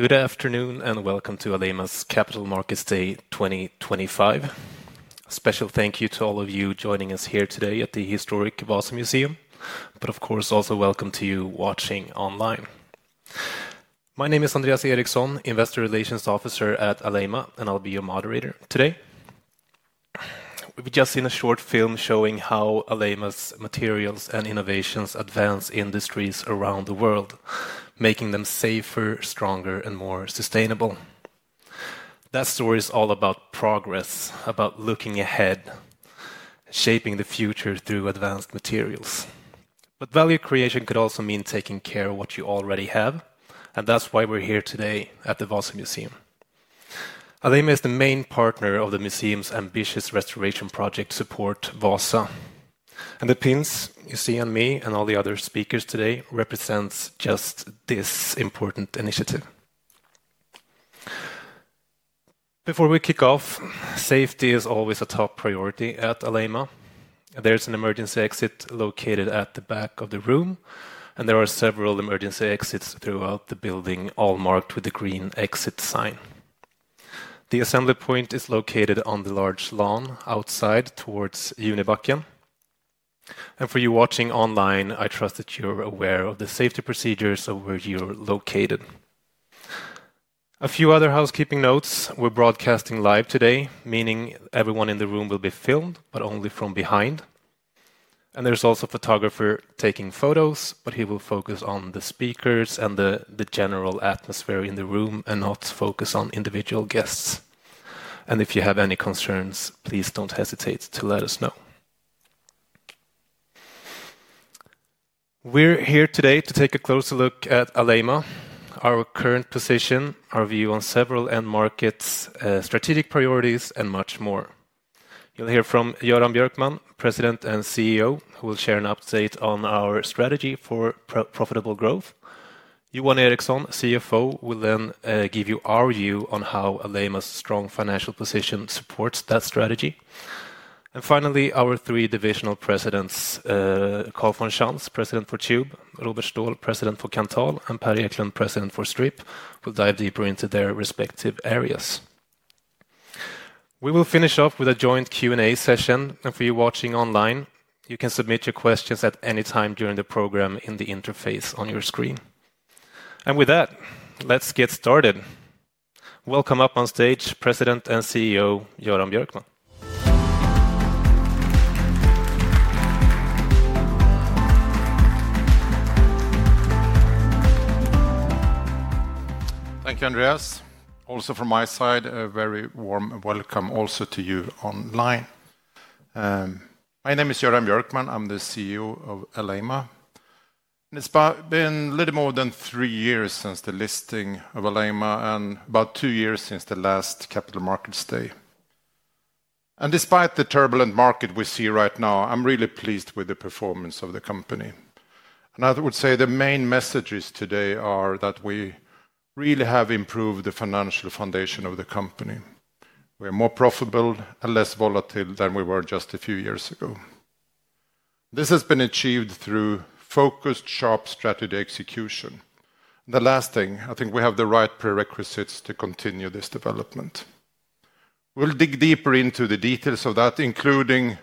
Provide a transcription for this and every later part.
Good afternoon and welcome to Alleima's Capital Markets Day 2025 special. Thank you to all of you joining us here today at the historic Vasa Museum. Of course, also welcome to you watching online. My name is Andreas Eriksson, Investor Relations Officer at Alleima and I'll be your moderator today. We've just seen a short film showing how Alleima's materials and innovations advance industries around the world, making them safer, stronger and more sustainable. That story is all about progress, about looking ahead, shaping the future through advanced materials. Value creation could also mean taking care ofewhat you already have. That is why we're here today at the Vasa Museum. Alleima is the main partner of the museum's ambitious restoration project. Support Vasa and the pins you see on me and all the other speakers today represent just this important initiative. Before we kick off safety is always a top priority at Alleima. There is an emergency exit located at the back of the room, and there are several emergency exits throughout the building, all marked with the green exit sign. The assembly point is located on the large lawn outside towards Univakium. For you watching online, I trust that you are aware of the safety procedures of where you are located. A few other housekeeping notes. We are broadcasting live today, meaning everyone in the room will be filmed, but only from behind. There is also a photographer taking photos, but he will focus on the speakers and the general atmosphere in the room and not focus on individual guests. If you have any concerns, please do not hesitate to let us know. We are here today to take a closer look at Alleima, our current position, our view on several end markets, strategic priorities, and much more. You'll hear from Göran Björkman, President and CEO, who will share an update on our strategy for profitable growth. Johan Eriksson, CFO, will then give you our view on how Alleima's strong financial position supports that strategy. Finally, our three divisional presidents, Carl von Schantz, President for Tube, Robert Stål, President for Kanthal, and Per Eklund, President for Strip, will dive deeper into their respective areas. We will finish off with a joint Q and A session. For you watching online, you can submit your questions at any time during the program in the interface on your screen. With that, let's get started. Welcome up on stage, President and CEO Göran Björkman. Thank you, Andreas. Also from my side, a very warm welcome also to you online. My name is Göran Björkman, I'm the CEO of Alleima. It's been a little more than three years since the listing of Alleima and about two years since the last capital markets day. Despite the turbulent market we see right now, I'm really pleased with the performance of the company and I would say the main messages today are that we really have improved the financial foundation of the company. We are more profitable and less volatile than we were just a few years ago. This has been achieved through focused, sharp strategy execution. The last thing, I think we have the right prerequisites to continue this development. We'll dig deeper into the details of that including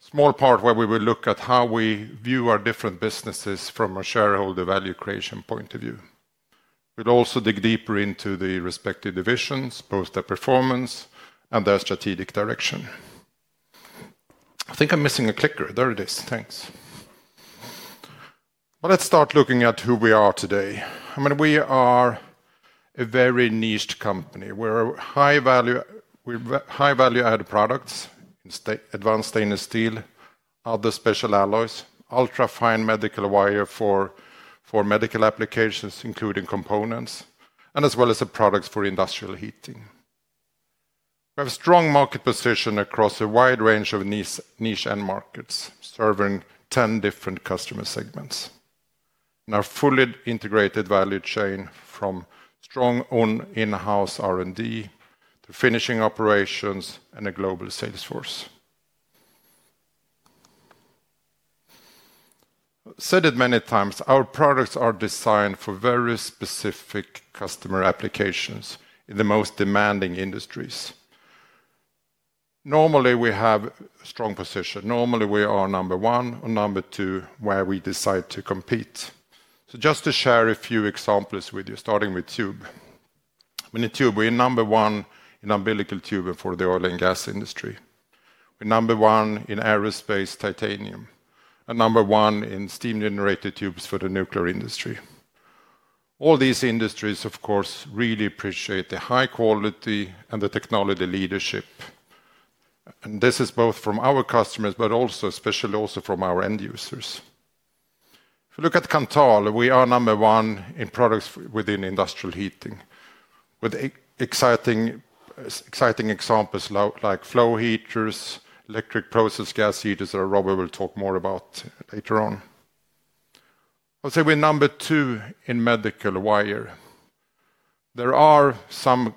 small part where we will look at how we view our different businesses from a shareholder value creation point of view. We'll also dig deeper into the respective divisions, both their performance and their strategic direction. I think I'm missing a clicker. There it is. Thanks. Let's start looking at who we are today. I mean we are a very niche company. We're high value added products, advanced stainless steel, other special alloys, ultra-fine medical wire for medical applications including components and as well as the products for industrial heating. We have a strong market position across a wide range of niche end markets serving 10 different customer segments. Our fully integrated value chain from strong own in-house R&D to finishing operations and a global sales force. Said it many times, our products are designed for very specific customer applications in the most demanding industries. Normally we have strong position. Normally we are number one or number two where we decide to compete. Just to share a few examples with you, starting with tube, in tube we're number one in umbilical tube for the oil and gas industry. We're number one in aerospace titanium and number one in steam generator tubes for the nuclear industry. All these industries of course really appreciate the high quality and the technology leadership. This is both from our customers but also especially also from our end users. If you look at Kanthal, we are number one in products within industrial heating with exciting examples like flow heaters, electric process gas heaters that Robert will talk more about later on. I'll say we're number two in medical wire. There are some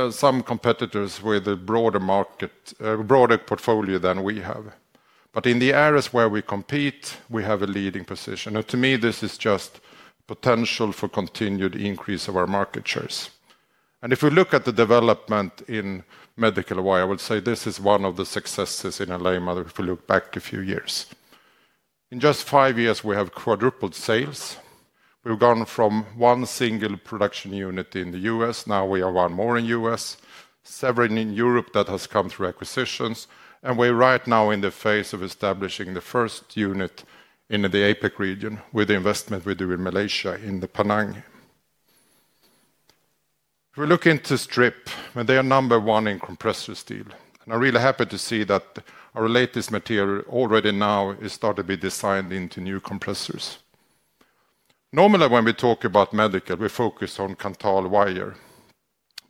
competitors with a broader market, broader portfolio than we have. In the areas where we compete we have a leading position and to me this is just potential for continued increase of our market shares. If we look at the development in medical wire, I would say this is one of the successes in Alleima model. If we look back a few years, in just five years we have quadrupled sales. We've gone from one single production unit in the U.S. to now we have one more in the U.S., several in Europe that has come through acquisitions. We're right now in the phase of establishing the first unit in the APAC region with the investment we do in Malaysia, in Penang. If we look into Strip, they are number one in compressor valve steel. I'm really happy to see that our latest material already now is start to be designed into new compressors. Normally when we talk about medical, we focus on Kanthal wire.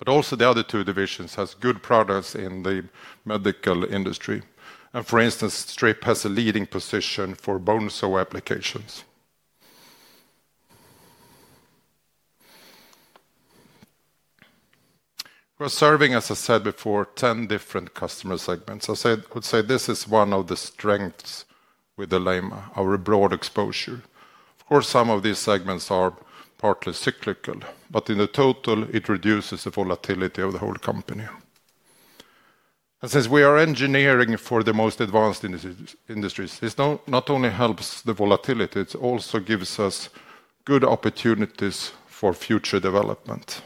Also the other two divisions have good products in the medical industry. For instance, Strip has a leading position for bone saw applications. We're serving, as I said before, 10 different customer segments. I would say this is one of the strengths with Alleima, our broad exposure. Of course, some of these segments are partly cyclical, but in the total it reduces the volatility of the whole company. Since we are engineering for the most advanced industries, this not only helps the volatility, it also gives us good opportunities for future development.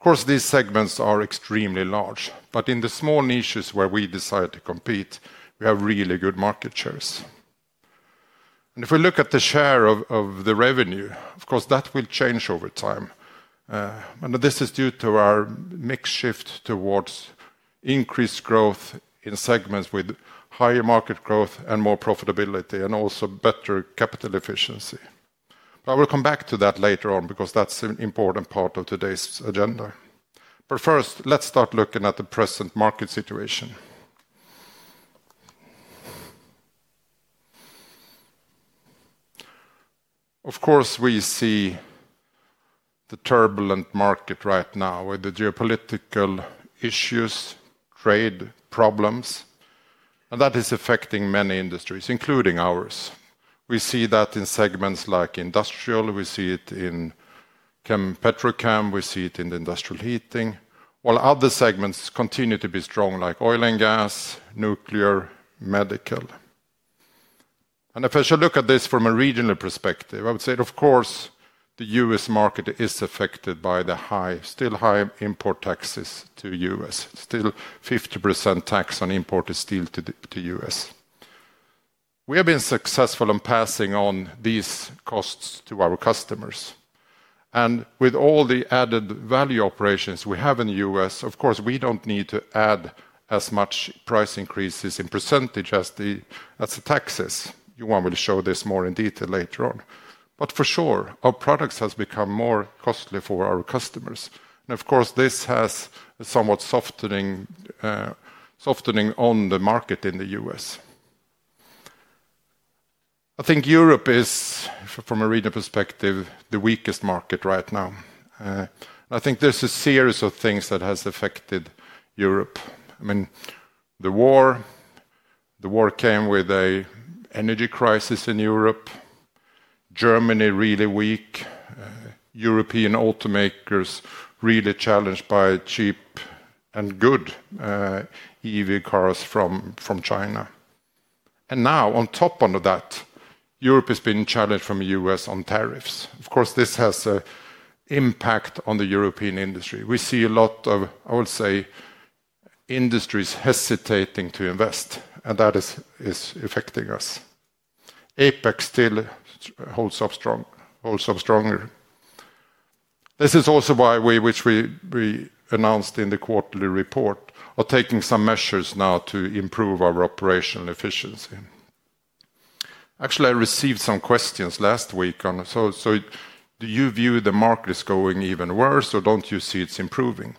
Of course, these segments are extremely large, but in the small niches where we decide to compete, we have really good market shares. If we look at the share of the revenue, of course that will change over time. This is due to our mix shift towards increased growth in segments with higher market growth and more profitability and also better capital efficiency. I will come back to that later on, because that is an important part of today's agenda. First, let's start looking at the present market situation. Of course we see the turbulent market right now with the geopolitical issues, trade problems, and that is affecting many industries, including ours. We see that in segments like industrial, we see it in Chem Petrochem, we see it in the industrial heating, while other segments continue to be strong like oil and gas, nuclear, medical. If I shall look at this from a regional perspective, I would say, of course the U.S. market is affected by the high, still high import taxes to us, still 50% tax on imported steel to the U.S. We have been successful in passing on these costs to our customers. With all the added value operations we have in the U.S. of course we do not need to add as much price increases in percentage as the taxes. Johan will show this more in detail later on. For sure our products have become more costly for our customers. Of course this has somewhat softening on the market in the U.S. I think Europe is, from a regional perspective, the weakest market right now. I think there is a series of things that has affected Europe. I mean the war. The war came with an energy crisis in Europe. Germany really weak. European automakers really challenged by cheap and good EV cars from China. Now on top of that, Europe has been challenged from the U.S. on tariffs. Of course, this has an impact on the European industry. We see a lot of, I would say, industries hesitating to invest and that is affecting us. APAC still holds up stronger. This is also why we announced in the quarterly report we are taking some measures now to improve our operational efficiency. Actually, I received some questions last week. Do you view the market as going even worse or do you see it's improving?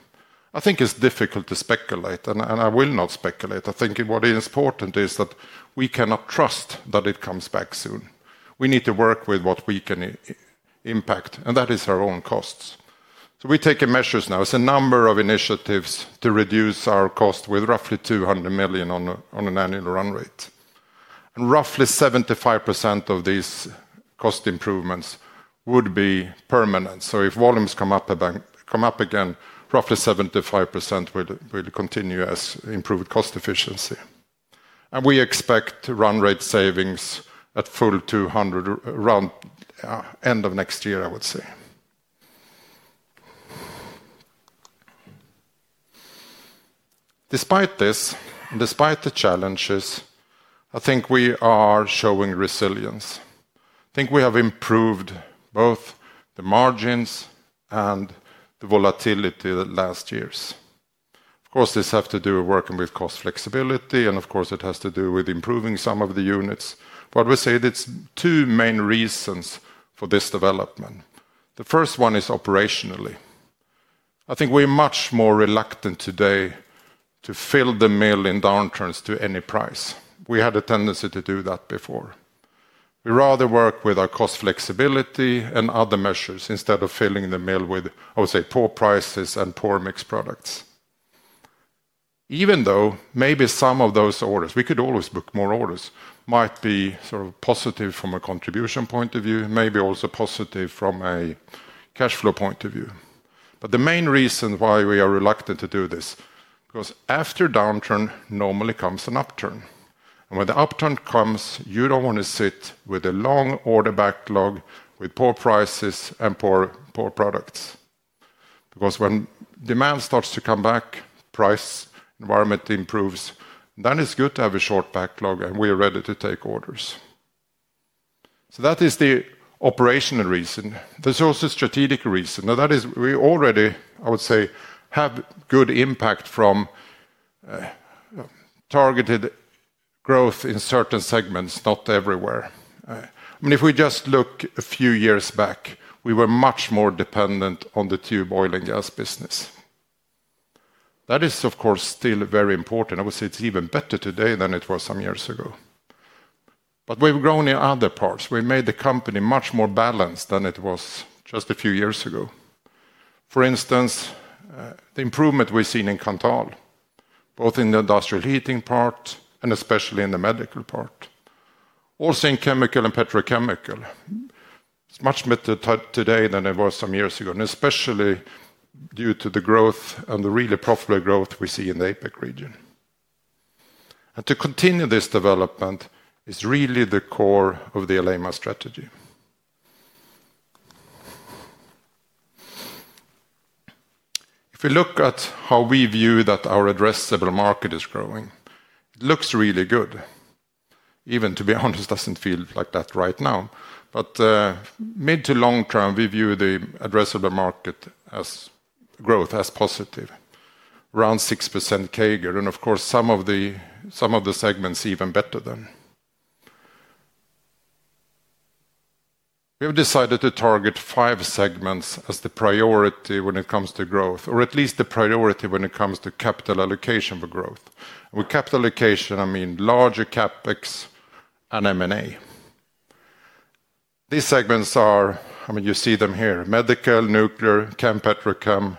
I think it's difficult to speculate and I will not speculate. I think what is important is that we cannot trust that it comes back soon. We need to work with what we can impact and that is our own costs. We take measures. Now it's a number of initiatives to reduce our cost. With roughly $200 million on an annual run rate, roughly 75% of these cost improvements would be permanent. If volumes come up again, roughly 75% will continue as improved cost efficiency. We expect run rate savings at full $200 million around end of next year. I would say despite this, despite the challenges, I think we are showing resilience. I think we have improved both the margins and the volatility last year. Of course this has to do with working with cost flexibility and of course it has to do with improving some of the units. We say there are two main reasons for this development. The first one is operationally I think we're much more reluctant today to fill the mill in downturns to any price. We had a tendency to do that before. We rather work with our cost flexibility and other measures instead of filling the mill with, I would say, poor prices and poor mixed products. Even though maybe some of those orders, we could always book more orders. Might be sort of positive from a contribution point of view, maybe also positive from a cash flow point of view. The main reason why we are reluctant to do this is because after downturn normally comes an upturn, and when the upturn comes, you do not want to sit with a long order backlog with poor prices and poor, poor products. When demand starts to come back, price environment improves, then it is good to have a short backlog and we are ready to take orders. That is the operational reason. There's also strategic reason now that is we already, I would say, have good impact from targeted growth in certain segments, not everywhere. I mean, if we just look a few years back, we were much more dependent on the Tube oil and gas business. That is of course still very important. I would say it's even better today than it was some years ago, but we've grown in other parts. We made the company much more balanced than it was just a few years ago. For instance, the improvement we've seen in Kanthal, both in the industrial heating part and especially in the medical part, also in chemical and petrochemical. It's much better today than it was some years ago and especially due to the growth and the really profitable growth we see in the APAC region. To continue this development is really the core of the element strategy. If you look at how we view that our addressable market is growing, it looks really good even, to be honest, does not feel like that right now. Mid to long term we view the addressable market growth as positive, around 6% CAGR. Of course, some of the segments even better than that. We have decided to target five segments as the priority when it comes to growth, or at least the priority when it comes to capital allocation for growth. With capital allocation, I mean larger CapEx and M&A. These segments are, I mean, you see them here: medical, nuclear, chem, petrochem,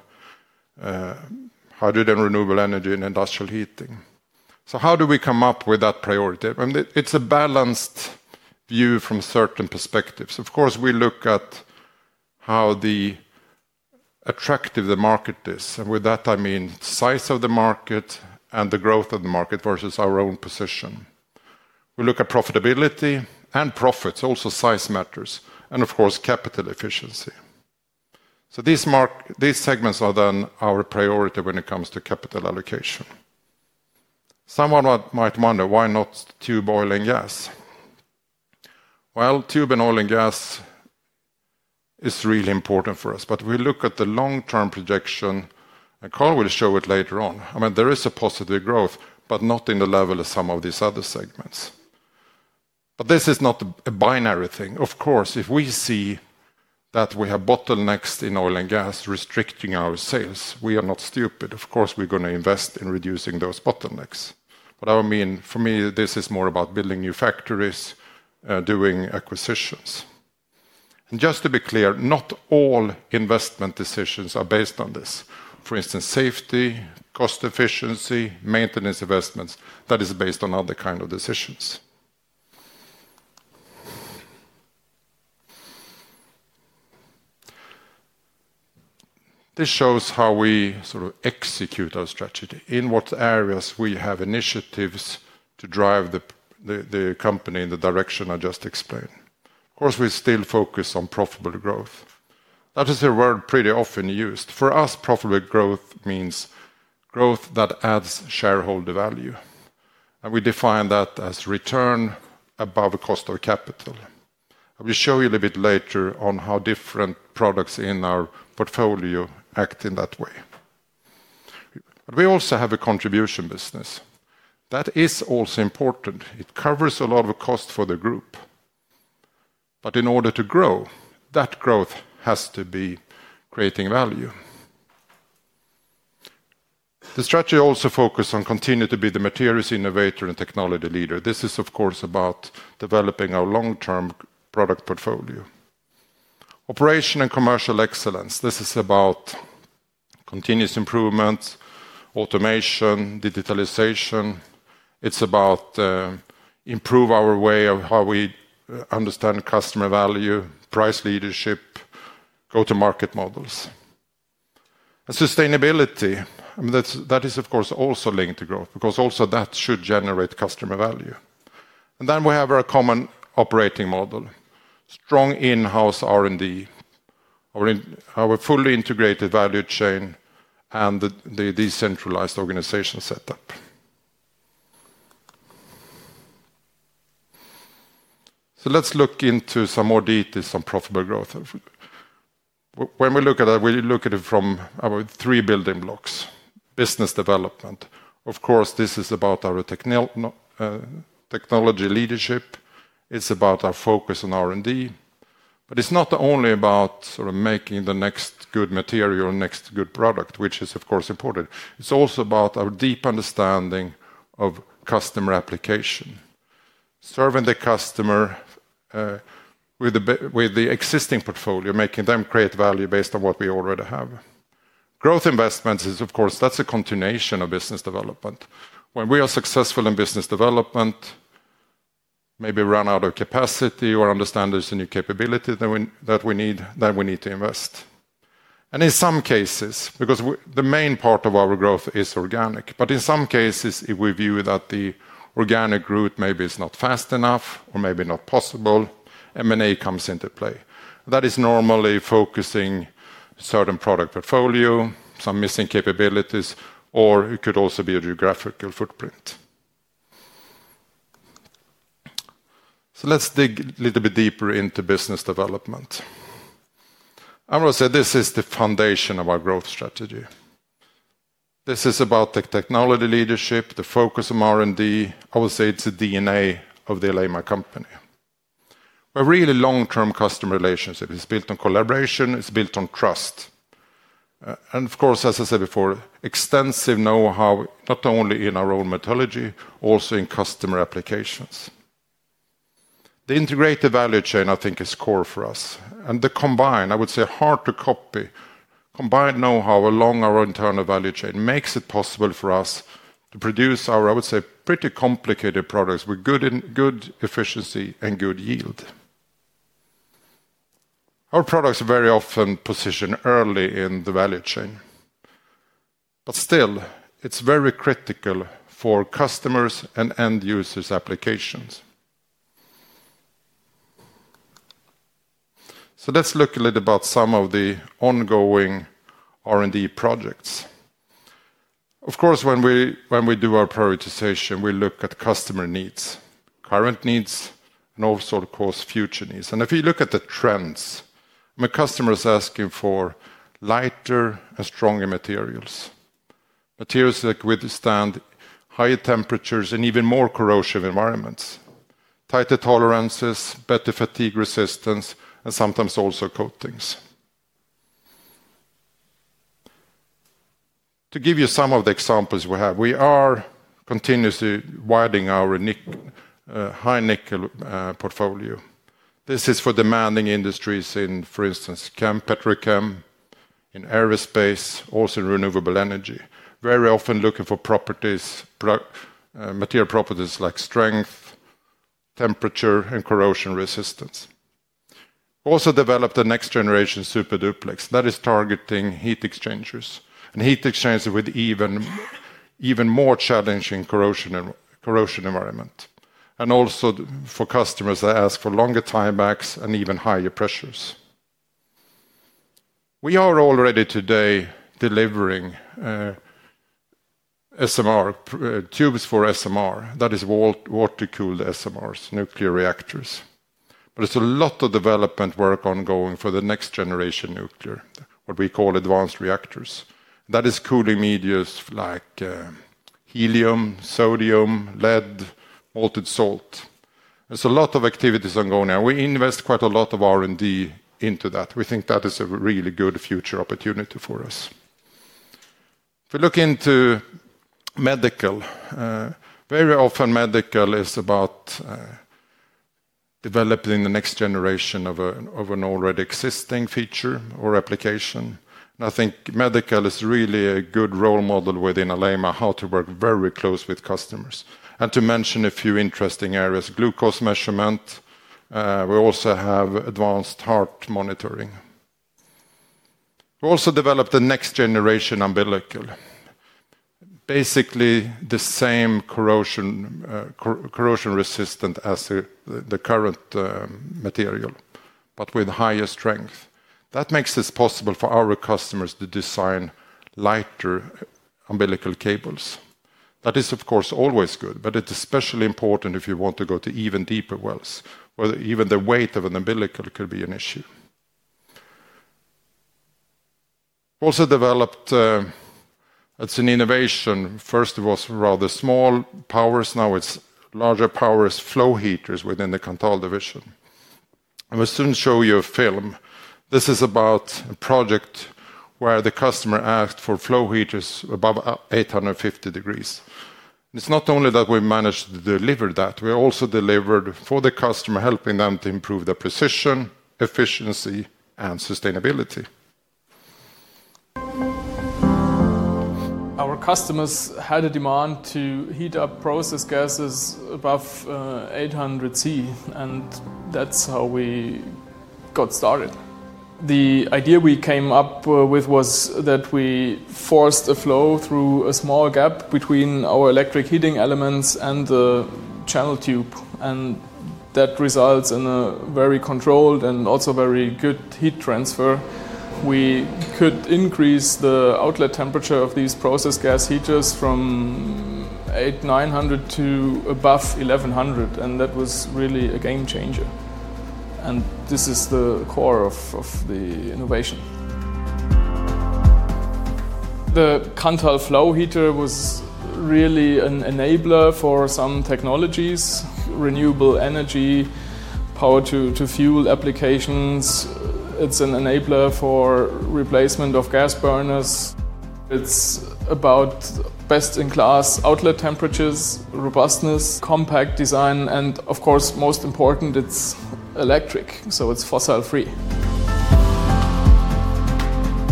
hydrogen, renewable energy, and industrial heating. How do we come up with that priority? It is a balanced view from certain perspectives. Of course we look at how attractive the market is and with that, I mean size of the market and the growth of the market versus our own position. We look at profitability and profits. Also size matters and of course capital efficiency. These segments are then our priority when it comes to capital allocation. Someone might wonder why not tube oil and gas? Tube and oil and gas is really important for us. I mean we look at the long term projection and Carl will show it later on. I mean there is a positive growth, but not in the level of some of these other segments. This is not a binary thing. Of course if we see that we have bottlenecks in oil and gas restricting our sales, we are not stupid. Of course we're going to invest in reducing those bottlenecks. I mean for me this is more about building new factories, doing acquisitions. Just to be clear, not all investment decisions are based on this. For instance, safety, cost, efficiency, maintenance, investments that is based on other kind of decisions. This shows how we sort of execute our strategy in what areas we have initiatives to drive the company in the direction I just explained. Of course we still focus on profitable growth. That is a word pretty often used. For us, profitable growth means growth that adds shareholder value and we define that as return above a cost of capital. I will show you a bit later on how different products in our portfolio act in that way. We also have a contribution business that is also important. It covers a lot of cost for the group. In order to grow, that growth has to be creating value. The strategy also focuses on continuing to be the materials innovator and technology leader. This is of course about developing our long-term product portfolio, operation, and commercial excellence. This is about continuous improvement, automation, digitalization. It is about improving our way of how we understand customer value, price leadership, go-to-market models, sustainability. That is of course also linked to growth because also that should generate customer value. We have our common operating model, strong in-house R&D, our fully integrated value chain, and the decentralized organization setup. Let's look into some more details on profitable growth. When we look at it, we look at it from our three building blocks. Business development, of course, this is about our technology leadership. It is about our focus on R&D. It is not only about making the next good material, next good product, which is of course important. It is also about our deep understanding of customer application. Serving the customer with the existing portfolio, making them create value based on what we already have. Growth investments is of course a continuation of business development. When we are successful in business development, maybe run out of capacity or understand there is a new capability that we need to invest. In some cases, because the main part of our growth is organic. In some cases, if we view that the organic route maybe is not fast enough or maybe not possible, M&A comes into play. That is normally focusing on certain product portfolio, some missing capabilities, or it could also be a geographical footprint. Let us dig a little bit deeper into business development. Amro said this is the foundation of our growth strategy. This is about the technology leadership, the focus of R&D. I would say it's the DNA of the Alleima company, a really long-term customer relationship. It's built on collaboration, it's built on trust and of course as I said before, extensive know-how. Not only in our own methodology, also in customer applications. The integrated value chain I think is core for us. The combined, I would say hard to copy combined know-how along our internal value chain makes it possible for us to produce our, I would say, pretty complicated products with good efficiency and good yield. Our products are very often positioned early in the value chain. Still, it's very critical for customers and end users' applications. Let's look a little about some of the ongoing R&D projects. Of course, when we do our prioritization, we look at customer needs, current needs and also of course future needs. If you look at the trends, my customers are asking for lighter and stronger materials, materials that withstand higher temperatures and even more corrosive environments. Tighter tolerances, better fatigue resistance and sometimes also coatings. To give you some of the examples we have, we are continuously widening our high nickel portfolio. This is for demanding industries in, for instance, chem, petrochem, in aerospace. Also renewable energy. Very often looking for properties, material properties like strength, temperature and corrosion resistance. Also developed a next generation Super duplex that is targeting heat exchangers and heat exchangers with even more challenging corrosion environment. Also for customers that ask for longer time backs and even higher pressures. We are already today delivering tubes for SMR, that is water cooled SMRs, nuclear reactors. It's a lot of development work ongoing for the next generation nuclear, what we call advanced reactors. That is cooling medias like helium, sodium, lead, molten salt. There's a lot of activities ongoing and we invest quite a lot of R&D into that. We think that is a really good future opportunity for us. If we look into medical, very often medical is about developing the next generation of an already existing feature or application. I think medical is really a good role model within Alleima. How to work very close with customers and to mention a few interesting areas: glucose measurement, we also have advanced heart monitoring, we also developed the next generation umbilical. Basically the same corrosion resistant as the current material but with higher strength. That makes it possible for our customers to design lighter umbilical cables. That is of course always good, but it's especially important if you want to go to even deeper wells or even the weight of an umbilical could be an issue. Also developed, it's an innovation. First it was rather small powers, now it's larger powers. Flow heaters within the Kanthal division. I will soon show you a film. This is about a project where the customer asked for flow heaters above 850 degrees. It's not only that we managed to deliver that. We also delivered for the customer, helping them to improve their precision, efficiency and sustainability. Our customers had a demand to heat up process gases above 800 degrees C. That is how we got started. The idea we came up with was the that we forced a flow throug a small gap between our electric heating elements and the channel tube. That results in a very controlled. Also very good heat transfer. We could increase the outlet temperature of these process gas heaters from 8900 to above 1100 and that was really a game changer and this is the core of the innovation. The Kanthal flow heater was really an enabler for some technologies, renewable energy, power to fuel applications. It's an enabler for replacement of gas burners. It's about best in class outlet temperatures, robustness, compact design, and of course most important, it's electric so it's fossil free.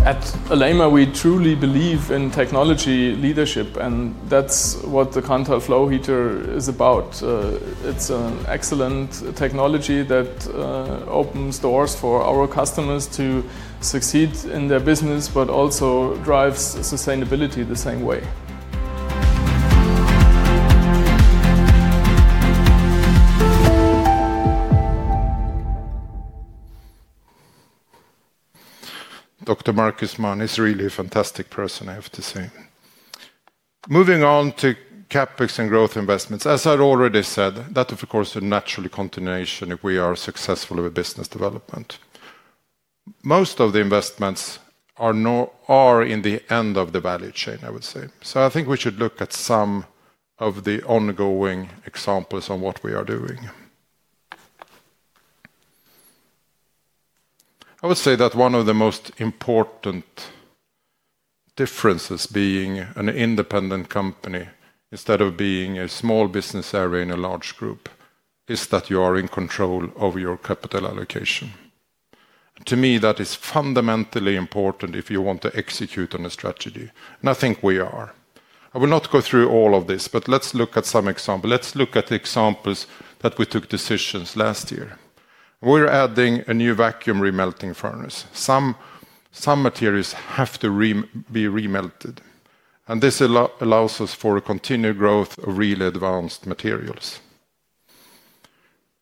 At Alleima we truly believe in technology leadership and that's what the Kanthal flow heater is about. It's an excellent technology that opens doors for our customers to succeed in their business but also drives sustainability the same way. Dr. Markus Mann is really a fantastic person I have to say. Moving on to CapEx and growth investments as I already said that of course a natural continuation if we are successful in business development. Most of the investments are not in the end of the value chain I would say. I think we should look at some of the ongoing examples on what we are doing. I would say that one of the most important differences being an independent company instead of being a small business area in a large group is that you are in control over your capital allocation. To me that is fundamentally important if you want to execute on a strategy and I think we are. I will not go through all of this but let's look at some example, let's look at examples that we took decisions last year. We're adding a new vacuum remelting furnace. Some materials have to be remelted and this allows us for a continued growth of really advanced materials.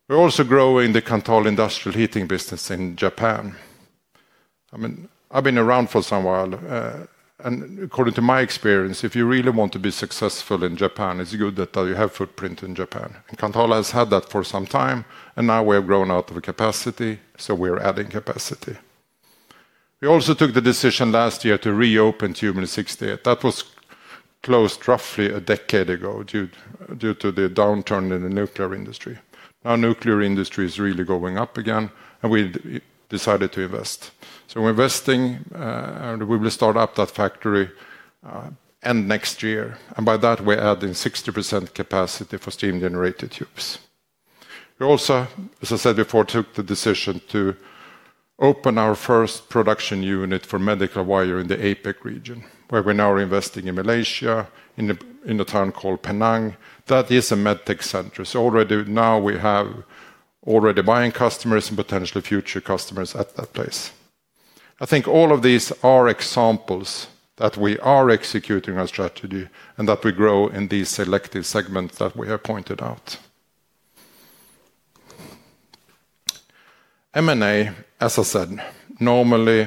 We're also growing the Kanthal industrial heating business in Japan. I mean I've been around for some while and according to my experience, if you really want to be successful in Japan, it's good that you have footprint in Japan. Kanthal has had that for some time and now we have grown out of capacity. So we're adding capacity. We also took the decision last year to reopen Tube in 68 that was closed roughly a decade ago due to the downturn in the nuclear industry. Now nuclear industry is really going up again and we decided to invest. Investing, we will start up that factory end next year and by that we are adding 60% capacity for steam generator tubes. We also, as I said before, took the decision to open our first production unit for medical wire in the APAC region where we now are investing in Malaysia in a town called Penang that is a medtech center. Already now we have already buying customers and potentially future customers at that place. I think all of these are examples that we are executing our strategy and that we grow in these selective segments that we have pointed out. M&A, as I said, normally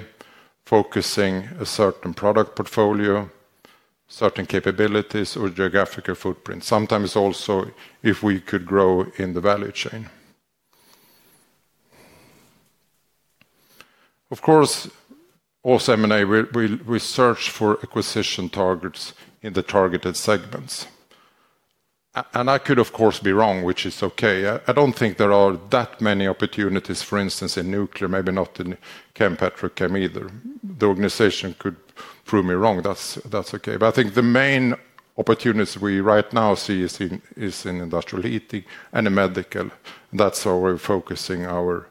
focusing a certain product portfolio, certain capabilities or geographical footprint, sometimes also if we could grow in the value chain, of course also M&A, we search for acquisition targets in the targeted segments. I could of course be wrong, which is okay. I do not think there are that many opportunities. For instance, in nuclear, maybe not in chem petrochem either. The organization could prove me wrong. That is okay. I think the main opportunities we right now see is in industrial heating and in Medical. That is how we are focusing our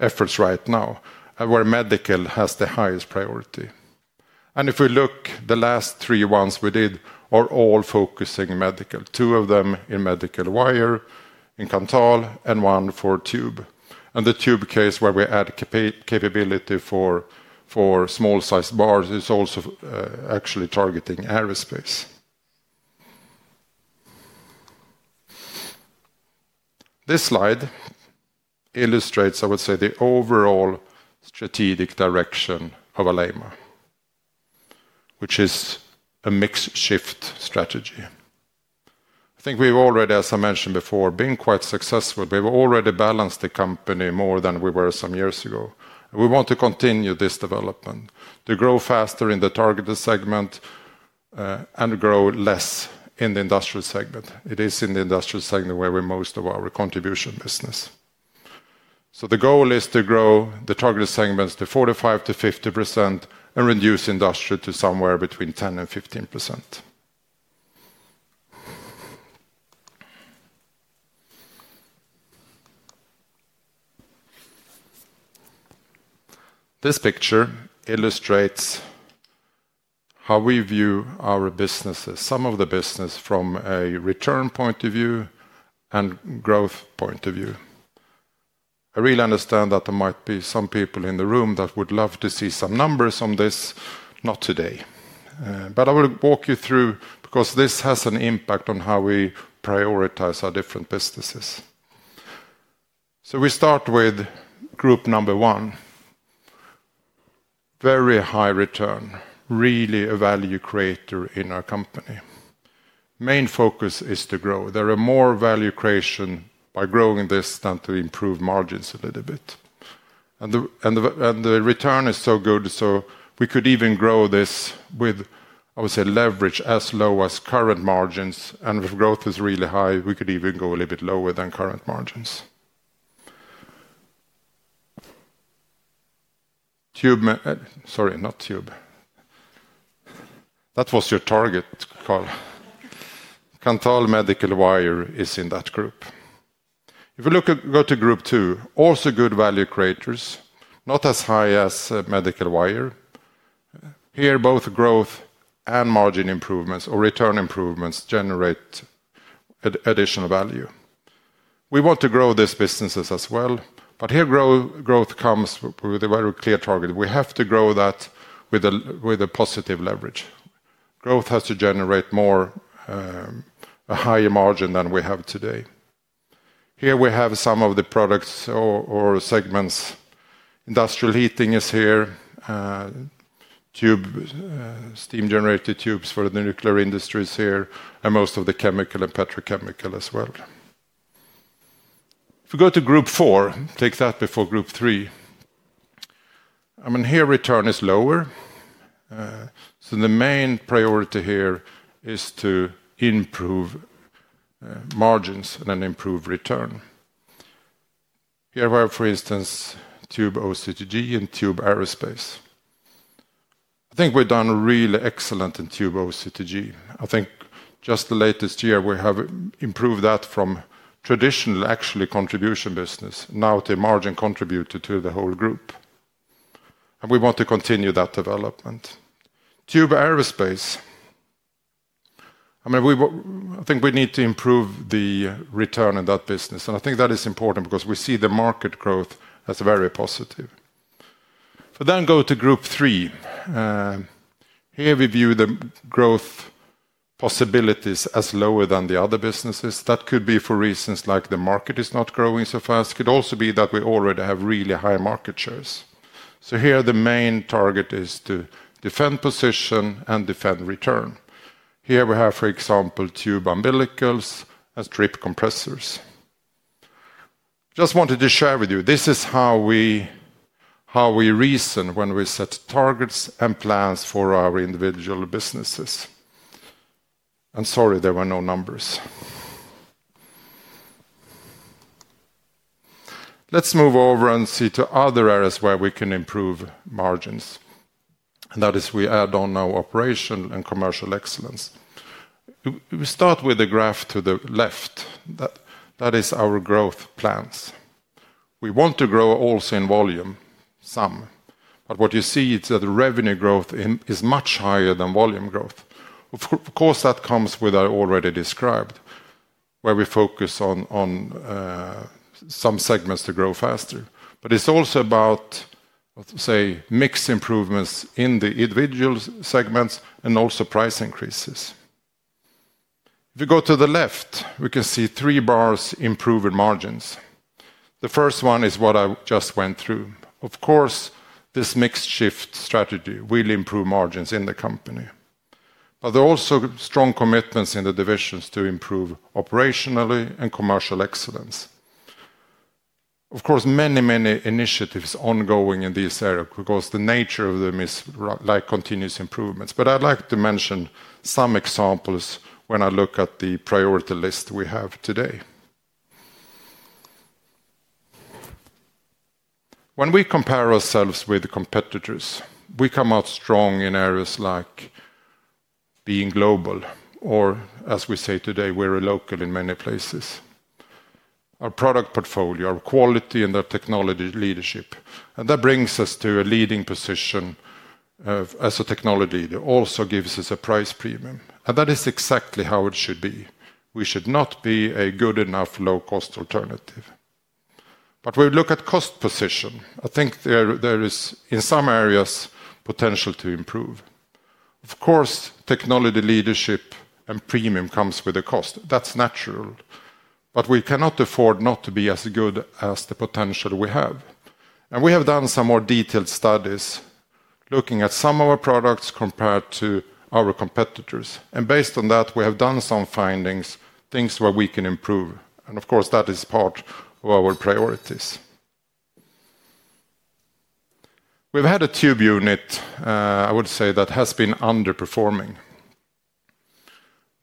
efforts right now, where Medical has the highest priority. If we look, the last three ones we did are all focusing Medical. Two of them in Medical Wire in Kanthal and one for Tube. The Tube case where we add capability for small sized bars is also actually targeting aerospace. This slide illustrates, I would say, the overall strategic direction of Alleima, which is a mix shift strategy. I think we've already, as I mentioned before, been quite successful. We've already balanced the company more than we were some years ago. We want to continue this development to grow faster in the targeted segment and grow less in the industrial segment. It is in the industrial segment where we have most of our contribution business. The goal is to grow the targeted segments to 45%-50% and reduce industrial to somewhere between 10% and 15%. This picture illustrates how we view our businesses, some of the business from a return point of view and growth point of view. I really understand that there might be some people in the room that would love to see some numbers on this. Not today, but I will walk you through because this has an impact on how we prioritize our different businesses. We start with group number one, very high return. Really a value creator. In our company, main focus is to grow. There is more value creation by growing this than to improve margins a little bit. The return is so good. We could even grow this with, I would say, leverage as low as current margins. If growth is really high, we could even go a little bit lower than current margins. Tube. Sorry, not Tube. That was your target, Carl. Kanthal Medical Wire is in that group. If you look at go to group two, also good value creators, not as high as Medical Wire. Here both growth and margin improvements or return improvements generate additional value. We want to grow these businesses as well. Here growth comes with a very clear target. We have to grow that with a positive leverage. Growth has to generate more, a higher margin than we have today. Here we have some of the products or segments. Industrial heating is here, steam generator tubes for the nuclear industry is here. Most of the chemical and petrochemical as well. If we go to group four, take that before group three, here return is lower. The main priority here is to improve margins and then improve return. Here we have, for instance, Tube OCTG and Tube Aerospace. I think we've done really excellent in Tube OCTG. I think just the latest year we have improved that from traditional actually contribution business now to margin contributor to the whole group. We want to continue that development. Tube Aerospace, I mean, I think we need to improve the return in that business. I think that is important because we see the market growth as very positive. Then go to group three. Here we view the growth possibilities as lower than the other businesses. That could be for reasons like the market is not growing so fast. Could also be that we already have really high market shares. Here the main target is to defend position and defend return. Here we have for example tube umbilicals and strip compressors. Just wanted to share with you. This is how we reason when we set targets and plans for our individual businesses. Sorry, there were no numbers. Let's move over and see to other areas where we can improve margins. That is, we add on our operation and commercial excellence. We start with the graph to the left. That is our growth plans. We want to grow also in volume some. What you see is that revenue growth is much higher than volume growth. Of course, that comes with, I already described where we focus on some segments to grow faster. It is also about, say, mix improvements in the individual segments and also price increases. If you go to the left, we can see three bars improve in margins. The first one is what I just went through. Of course, this mix shift strategy will improve margins in the company. There are also strong commitments in the divisions to improve operationally and commercial excellence. Of course many, many initiatives ongoing in this area because the nature of them is like continuous improvements. I'd like to mention some examples when I look at the priority list we have today. When we compare ourselves with competitors, we come out strong in areas like being global or as we say today, we're a local in many places. Our product portfolio, our quality, and our technology leadership. That brings us to a leading position as a technology that also gives us a price premium. That is exactly how it should be. We should not be a good enough low cost alternative. When we look at cost position, I think there is in some areas potential to improve. Of course technology leadership and premium comes with a cost, that's natural. We cannot afford not to be as good as the potential we have. We have done some more detailed studies looking at some of our products compared to our competitors. Based on that, we have done some findings, things where we can improve. Of course, that is part of our priorities. We've had a tube unit, I would say, that has been underperforming.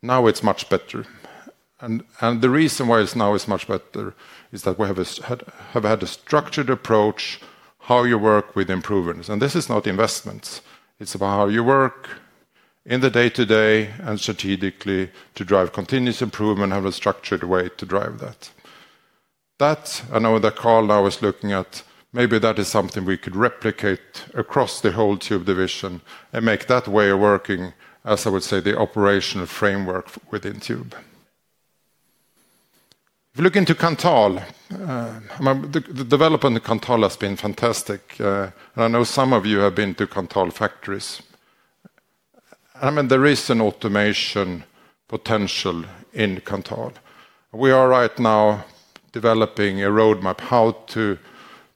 Now it's much better. The reason why it's now much better is that we have had a structured approach to how you work with improvements. This is not investments, it's about how you work in the day to day and strategically to drive continuous improvement, have a structured way to drive that that I know that Carl now is looking at. Maybe that is something we could replicate across the whole Tube Division and make that way of working, as I would say, the operational framework within Tube. If you look into Kanthal, the development of Kanthal has been fantastic. I know some of you have been to Kanthal factories. I mean there is an automation potential in Kanthal. We are right now developing a roadmap how to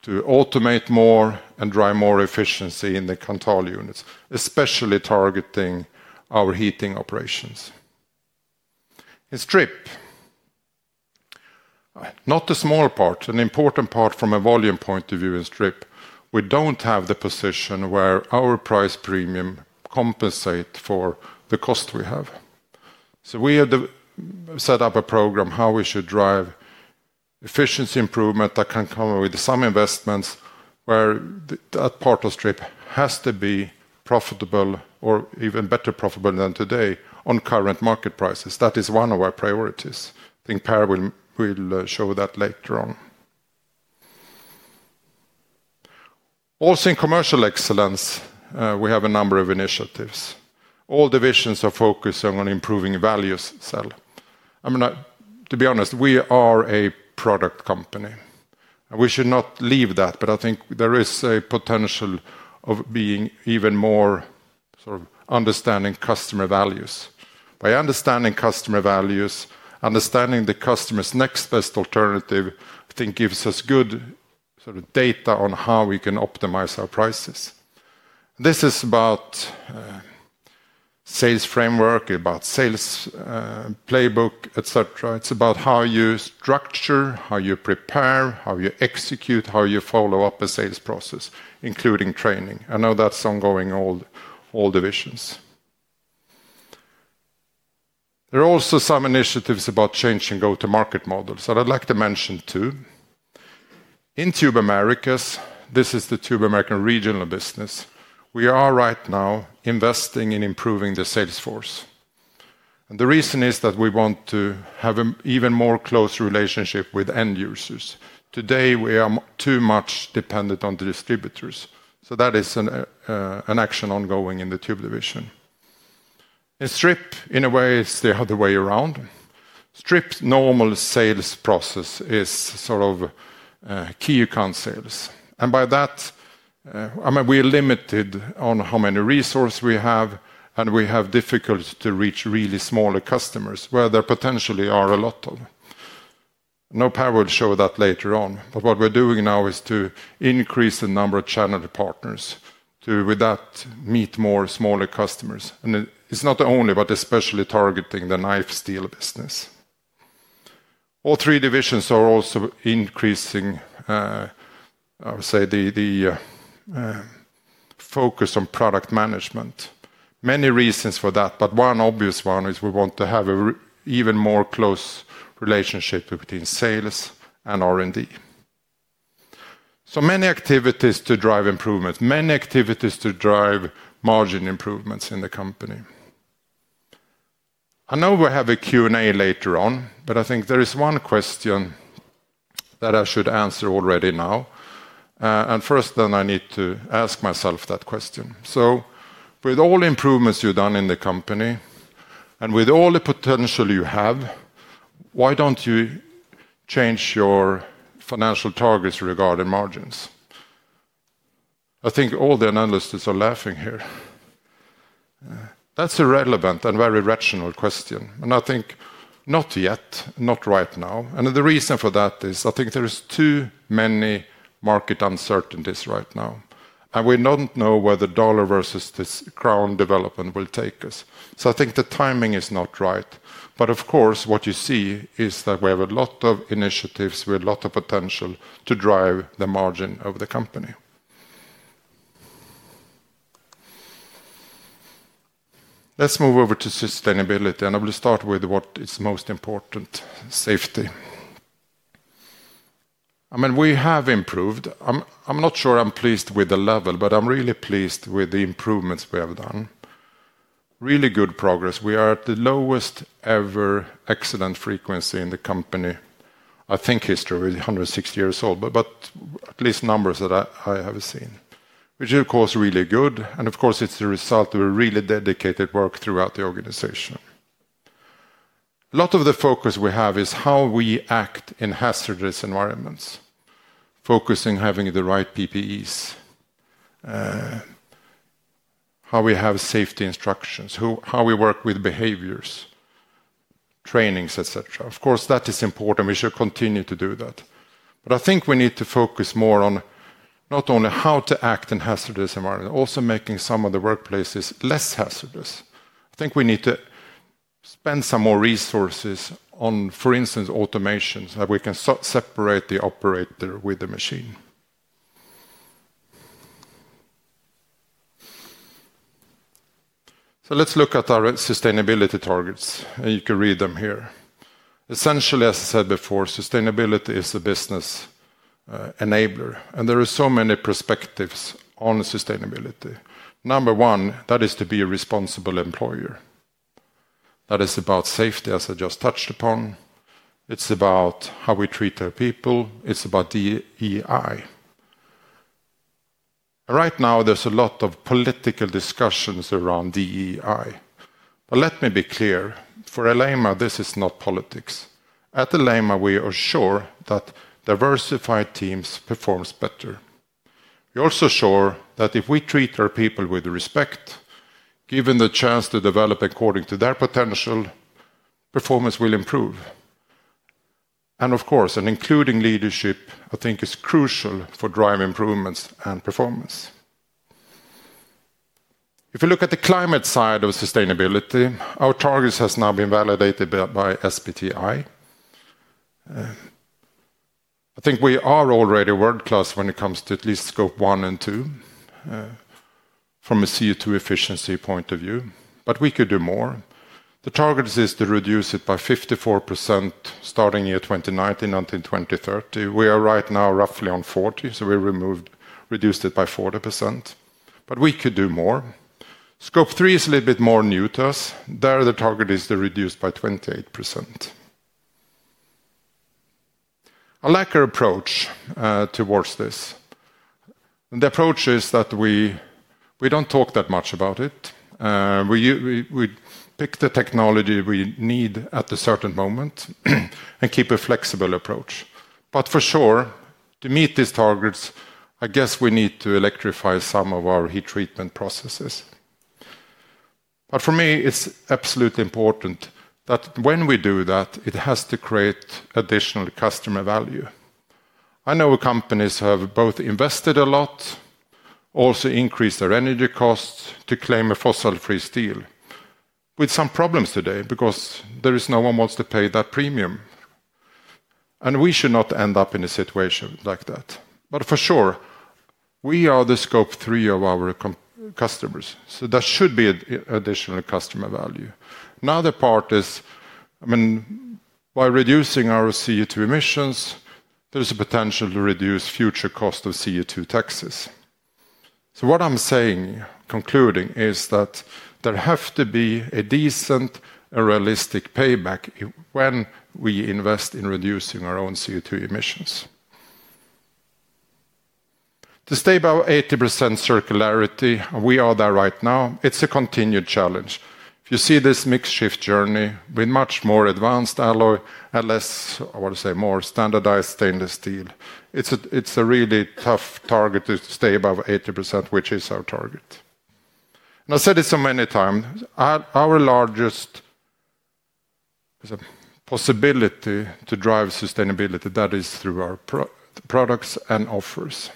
automate more and drive more efficiency in the Kanthal units. Especially targeting our heating operations in Strip. Not a small part, an important part from a volume point of view. In Strip we do not have the position where our price premium compensates for the cost we have. We have set up a program how we should drive efficiency improvement that can come with some investments where that part of Strip has to be profitable or even better profitable than today on current market prices. That is one of our priorities. I think Per will show that later on. Also in commercial excellence we have a number of initiatives. All divisions are focusing on improving value sell. I mean to be honest, we are a product company, we should not leave that. I think there is a potential of being even more sort of understanding customer values by understanding customer values. Understanding the customer's next best alternative I think gives us good sort of data on how we can optimize our prices. This is about sales framework, about sales playbook, etc. It is about how you structure, how you prepare, how you execute, how you follow up a sales process including training. I know that is ongoing. All divisions, there are also some initiatives about changing go to market models that I would like to mention. Two in Tube Americas, this is the Tube American regional business. We are right now investing in improving the salesforce. The reason is that we want to have an even more close relationship with end users. Today we are too much dependent on the distributors. That is an action ongoing in the Tube Division. Strip, in a way, it's the other way around. Strip's normal sales process is sort of key account sales and by that we are limited on how many resources we have and we have difficulty to reach really smaller customers where there potentially are a lot of. No Per will show that later on. What we are doing now is to increase the number of channel partners to, with that, meet more smaller customers. It is not only about especially targeting the knife steel business. All three divisions are also increasing, I would say, the focus on product management. Many reasons for that, but one obvious one is we want to have an even more close relationship between sales and R&D. So many activities to drive improvement. Many activities to drive margin improvements in the company. I know we have a Q&A later on, but I think there is one question that I should answer already now and first then I need to ask myself that question. So with all the improvements you've done in the company and with all the potential you have, why don't you change your financial targets regarding margins? I think all the analysts are laughing here. That's a relevant and very rational question. I think not yet, not right now. The reason for that is I think there are too many market uncertainties right now and we don't know where the dollar versus the krona development will take us. I think the timing is not right. Of course what you see is that we have a lot of initiatives with a lot of potential to drive the margin of the company. Let's move over to sustainability and I will start with what is most important. Safety. I mean we have improved. I'm not sure I'm pleased with the level, but I'm really pleased with the improvements. We have done really good progress. We are at the lowest ever, excellent frequency in the company. I think history is 160 years old, but at least numbers that I have seen, which of course is really good and of course it's the result of a really dedicated work throughout the organization. A lot of the focus we have is how we act in hazardous environments, focusing, having the right PPEs, how we have safety instructions, how we work with behaviors, trainings, etc. Of course that is important. We should continue to do that. I think we need to focus more on not only how to act in hazardous environments, also making some of the workplaces less hazardous. I think we need to spend some more resources on, for instance, automation. That way we can separate the operator with the machine. Let's look at our sustainability targets and you can read them here. Essentially, as I said before, sustainability is the business enabler and there are so many perspectives on sustainability. Number one, that is to be a responsible employer. That is about safety. As I just touched upon, it's about how we treat our people. It's about DEI. Right now there's a lot of political discussions around DEI, but let me be clear for Alleima, this is not politics. At Alleima, we are sure that diversified teams perform better. We also show that if we treat our people with respect, give them the chance to develop according to their potential, performance will improve. Of course, including leadership I think is crucial for driving improvements and performance. If you look at the climate side of sustainability, our target has now been validated by SBTi. I think we are already world class when it comes to at least scope one and two from a CO_2 efficiency point of view. We could do more. The target is to reduce it by 54% starting year 2019 until 2030. We are right now roughly on 40%, so we reduced it by 40% but we could do more. Scope three is a little bit more new to us there. The target is to reduce by 28% a lacquer approach towards this. The approach is that we do not talk that much about it. We pick the technology we need at a certain moment and keep a flexible approach. For sure to meet these targets I guess we need to electrify some of our heat treatment processes. For me it is absolutely important that when we do that it has to create additional customer value. I know companies have both invested a lot, also increased their energy costs to claim a fossil free steel with some problems today because there is no one who wants to pay that premium and we should not end up in a situation like that. For sure we are the scope three of our customers so that should be additional customer value. Now the part is, I mean by reducing our CO_2 emissions, there's a potential to reduce future cost of CO_2 taxes. What I'm saying concluding is that there has to be a decent and realistic payback when we invest in reducing our own CO_2 emissions to stay above 80% circularity. We are there right now. It's a continued challenge. If you see this mix shift journey with much more advanced alloy and less, I want to say more standardized stainless steel, it's a really tough target to stay above 80%, which is our target. I said it so many times. Our largest, there's a possibility to drive sustainability, that is through our products and offers.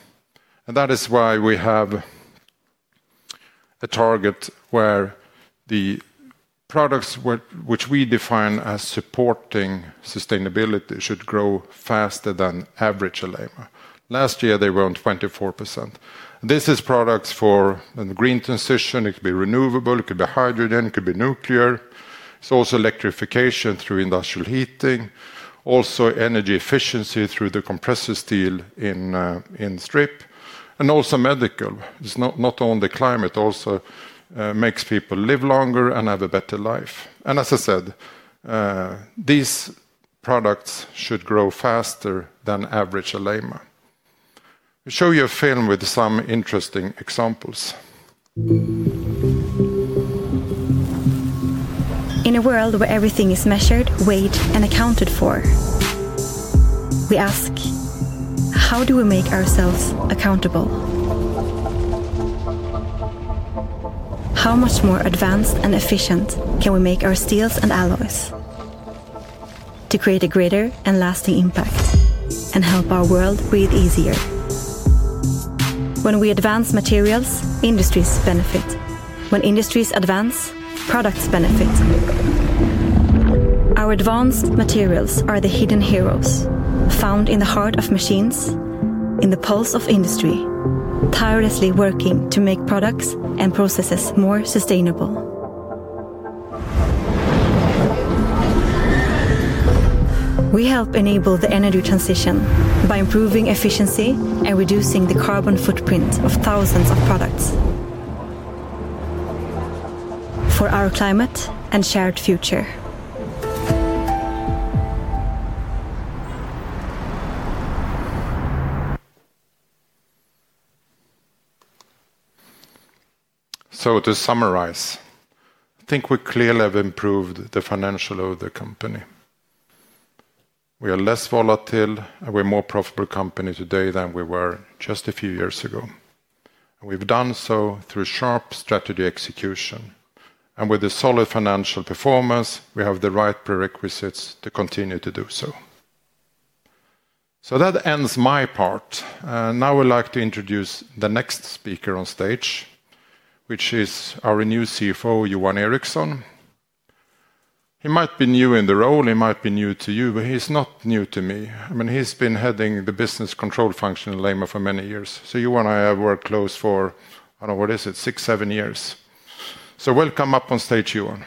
That is why we have a target where the products which we define as supporting sustainability should grow faster than average. Alleima, last year they were on 24%. This is products for green transition. It could be renewable, it could be hydrogen, it could be nuclear electrification through industrial heating, also energy efficiency through the compressor steel in strip and also medical. Not only climate also makes people live longer and have a better life. As I said, these products should grow faster than average Alleima. I'll show you a film with some interesting examples. In a world where everything is measured weighed and accounted for. We ask how do we make ourselves accountable? How much more advanced and efficient can we make our steels and alloys to create a greater and lasting impact? Help our world breathe easier. When we advance materials, industries benefit. When industries advance, products benefit. Our advanced materials are the hidden heroes found in the heart of machines. In the pulse of industry tirelessly working to make products and processes more sustainable. We help enable the energy transition by. Improving efficiency and reducing the carbon footprint of thousands of products foor our climate and shared future. To summarize, I think we clearly have improved the financials of the company. We are less volatile and we're a more profitable company today than we were just a few years ago. We've done so through sharp strategy execution and with the solid financial performance, we have the right prerequisites to continue to do so. That ends my part. Now I'd like to introduce the next speaker on stage, which is our new CFO, Johan Eriksson. He might be new in the role, he might be new to you, but he's not new to me. I mean, he's been heading the business control function in Alleima for many years. Johan and I have worked close for, I don't know, what is it, six, seven years. Welcome up on stage, Johan.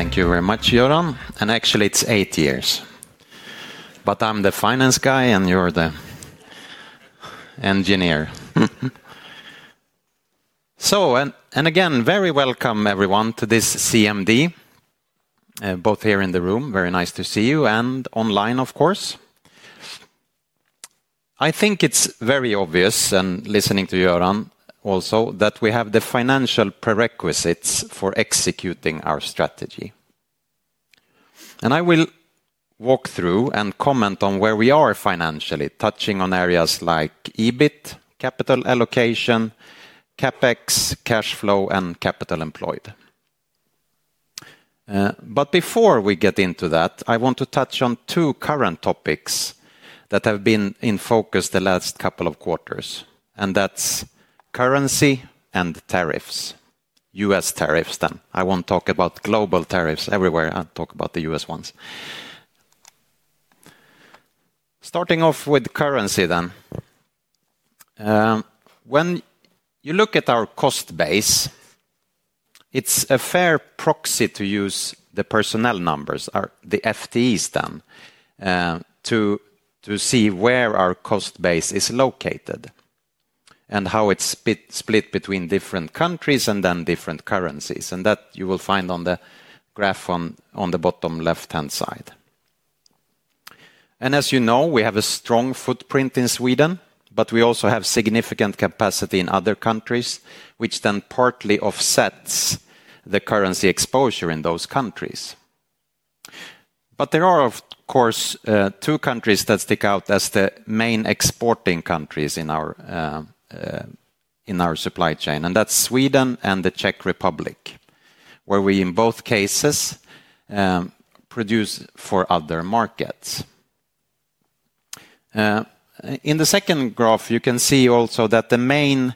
Thank you very much, Göran. Actually, it is eight years, but I am the finance guy and you are the engineer, so. Again, very welcome everyone to this CMD, both here in the room. Very nice to see you. And online of course. I think it is very obvious, and listening to you, Göran, also, that we have the financial prerequisites for executing our strategy. I will walk through and comment on where we are financially, touching on areas like EBITDA, capital allocation, CapEx, cash flow, and capital employed. Before we get into that, I want to touch on two current topics that have been in focus the last couple of quarters, and that is currency and tariffs, U.S. tariffs. I will not talk about global tariffs everywhere. I will talk about the U.S. one, starting off with currency. When you look at our cost base, it's a fair proxy to use the personnel numbers, the FTEs, to see where our cost base is located and how it's split between different countries and then different currencies. That you will find on the graph on the bottom left hand side. As you know, we have a strong footprint in Sweden, but we also have significant capacity in other countries which then partly offsets the currency exposure in those countries. There are of course two countries that stick out as the main exporting countries in our supply chain and that's Sweden and the Czech Republic where we in both cases produce for other markets. In the second graph you can see also that the main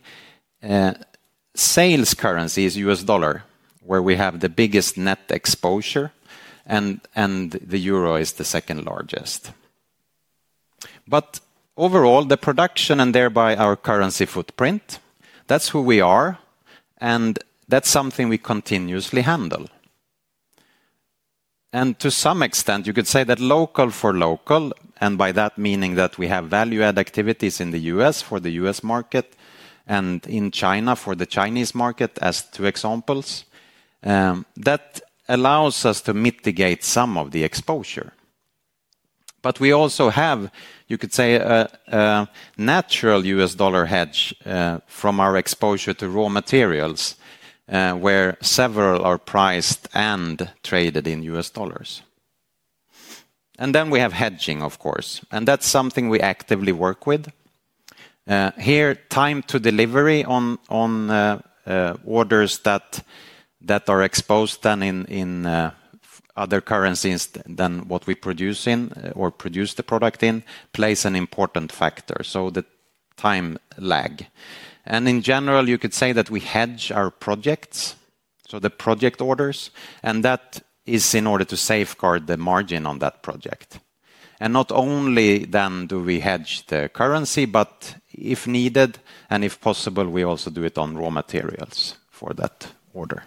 sales currency is the U.S. dollar, where we have the biggest net exposure, and the Euro is the second largest. Overall, the production and thereby our currency footprint, that's who we are and that's something we continuously handle. To some extent you could say that local for local, and by that meaning that we have value add activities in the U.S. for the U.S. market and in China for the Chinese market as two examples, that allows us to mitigate some of the exposure. We also have, you could say, natural U.S. dollar hedge from our exposure to raw material where several are priced and traded in U.S. dollars. Then we have hedging, of course, and that's something we actively work with here. Time to delivery on orders that are exposed then in other currencies than what we produce in or produce the product in plays an important factor. The time lag. In general, you could say that we hedge our projects, so the project orders, and that is in order to safeguard the margin on that project. Not only then do we hedge the currency, but if needed and if possible, we also do it on raw materials for that order.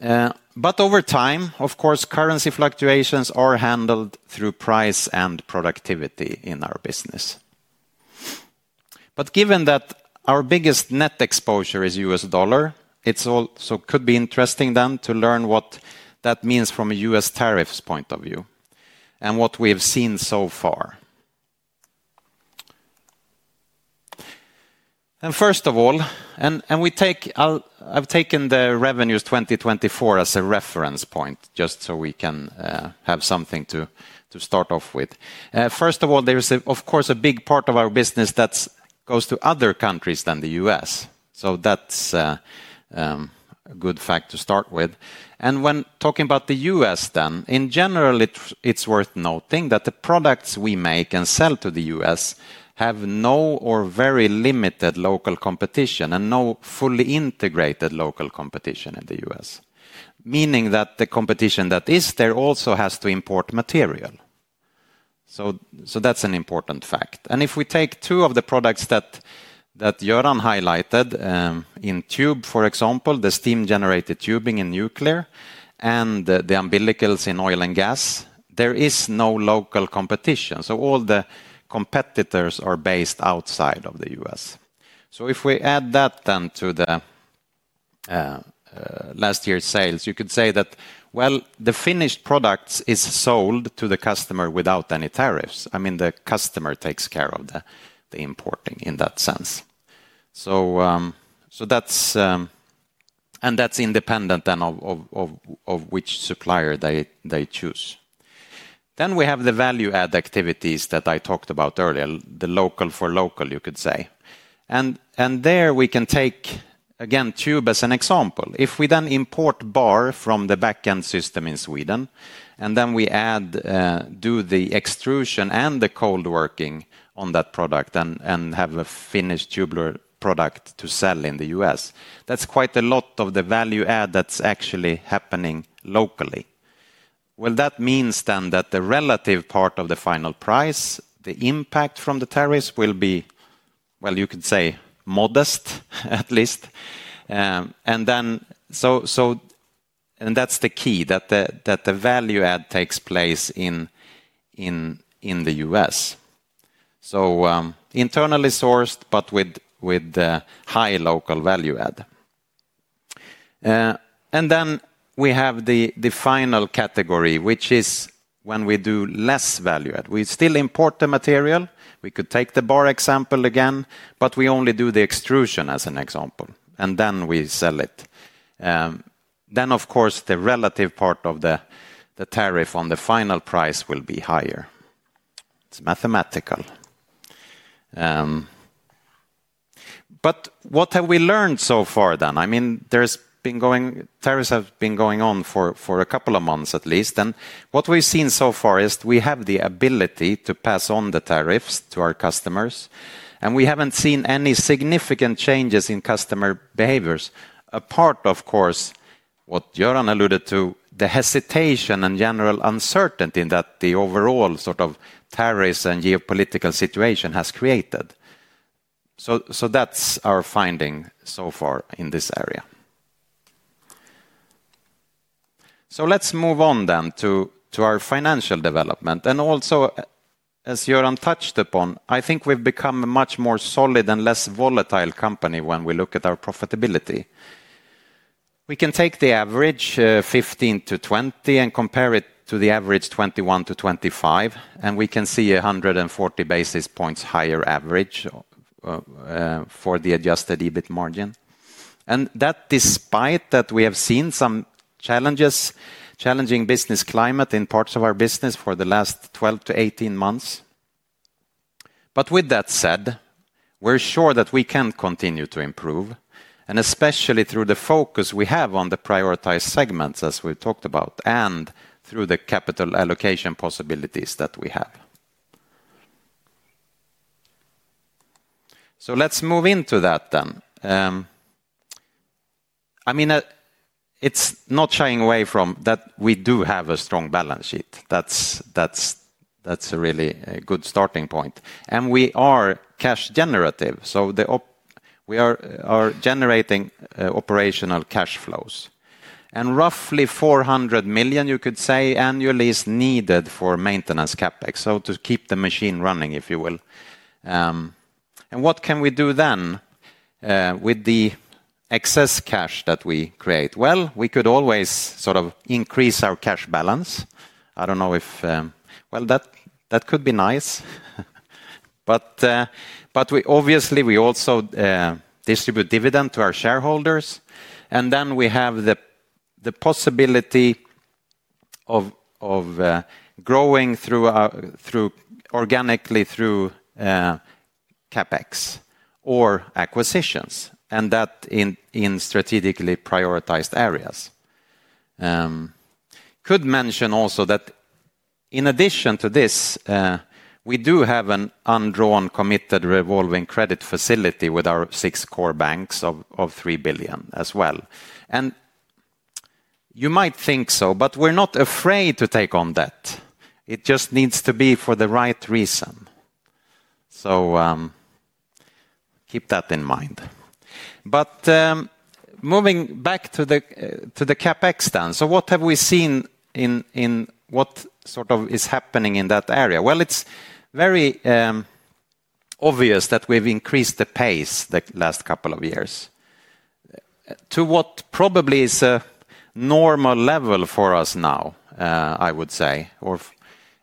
Over time, of course, currency fluctuations are handled through price and productivity in our business. Given that our biggest net exposure is the U.S. dollar, it could be interesting to learn what that means from a U.S. tariffs point of view and what we have seen so far. First of all, I have taken the revenues 2024 as a reference point just so we can have something to start off with. First of all, there is, of course, a big part of our business that goes to other countries than the U.S. That's a good fact to start with. When talking about the U.S. in general, it's worth noting that the products we make and sell to the U.S. have no or very limited local competition and no fully integrated local competition in the U.S., meaning that the competition that is there also has to import material. That's an important fact. If we take two of the products that Göran highlighted in Tube, for example, the steam generator tubing in nuclear and the umbilicals in oil and gas, there is no local competition. All the competitors are based outside of the U.S. If we add that to last year's sales, you could say that the finished product is sold to the customer without any tariffs. I mean the customer takes care of the importing in that sense and that's independent then of which supplier they choose. We have the value add activities that I talked about earlier, the local for local, you could say. There we can take again Tube as an example, if we import bar from the back end system in Sweden and then we do the extrusion and the cold working on that product and have a finished tubular product to sell in the U.S., that's quite a lot of the value add that's actually happening locally. That means the relative part of the final price, the impact from the tariffs will be, you could say, modest at least. That's the key that the value add takes place in the U.S. so internally sourced but with high local value add. Then we have the final category, which is when we do less value, we still import the material. We could take the bar example again, but we only do the extrusion as an example and then we sell it. Of course, the relative part of the tariff on the final price will be higher. It is mathematical. What have we learned so far then? I mean tariffs have been going on for a couple of months at least. What we have seen so far is we have the ability to pass on the tariffs to our customers and we have not seen any significant changes in customer behaviors, apart of course from what Göran alluded to, the hesitation and general uncertainty that the overall sort of tariffs and geopolitical situation has created. That is our finding so far in this area. Let us move on then to our financial development. Also, as Göran touched upon, I think we have become a much more solid and less volatile company. When we look at our profitability, we can take the average 15-20 and compare it to the average 21-25, and we can see 140 basis points higher average for the adjusted EBIT margin. Despite that, we have seen some challenges, a challenging business climate in parts of our business for the last 12 to 18 months. With that said, we are sure that we can continue to improve, especially through the focus we have on the prioritized segments as we talked about and through the capital allocation possibilities that we have. Let us move into that then. I mean, it is not shying away from that. We do have a strong balance sheet. That is a really good starting point. We are cash generative, so we are generating operational cash flows and roughly 400 million, you could say annually, is needed for maintenance CapEx to keep the machine running, if you will. What can we do then with the excess cash that we create? We could always sort of increase our cash balance. I do not know if that could be nice, but obviously we also distribute dividend to our shareholders and then we have the possibility of growing organically through CapEx or acquisitions and that in strategically prioritized areas. Could mention also that in addition to this we do have an undrawn committed revolving credit facility with our six core banks of 3 billion as well. You might think so, but we are not afraid to take on that. It just needs to be for the right reason. Keep that in mind. Moving back to the CapEx stance, what have we seen and what is happening in that area? It is very obvious that we have increased the pace the last couple of years to what probably is a normal level for us now, I would say,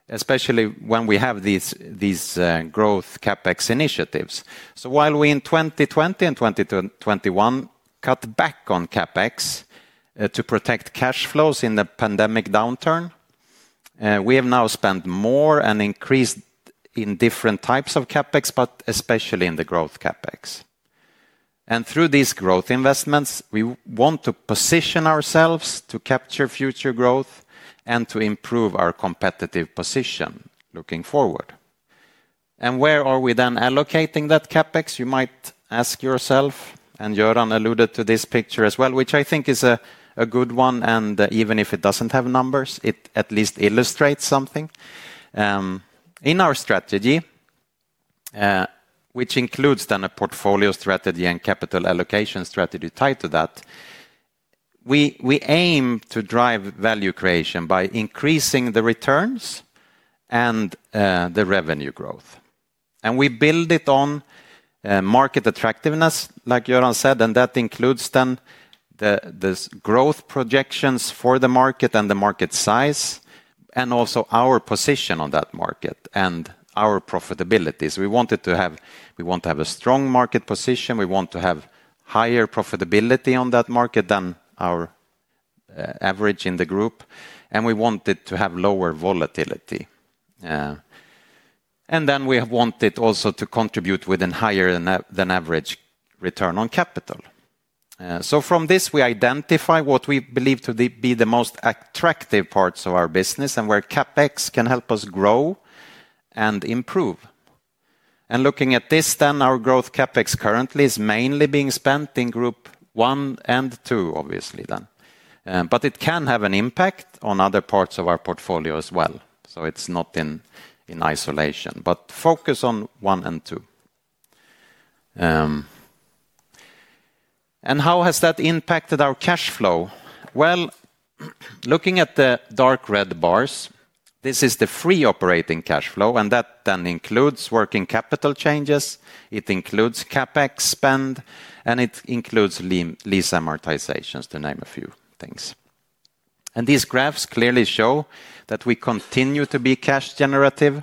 especially when we have these growth CapEx initiatives. While we in 2020 and 2021 cut back on CapEx to protect cash flows in the pandemic downturn, we have now spent more and increased in different types of CapEx. Especially in the growth CapEx and through these growth investments, we want to position ourselves to capture future growth and to improve our competitive position looking forward. Where are we then allocating that CapEx, you might ask yourself. Göran alluded to this picture as well, which I think is a good one. Even if it does not have numbers, it at least illustrates something in our strategy, which includes a portfolio strategy and capital allocation strategy tied to that. We aim to drive value creation by increasing the returns and the revenue growth, and we build it on market attractiveness, like Göran said. That includes the growth projections for the market and the market size, and also our position on that market and our profitability. We want to have a strong market position. We want to have higher profitability on that market than our average in the group, and we want it to have lower volatility, and we want it also to contribute within higher than average return on capital. From this, we identify what we believe to be the most attractive parts of our business and where CapEx can help us grow and improve. Looking at this then, our growth CapEx currently is mainly being spent in group one and two, obviously, but it can have an impact on other parts of our portfolio as well. It is not in isolation, but focus on one and two. How has that impacted our cash flow? Looking at the dark red bars, this is the free operating cash flow, and that includes working capital changes, it includes CapEx spend, and it includes lease amortizations, to name a few things. These graphs clearly show that we continue to be cash generative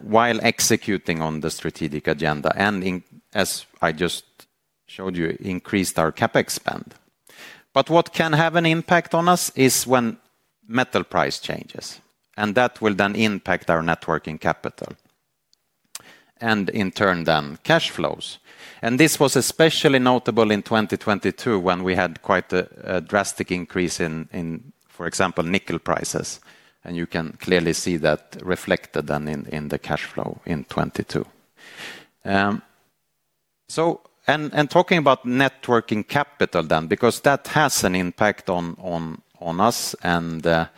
while executing on the strategic agenda, and as I just showed you, increased our CapEx spend. What can have an impact on us is when metal price changes, and that will then impact our net working capital and in turn cash flows. This was especially notable in 2022 when we had quite a drastic increase in, for example, nickel prices. You can clearly see that reflected then in the cash flow in 2022. Talking about net working capital then, because that has an impact on us and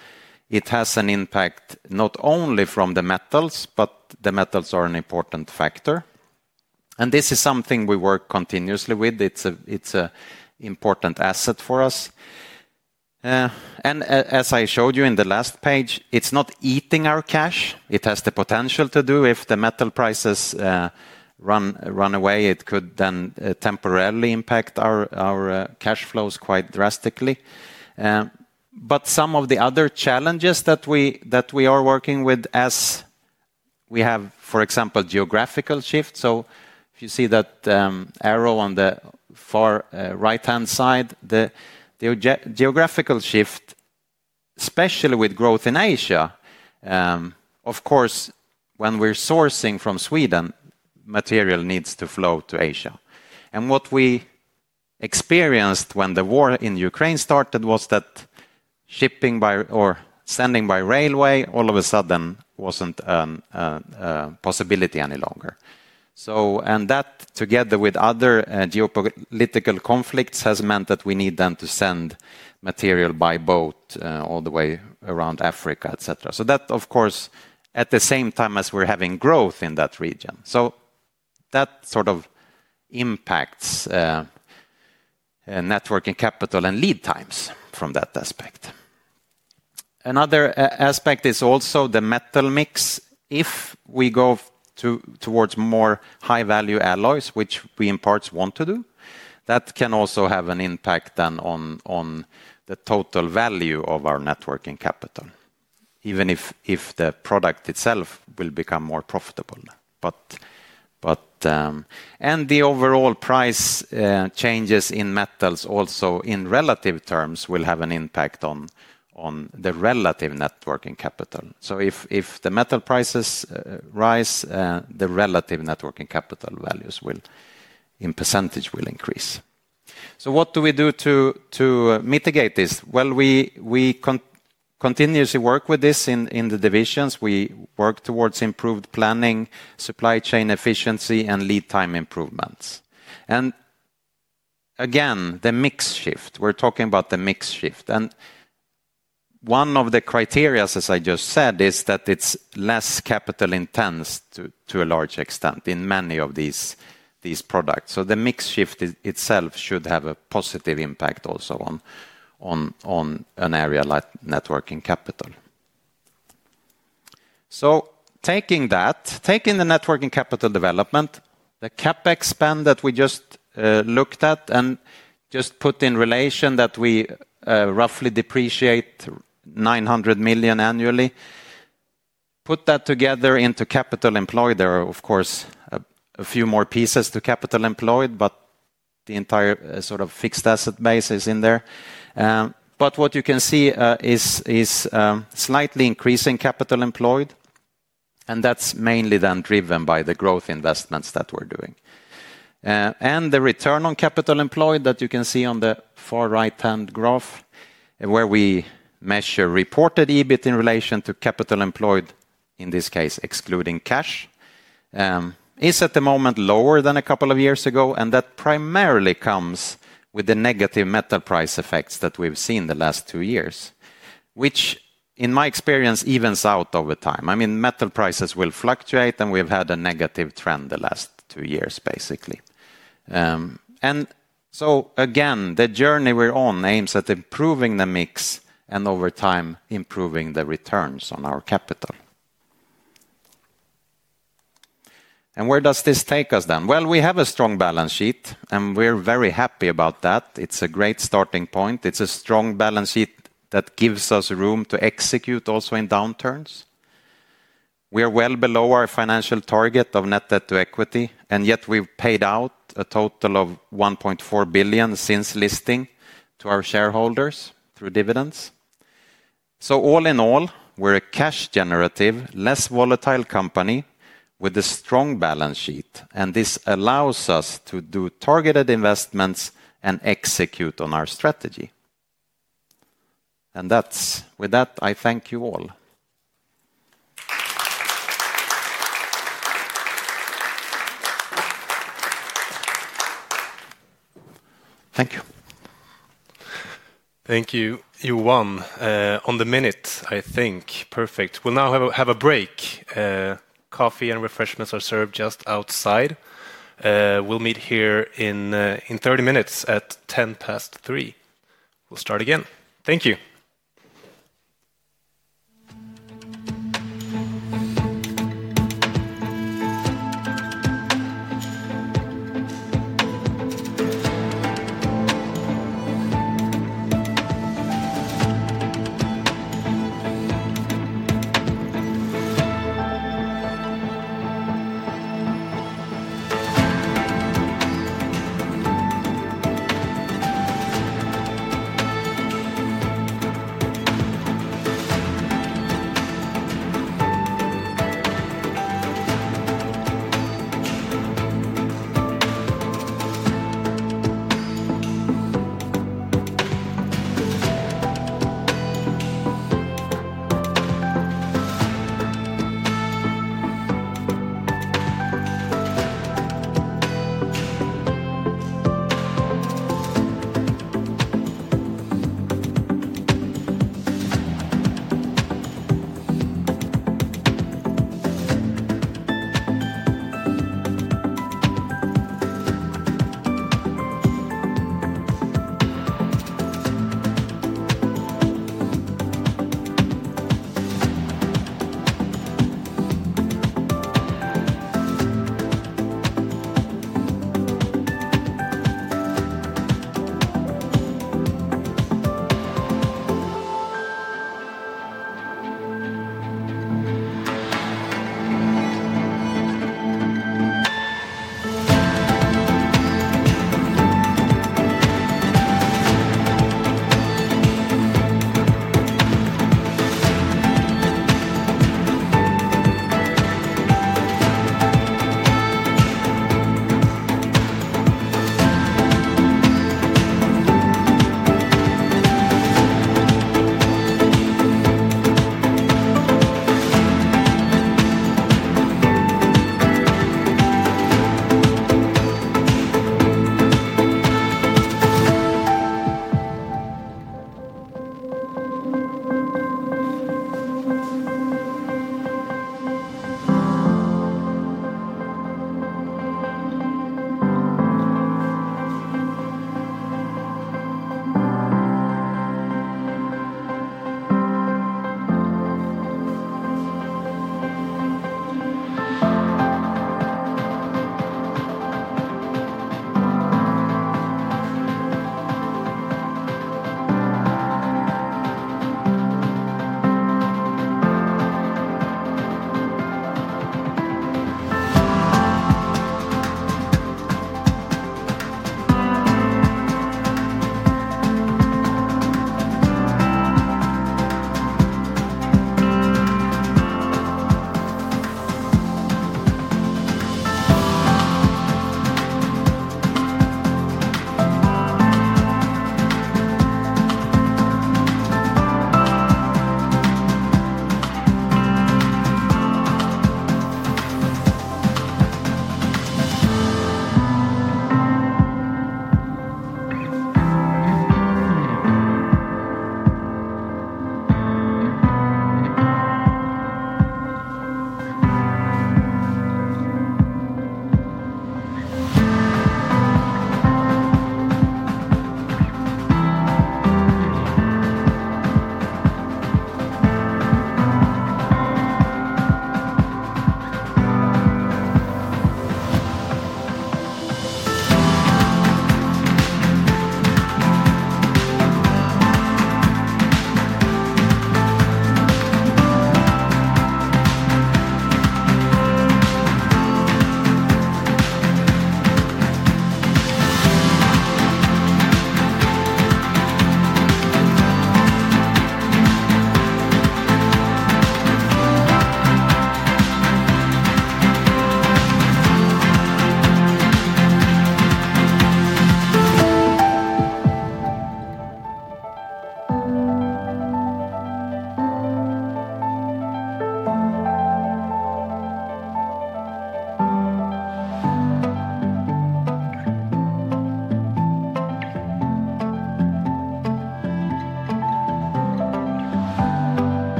it has an impact not only from the metals, but the metals are an important factor and this is something we work continuously with. It's an important asset for us. As I showed you in the last page, it's not eating our cash. It has the potential to do if the metal prices run away, it could then temporarily impact our cash flows quite drastically. Some of the other challenges that we are working with are, for example, geographical shift. If you see that arrow on the far right-hand side, the geographical shift, especially with growth in Asia, of course, when we're sourcing from Sweden, material needs to flow to Asia and what we experienced when the war in Ukraine started was that shipping by or sending by railway all of a sudden wasn't a possibility any longer. So.hat together with other geopolitical conflicts has meant that we need then to send material by boat all the way around Africa, etc. That of course at the same time as we're having growth in that region, so that sort of impacts net working capital and lead times from that aspect. Another aspect is also the metal mix. If we go towards more high value alloys, which we in parts want to do, that can also have an impact on the total value of our net working capital, even if the product itself will become more profitable and the overall price changes in metals also in relative terms, will have an impact on the relative net working capital. If the metal prices rise, the relative net working capital values will, in percentage, increase. What do we do to mitigate this? We continuously work with this in the divisions. We work towards improved planning, supply chain efficiency, and lead time improvements. The mix shift, we're talking about the mix shift, and one of the criteria, as I just said, is that it's less capital intense to a large extent in many of these products. The mix shift itself should have a positive impact also on an area like net working capital. Taking that, taking the net working capital development, the CapEx spend that we just looked at, and just put in relation that we roughly depreciate 900 million annually, put that together into capital employed. There are of course a few more pieces to capital employed, but the entire sort of fixed asset base is in there. What you can see is slightly increasing capital employed and that is mainly then driven by the growth investments that we are doing and the return on capital employed that you can see on the far right hand graph where we measure reported EBIT in relation to capital employed, in this case excluding cash, is at the moment lower than a couple of years ago. That primarily comes with the negative metal price effects that we have seen the last two years, which in my experience evens out over time. I mean, metal prices will fluctuate and we have had a negative trend the last two years basically. Again, the journey we are on aims at improving the mix and over time improving the returns on our capital. Where does this take us then? We have a strong balance sheet and we are very happy about that. It's a great starting point. It's a strong balance sheet that gives us room to execute also in downturns. We are well below our financial target of net debt to equity. Yet we've paid out a total of 1.4 billion since listing to our shareholders through dividends. All in all, we're a cash generative, less volatile company with a strong balance sheet. This allows us to do targeted investments and execute on our strategy. With that I thank you all. Thank you. Thank you, Johan. On the minute, I think. Perfect. We'll now have a break. Coffee and refreshments are served just outside. We'll meet here in 30 minutes at 3:10 P.M. We'll start again, thank you.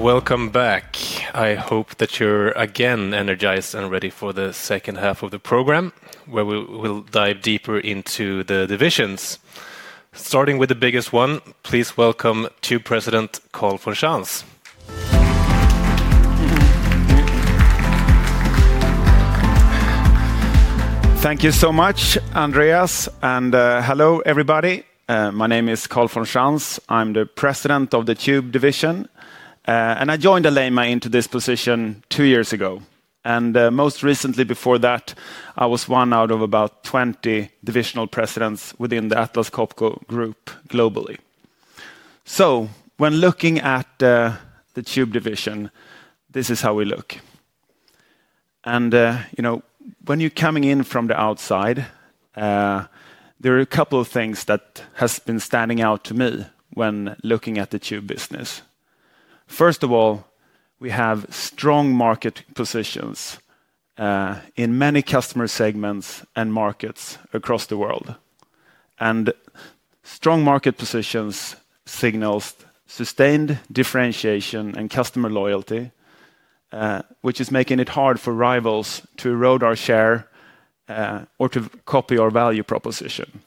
All right, welcome back. I hope that you're again energized and ready for the second half of the program where we will dive deeper into the divisions, starting with the biggest one. Please welcome Tube President Carl von Schantz. Thank you so much, Andreas. Hello everybody. My name is Carl von Schantz. I'm the President of the Tube Division. I joined Alleima into this position two years ago, and most recently before that I was one out of about 20 divisional presidents within the Atlas Copco Group globally. When looking at the Tube Division, this is how we look. You know, when you're coming in from the outside, there are a couple of things that have been standing out to me when looking at the Tube business. First of all, we have strong market positions in many customer segments and markets across the world. Strong market positions signal sustained differentiation and customer loyalty, which is making it hard for rivals to erode our share or to copy our value proposition.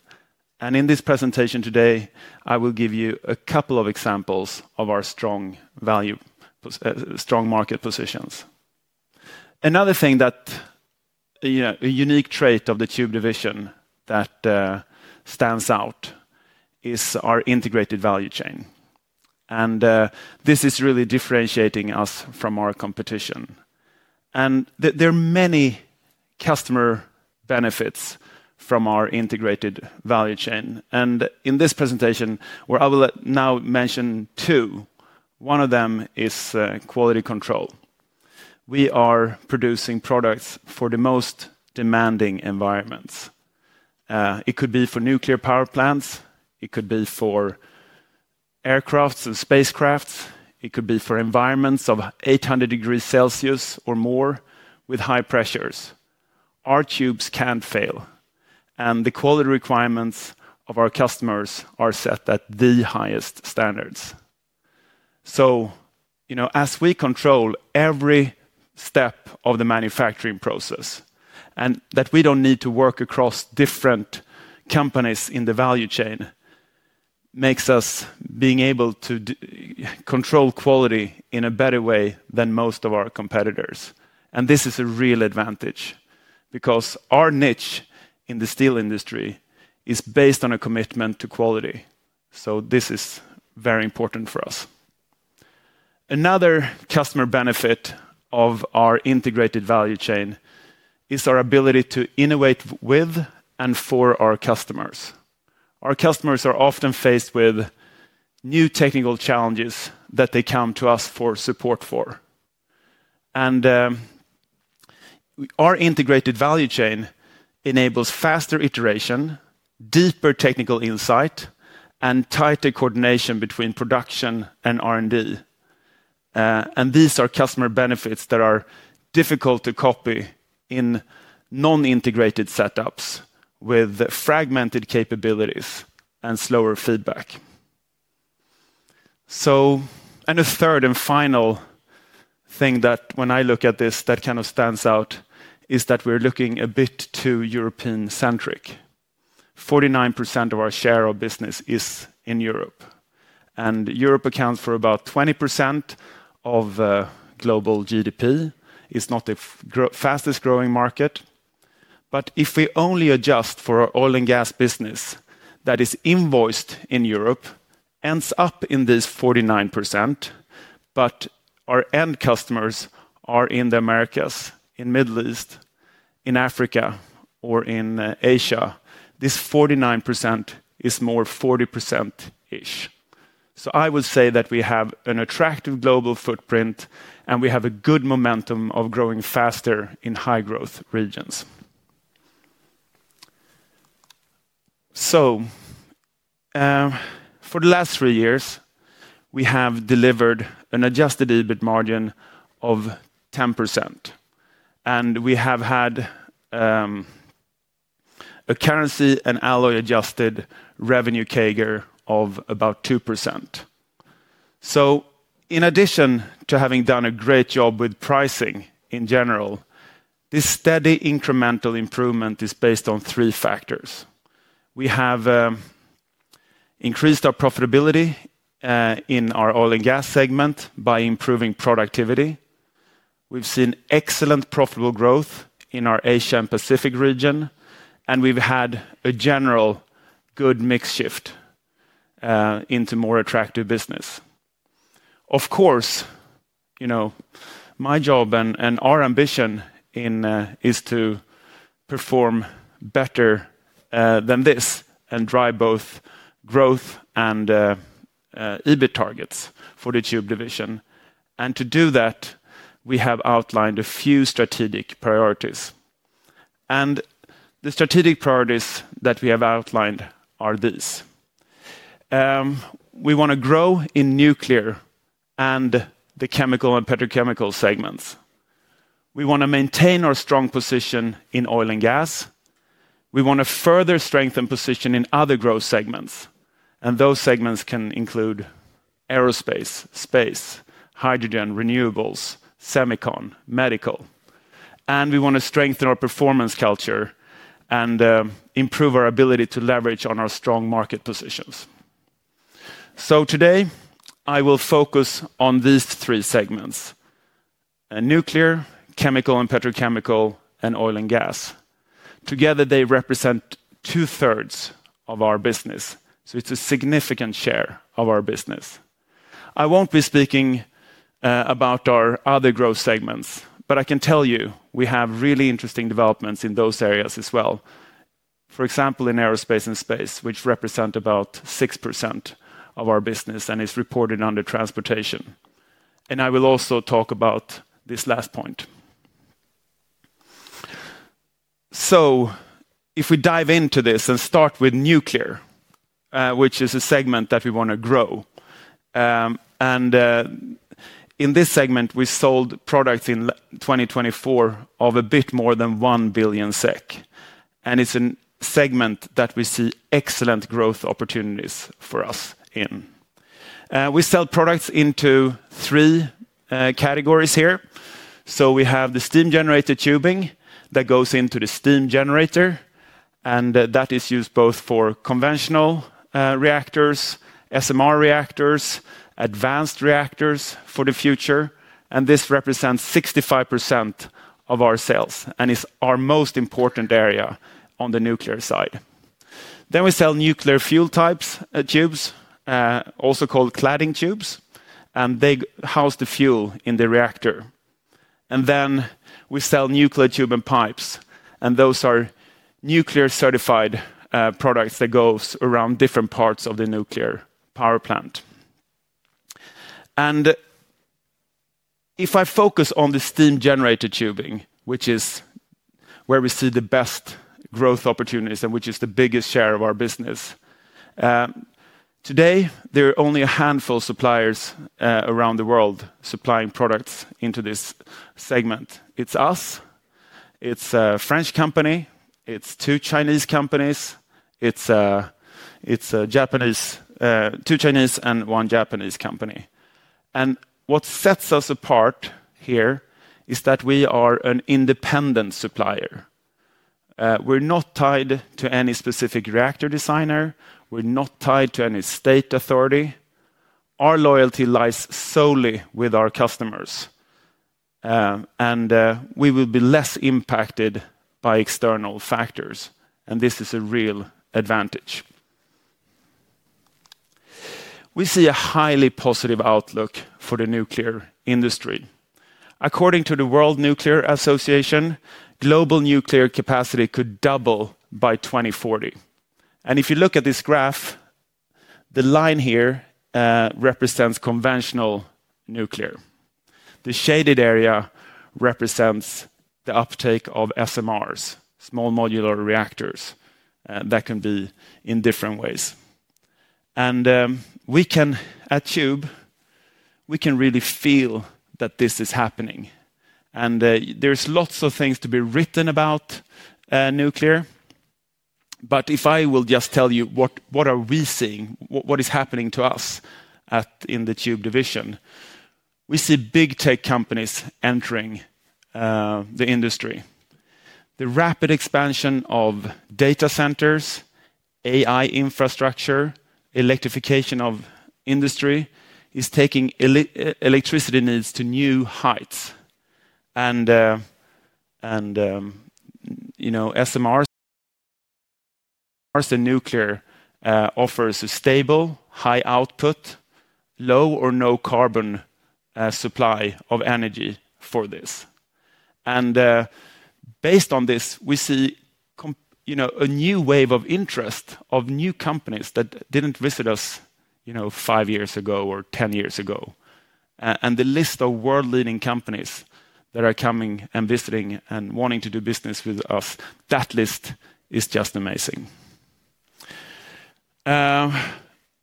In this presentation today I will give you a couple of examples of our strong value, strong market positions. Another thing that a unique trait of the Tube Division that stands out is our integrated value chain. This is really differentiating us from our competition. There are many customer benefits from our integrated value chain. In this presentation, where I will now mention two, one of them is quality control. We are producing products for the most demanding environments. It could be for nuclear power plants, it could be for aircraft and spacecraft. It could be for environments of 800 degrees Celsius or more with high pressures, our tubes cannot fail. The quality requirements of our customers are set at the highest standards. You know, as we control every step of the manufacturing process and that we do not need to work across different companies in the value chain makes us being able to control quality in a better way than most of our competitors. This is a real advantage because our niche in the steel industry is based on a commitment to quality. This is very important for us. Another customer benefit of our integrated value chain is our ability to innovate with and for our customers. Our customers are often faced with new technical challenges that they come to us for support for. Our integrated value chain enables faster iteration, deeper technical insight, and tighter coordination between production and R&D. These are customer benefits that are difficult to copy in non-integrated setups with fragmented capabilities and slower feedback. A third and final thing that when I look at this that kind of stands out is that we're looking a bit too European centric. 49% of our share of business is in Europe and Europe accounts for about 20% of global GDP. It's not the fastest growing market, but if we only adjust for our oil and gas business that is invoiced in Europe and ends up in this 49%, but our end customers are in the Americas, in Middle East, in Africa, or in Asia, this 49% is more 40% ish. I would say that we have an attractive global footprint and we have a good momentum of growing faster in high growth region. For the last three years we have delivered an adjusted EBIT margin of 10% and we have had a currency and alloy adjusted revenue CAGR of about 2%. In addition to having done a great job with pricing in general, this steady incremental improvement is based on three factors. We have increased our profitability in our oil and gas segment by improving productivity. We've seen excellent profitable growth in our Asia and Pacific region, and we've had a general good mix shift into more attractive business. Of course, my job and our ambition is to perform better than this and drive both growth and EBIT targets for the Tube Division. To do that, we have outlined a few strategic priorities. The strategic priorities that we have outlined are this. We want to grow in nuclear and the chemical and petrochemical segments. We want to maintain our strong position in oil and gas. We want to further strengthen position in other growth segments and those segments can include aerospace, space, hydrogen, renewables, semicon, medical, and we want to strengthen our performance culture and improve our ability to leverage on our strong market positions. Today I will focus on these three segments: nuclear, chemical and petrochemical, and oil and gas. Together they represent 2/3 of our business. It is a significant share of our business. I will not be speaking about our other growth segments, but I can tell you we have really interesting developments in those areas as well. For example, in aerospace and space, which represent about 6% of our business and is reported under transportation, and I will also talk about this last point. If we dive into this and start with nuclear, which is a segment that we want to grow, in this segment we sold products in 2024 of a bit more than 1 billion SEK. It is a segment that we see excellent growth opportunities for us in. We sell products into three categories here. We have the steam generator tubing that goes into the steam generator and that is used both for conventional reactors, SMR reactors, advanced reactors for the future. This represents 65% of our sales and is our most important area. On the nuclear side, we sell nuclear fuel types, tubes, also called cladding tubes, and they house the fuel in the reactor. We also sell nuclear tube and pipes and those are nuclear certified products that go around different parts of the nuclear power plant. If I focus on the steam generator tubing, which is where we see the best growth opportunities and which is the biggest share of our business today, there are only a handful of suppliers around the world supplying products into this segment. It's us, it's a French company, it's two Chinese companies, it's two Chinese and one Japanese company. What sets us apart here is that we are an independent supplier. We're not tied to any specific reactor designer, we're not tied to any state authority. Our loyalty lies solely with our customers and we will be less impacted by external factors. This is a real advantage. We see a highly positive outlook for the nuclear industry. According to the World Nuclear Association, global nuclear capacity could double by 2040. If you look at this graph, the line here represents conventional nuclear. The shaded area represents the uptake of SMRs, Small Modular Reactors that can be in different ways. And we can at Tube, we can really feel that this is happening and there's lots of things to be written about nuclear. But if I will just tell you what are we seeing what is happening to us in the Tube Division? We see big tech companies entering the industry. The rapid expansion of data centers, AI infrastructure, electrification of industry is taking electricity needs to new heights. You know, SMRs, Mars and nuclear offers a stable high output, low or no carbon supply of energy for this. Based on this we see a new wave of interest of new companies that did not visit us five years ago or 10 years ago. The list of world leading companies that are coming and visiting and wanting to do business with us, that list is just amazing.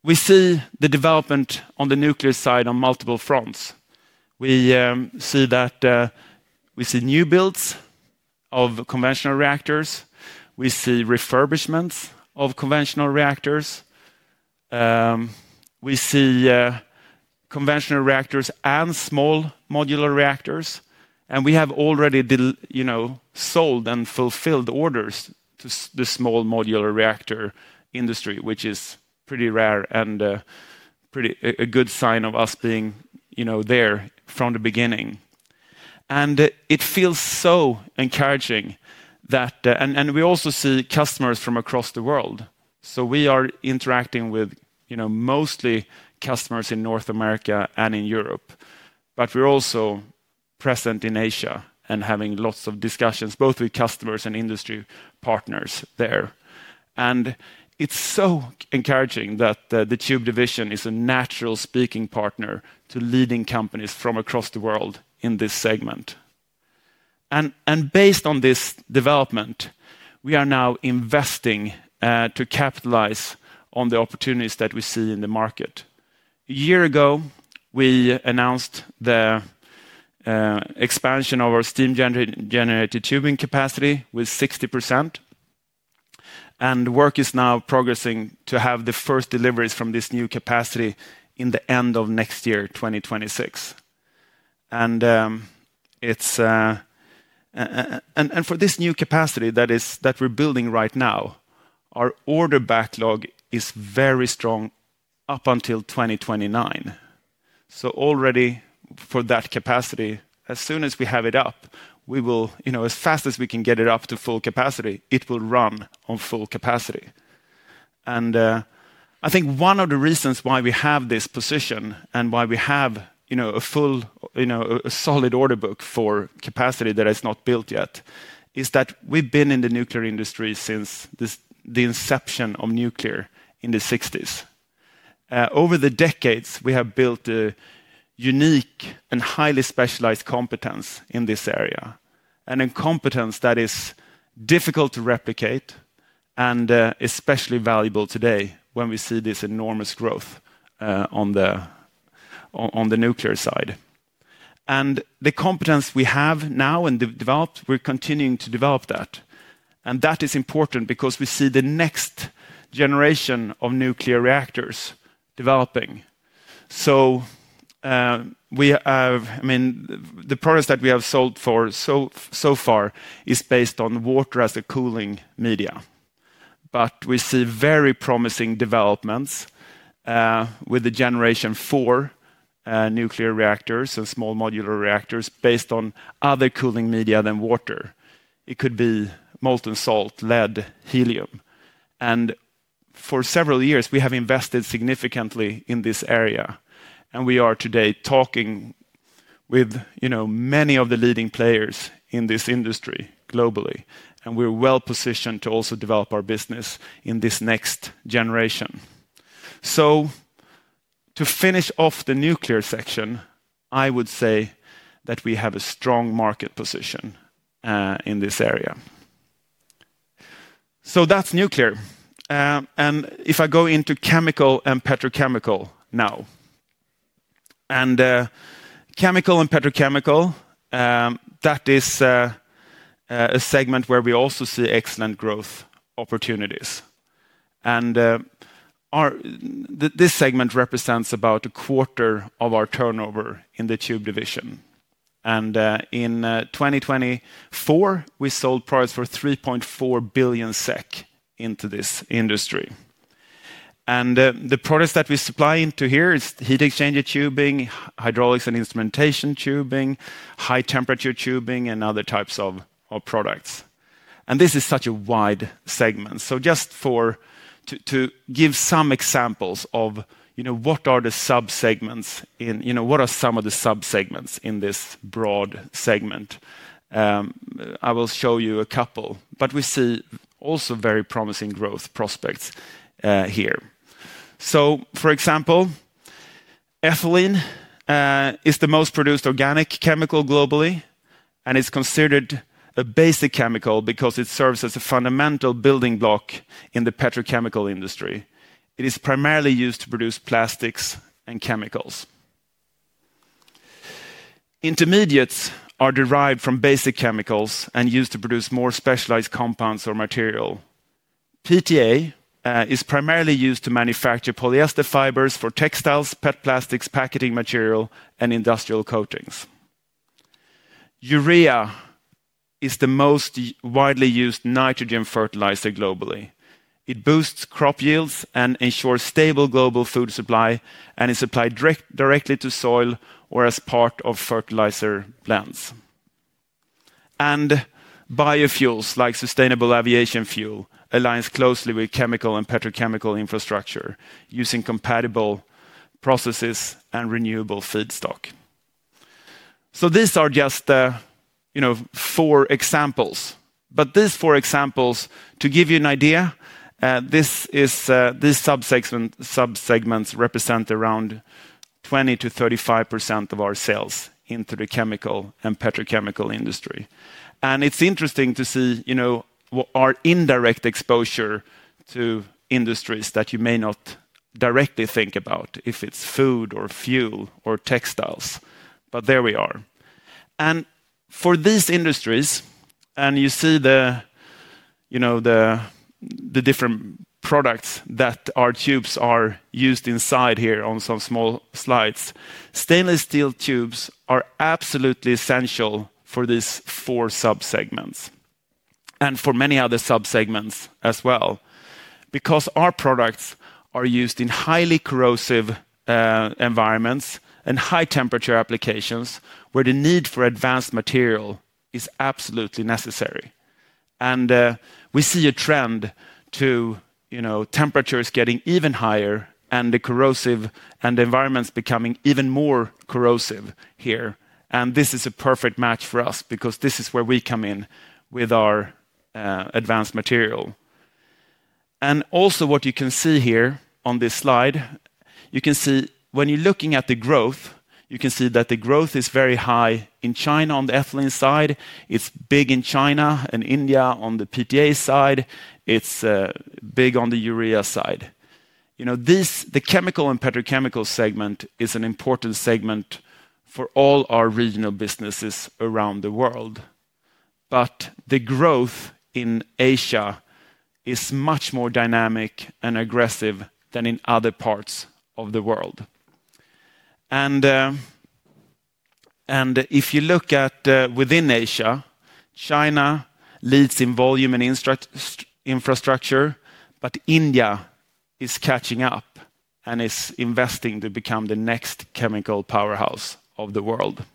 We see the development on the nuclear side on multiple fronts. We see that, we see new builds of conventional reactors, we see refurbishments of conventional reactors, we see conventional reactors and Small Modular Reactors and we have already sold and fulfilled orders to the small modular reactor industry, which is pretty rare and a good sign of us being there from the beginning. It feels so encouraging. We also see customers from across the world. We are interacting with mostly customers in North America and in Europe, but we're also present in Asia and having lots of discussions both with customers and industry partners there. It is so encouraging that the Tube Division is a natural speaking partner to leading companies from across the world in this segment. Based on this development, we are now investing to capitalize on the opportunities that we see in the market. A year ago we announced the expansion of our steam generator tubing capacity with 60% and work is now progressing to have the first deliveries from this new capacity in the end of next year, 2026. For this new capacity that we are building right now, our order backlog is very strong up until 2029. Already for that capacity, as soon as we have it up, you know, as fast as we can get it up to full capacity, it will run on full capacity. I think one of the reasons why we have this position and why we have, you know, a full, you know, a solid order book for capacity that has not built yet is that we have been in the nuclear industry since the inception of nuclear in the 1960s. Over the decades we have built a unique and highly specialized competence in this area and a competence that is difficult to replicate and especially valuable today when we see this enormous growth on the nuclear side. The competence we have now and developed, we are continuing to develop that. That is important because we see the next generation of nuclear reactors developing. We have, I mean the products that we have sold so far are based on water as a cooling media. We see very promising development. With the Generation Four Nuclear Reactors and Small Modular Reactors based on other cooling media than water. It could be molten salt, lead, helium. For several years we have invested significantly in this area and we are today talking with many of the leading players in this industry globally and we are well positioned to also develop our business in this next generation. To finish off the nuclear section, I would say that we have a strong market position in this area. That is nuclear. If I go into chemical and petrochemical now, chemical and petrochemical is a segment where we also see excellent growth opportunities. This segment represents about a quarter of our turnover in the Tube Division. In 2024 we sold products for 3.4 billion SEK into this industry. The products that we supply into here are heat exchanger tubing, hydraulics and instrumentation tubing, high temperature tubing, and other types of products. This is such a wide segment. Just to give some examples of, you know, what are the sub segments in, you know, what are some of the sub segments in this broad segment, I will show you a couple. We see also very promising growth prospects here. For example, ethylene is the most produced organic chemical globally and is considered a basic chemical because it serves as a fundamental building block in the petrochemical industry. It is primarily used to produce plastics and chemicals. Intermediates are derived from basic chemicals and used to produce more specialized compounds or material. PTA is primarily used to manufacture polyester fibers for textiles, PET plastics, packaging materials, and industrial coatings. Urea is the most widely used nitrogen fertilizer globally. It boosts crop yields and ensures stable global food supply and is applied directly to soil or as part of fertilizer plants and biofuels like sustainable aviation fuel, aligns closely with chemical and petrochemical infrastructure using compatible processes and renewable feedstock. These are just four examples, but these four examples to give you an idea, this sub-segments represent around 20%-35% of our sales into the chemical and petrochemical industry. It is interesting to see our indirect exposure to industries that you may not directly think about if it is food or fuel or textiles, but there we are. For these industries and you see the, you know, the different products that our tubes are used inside here on some small slides. Stainless steel tubes are absolutely essential for these four sub segments and for many other sub segments as well because our products are used in highly corrosive environments and high temperature applications where the need for advanced material is absolutely necessary. We see a trend to temperatures getting even higher and the environments becoming even more corrosive here. This is a perfect match for us because this is where we come in with our advanced material. Also, what you can see here on this slide, you can see when you're looking at the growth, you can see that the growth is very high in China. On the ethylene side it's big, in China and India. On the PTA side, it's big on the urea side. The chemical and petrochemical segment is an important segment for all our regional businesses around the world. The growth in Asia is much more dynamic and aggressive than in other parts of the world. If you look at within Asia, China leads in volume and infrastructure, but India is catching up and is investing to become the next chemical powerhouse of the world.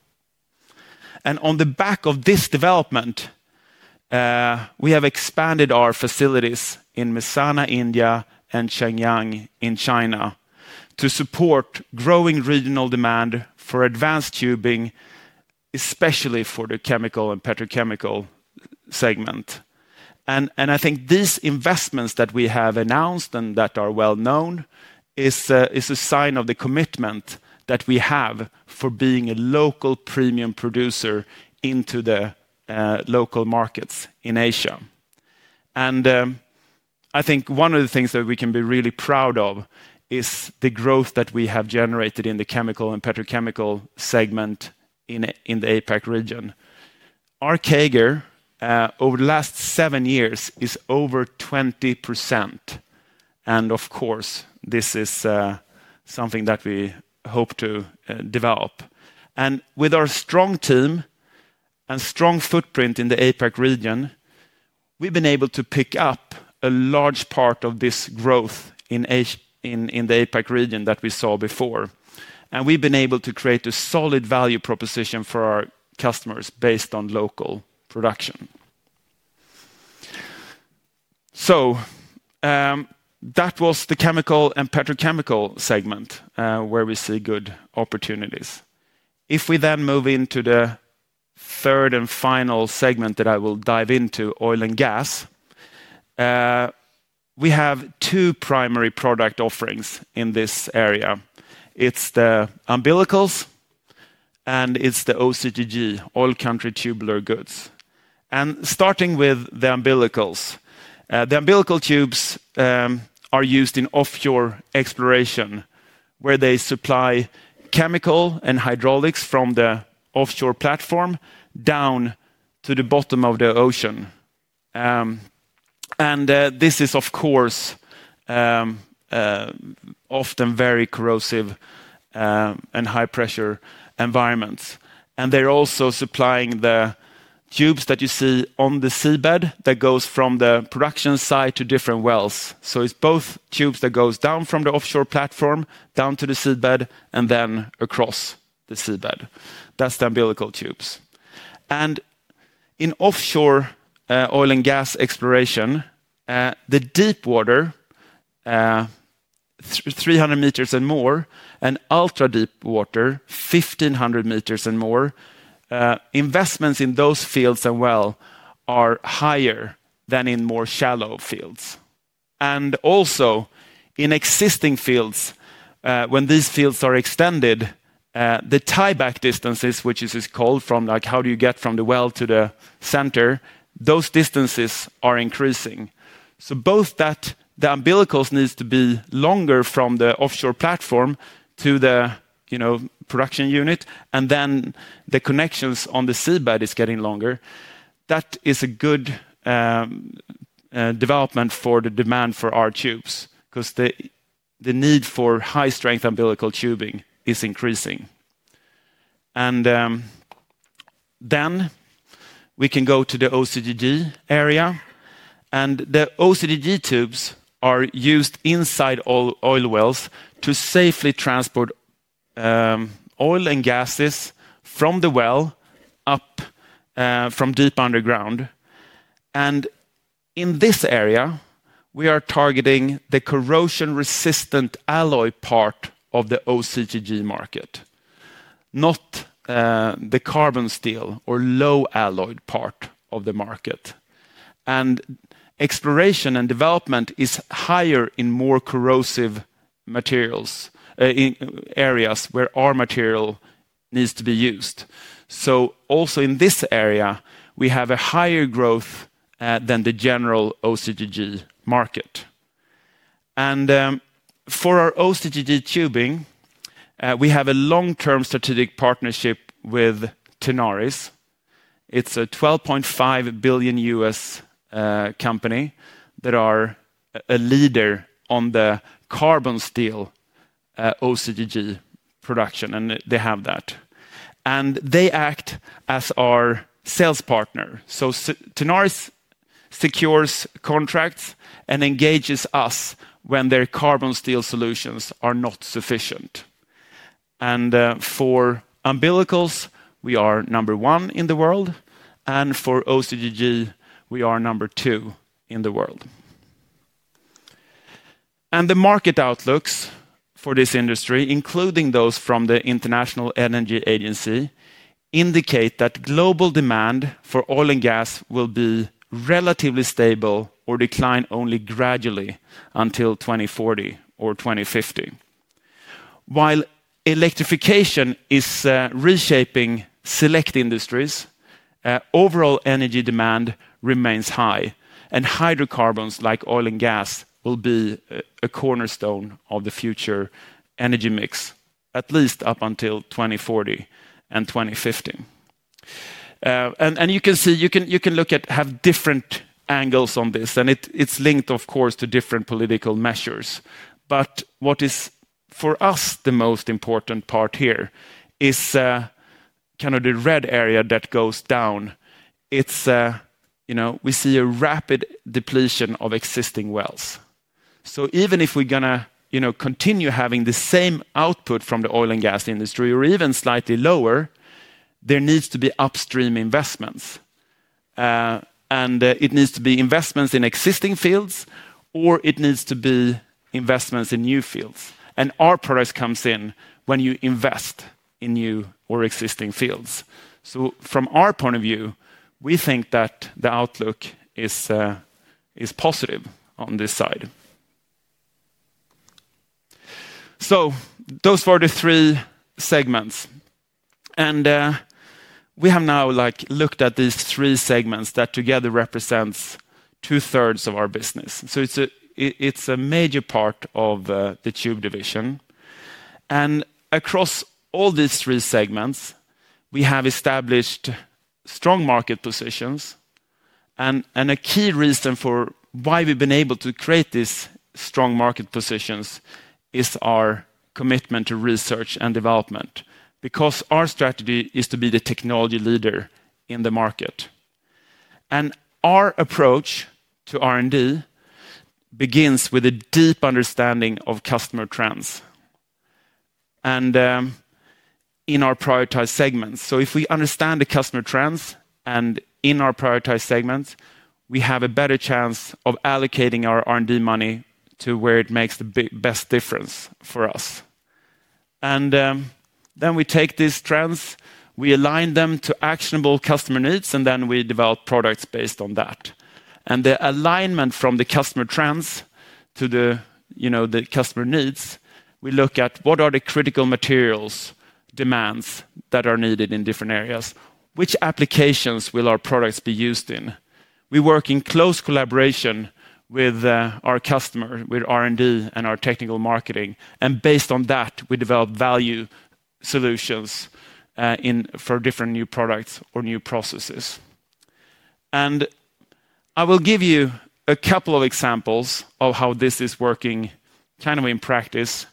On the back of this development, we have expanded our facilities in Mehsana, India and Shenyang in China to support growing regional demand for advanced tubing, especially for the chemical and petrochemical segment. I think these investments that we have announced and that are well known is a sign of the commitment that we have for being a local premium producer into the local markets in Asia. I think one of the things that we can be really proud of is the growth that we have generated in the chemical and petrochemical segment in the APAC region. Our CAGR over the last seven years is over 20%. Of course this is something that we hope to develop. With our strong team and strong footprint in the APAC region, we've been able to pick up a large part of this growth in the APAC region that we saw before. We've been able to create a solid value proposition for our customers based on local production. That was the chemical and petrochemical segment where we see good opportunities. If we then move into the third and final segment that I will dive into, oil and gas. We have two primary product offerings in this area. It's the umbilicals and it's the OCTG oil country tubular goods. Starting with the umbilicals, the umbilical tubes are used in offshore exploration where they supply chemical and hydraulics from the offshore platform down to the bottom of the ocean. This is of course often very corrosive and high pressure environments. They are also supplying the tubes that you see on the seabed that goes from the production side to different wells. It is both tubes that goes down from the offshore platform down to the seabed and then across the seabed. That is the umbilical tubes. In offshore oil and gas exploration, the deep water 300 m and more and ultra deep water 1,500 m and more, investments in those fields as well are higher than in more shallow fields. Also in existing fields, when these fields are extended, the tie-back distances, which is called from, like how do you get from the well to the center? Those distances are increasing. Both that the umbilicals need to be longer from the offshore platform to the, you know, production unit, and then the connections on the seabed are getting longer. That is a good development for the demand for our tubes because the need for high strength umbilical tubing is increasing. We can go to the OCTG area. The OCTG tubes are used inside oil wells to safely transport oil and gases from the well up from deep underground. In this area we are targeting the corrosion resistant alloy part of the OCTG market, not the carbon steel or low alloyed part of the market. Exploration and development is higher in more corrosive materials areas where our material needs to be used. Also in this area we have a higher growth than the general OCTG market. For our OCTG tubing, we have a long-term strategic partnership with Tenaris. It is a $12.5 billion U.S. company that is a leader in the carbon steel OCTG production and they act as our sales partner. Tenaris secures contracts and engages us when their carbon steel solutions are not sufficient. For umbilicals we are number one in the world. For OCTG we are number two in the world. The market outlooks for this industry, including those from the International Energy Agency, indicate that global demand for oil and gas will be relatively stable or decline only gradually until 2040 or 2050. While electrification is reshaping select industries, overall energy demand remains high. Hydrocarbons like oil and gas will be a cornerstone of the future energy mix, at least up until 2040 and 2050. You can see, you can look at, have different angles on this and it is linked of course to different political measures. What is for us the most important part here is kind of the red area that goes down. We see a rapid depletion of existing wealth. Even if we are going to continue having the same output from the oil and gas industry or even slightly lower, there needs to be upstream investments, it needs to be investments in existing fields, or it needs to be investments in new fields and our products come in when you invest in new or existing fields. From our point of view, we think that the outlook is positive on this side. Those were the three segments and we have now looked at these three segments that together represent two thirds of our business. It is a major part of the Tube Division. Across all these three segments we have established strong market positions. A key reason for why we have been able to create these strong market positions is our commitment to research and development. Our strategy is to be the technology leader in the market. Our approach to R&D begins with a deep understanding of customer trends and in our prioritized segments. If we understand the customer trends and in our prioritized segments, we have a better chance of allocating our R&D money to where it makes the best difference for us. We take these trends, we align them to actionable customer needs, and then we develop products based on that and the alignment from the customer trends to the customer needs. We look at what are the critical materials demands that are needed in different areas. Which applications will our products be used in? We work in close collaboration with our customer with R&D and our technical marketing. Based on that we develop value solutions for different new products or new processes. I will give you a couple of examples of how this is working kind of in practice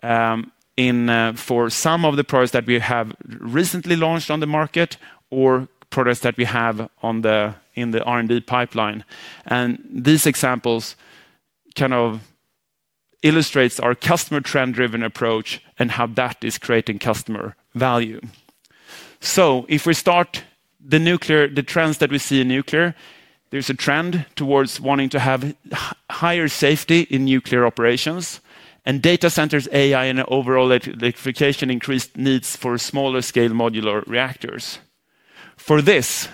for some of the products that we have recently launched on the market or products that we have in the R&D pipeline. These examples kind of illustrate our customer trend driven approach and how that is creating customer value. If we start the nuclear, the trends that we see in nuclear, there's a trend towards wanting to have higher safety in nuclear operations and data centers. AI and overall electrification, increased needs for smaller scale modular reactors. For this,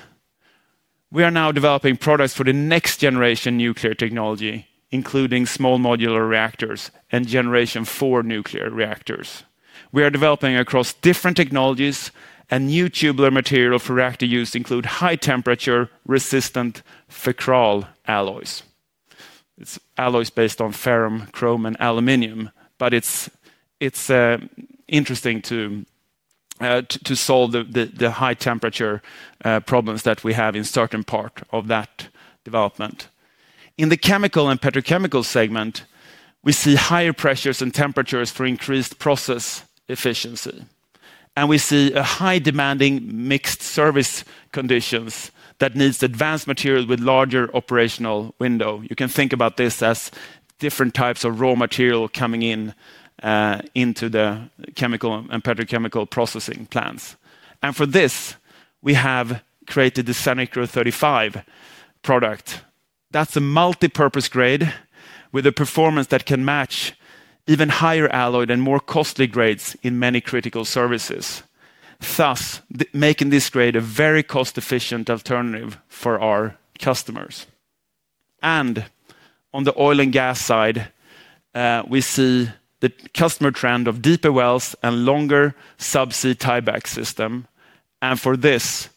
we are now developing products for the next generation nuclear technology including Small Modular Reactors and Generation Four Nuclear Reactors. We are developing across different technologies a new tubular material for reactor use, including high temperature resistant FeCrAl alloys. Alloys based on ferrum, chrome, and aluminum. It's interesting to solve the high temperature problems that we have in certain part of that development. In the chemical and petrochemical segments, we see higher pressures and temperatures for increased process efficiency. We see a high demanding mixed service conditions that needs advanced material with larger operational window. You can think about this as different types of raw material coming in into the chemical and petrochemical processing plants. For this we have created the Secure 35 product that's a multi-purpose grade with a performance that can match even higher alloyed and more costly grades in many critical services, thus making this grade a very cost-efficient alternative for our customers. On the oil and gas side we see the customer trend of deeper wells and longer subsea tieback system. For this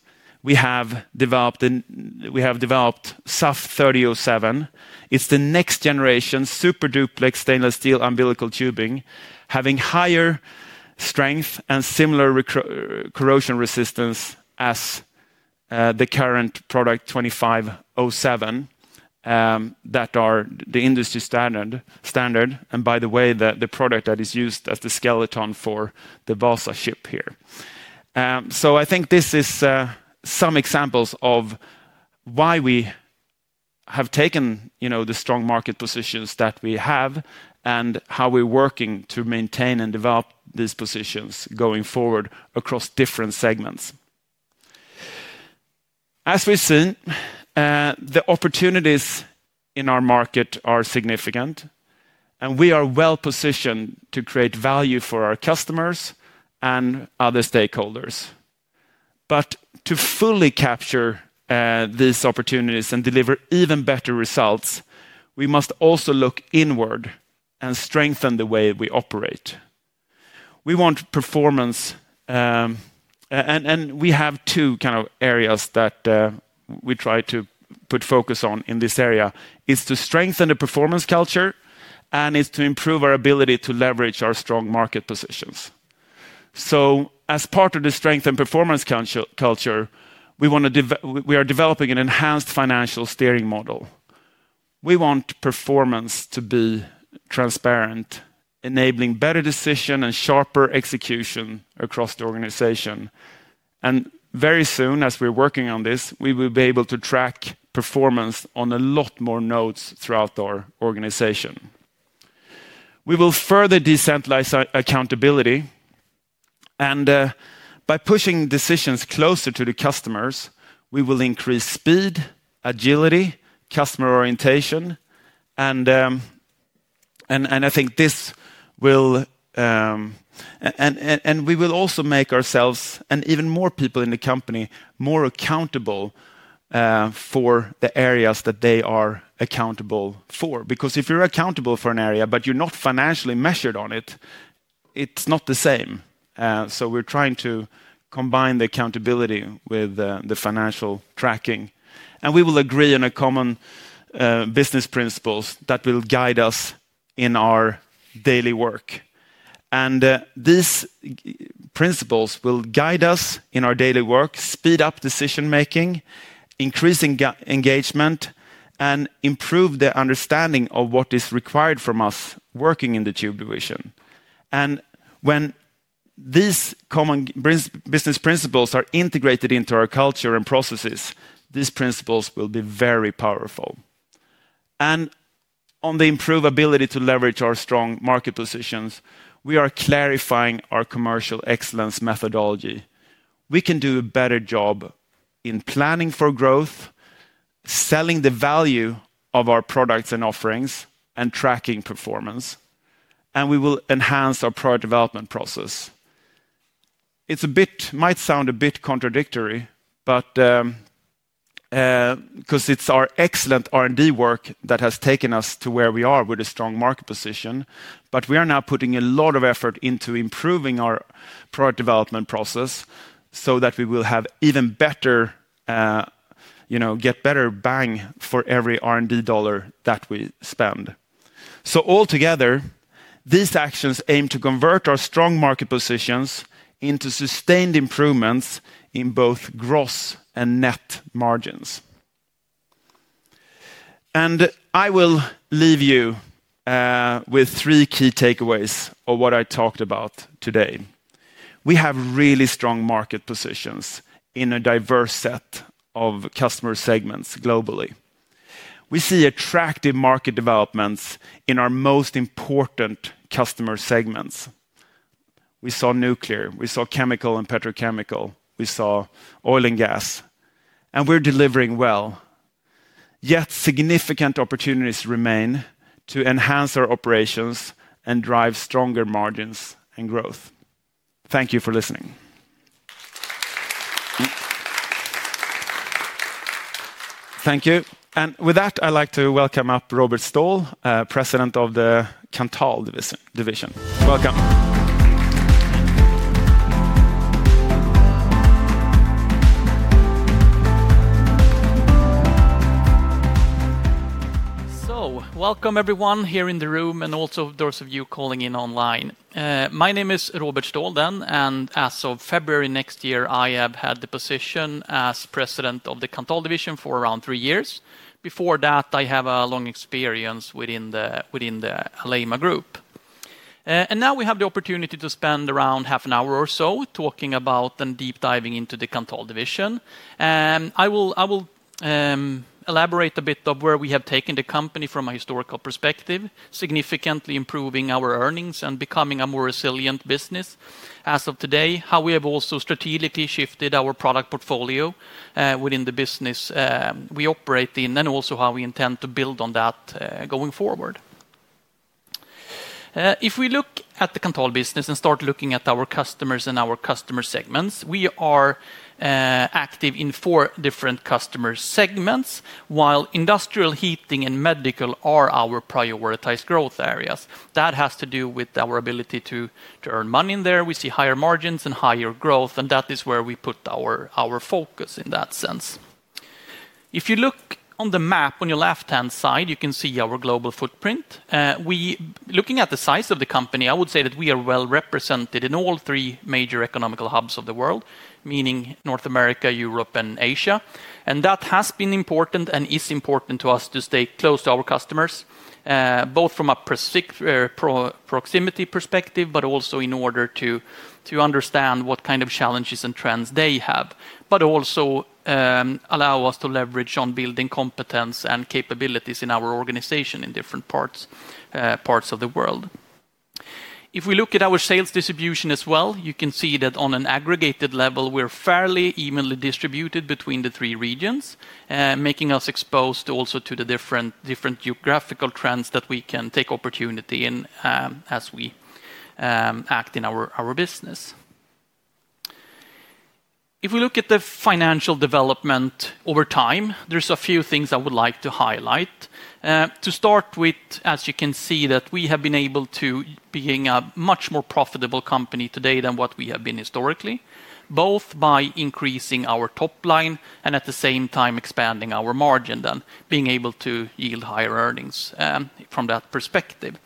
we have developed SAF 3007. It's the next generation Super duplex stainless steel umbilical tubing having higher strength and similar corrosion resistance as the current product 2507 that are the industry standard, and by the way, the product that is used as the skeleton for the Vasa ship here. I think this is some examples of why we have taken the strong market positions that we have and how we're working to maintain and develop these positions going forward across different segments. As we've seen, the opportunities in our market are significant and we are well positioned to create value for our customers and other stakeholders. To fully capture these opportunities and deliver even better results, we must also look inward and strengthen the way we operate. We want performance and we have two kind of areas that we try to put focus on in this area: to strengthen the performance culture and to improve our ability to leverage our strong market positions. As part of the strengthened performance culture, we are developing an enhanced financial steering model. We want performance to be transparent, enabling better decision and sharper execution across the organization. Very soon as we're working on this, we will be able to track performance on a lot more nodes throughout our organization. We will further decentralize accountability, and by pushing decisions closer to the customers, we will increase speed, agility, customer orientation, and I think this. We will also make ourselves and even more people in the company more accountable for the areas that they are accountable for. Because if you're accountable for an area but you're not financially measured on it, it's not the same. We're trying to combine the accountability with the financial tracking. We will agree on a common business principles that will guide us in our daily work. These principles will guide us in our daily work, speed up decision making, increase engagement, and improve the understanding of what is required from us working in the Tube Division. When these common business principles are integrated into our culture and processes, these principles will be very powerful. On the improvability to leverage our strong market positions, we are clarifying our commercial excellence methodology. We can do a better job in planning for growth, selling the value of our products and offerings, and tracking performance. We will enhance our product development process. It might sound a bit contradictory, but because it is our excellent R&D work that has taken us to where we are with a strong market position. We are now putting a lot of effort into improving our product development process so that we will have even better, you know, get better bang for every R&D dollar that we spend. All together, these actions aim to convert our strong market position into sustained improvements in both gross and net margins. I will leave you with three key takeaways of what I talked about. Today we have really strong market positions in a diverse set of customer segments. Globally, we see attractive market developments in our most important customer segments. We saw nuclear, we saw chemical and petrochemical, we saw oil and gas. We are delivering well. Yet significant opportunities remain to enhance our operations and drive stronger margins and growth. Thank you for listening. Thank you. With that, I'd like to welcome up Robert Stål, President of the Kanthal Division. Welcome. Welcome everyone here in the room and also those of you calling in online. My name is Robert Stål and as of February next year, I have had the position as President of the Kanthal Division for around three years. Years before that, I have a long experience within the Alleima Group and now we have the opportunity to spend around half an hour or so talking about and deep diving into the Kanthal Division. I will elaborate a bit on where we have taken the company from a historical perspective, significantly improving our earnings and becoming a more resilient business as of today. How we have also strategically shifted our product portfolio within the business we operate in and also how we intend to build on that going forward. If we look at the Kanthal business and start looking at our customers and our customer segments, we are active in four different customer segments. While industrial, heating and medical are our prioritized growth areas. That has to do with our ability to earn money in there. We see higher margins and higher growth and that is where we put our focus. In that sense. If you look on the map on your left hand side, you can see our global footprint. Looking at the size of the company, I would say that we are well represented in all three major economical hubs of the world, meaning North America, Europe and Asia. That has been important and is important to us to stay close to our customers, both from a proximity perspective, but also in order to understand what kind of challenges and trends they have, but also allow us to leverage on building competence and capabilities in our organization in different parts of the world. If we look at our sales distribution as well, you can see that on an aggregated level we're fairly evenly distributed between the three regions, making us exposed also to the different geographical trends that we can take opportunities in as we act in our business. If we look at the financial development over time, there's a few things I would like to highlight to start with. As you can see, we have been able to be a much more profitable company today than what we have been historically. Both by increasing our top line and at the same time expanding our margin, then being able to yield higher earnings. From that perspective,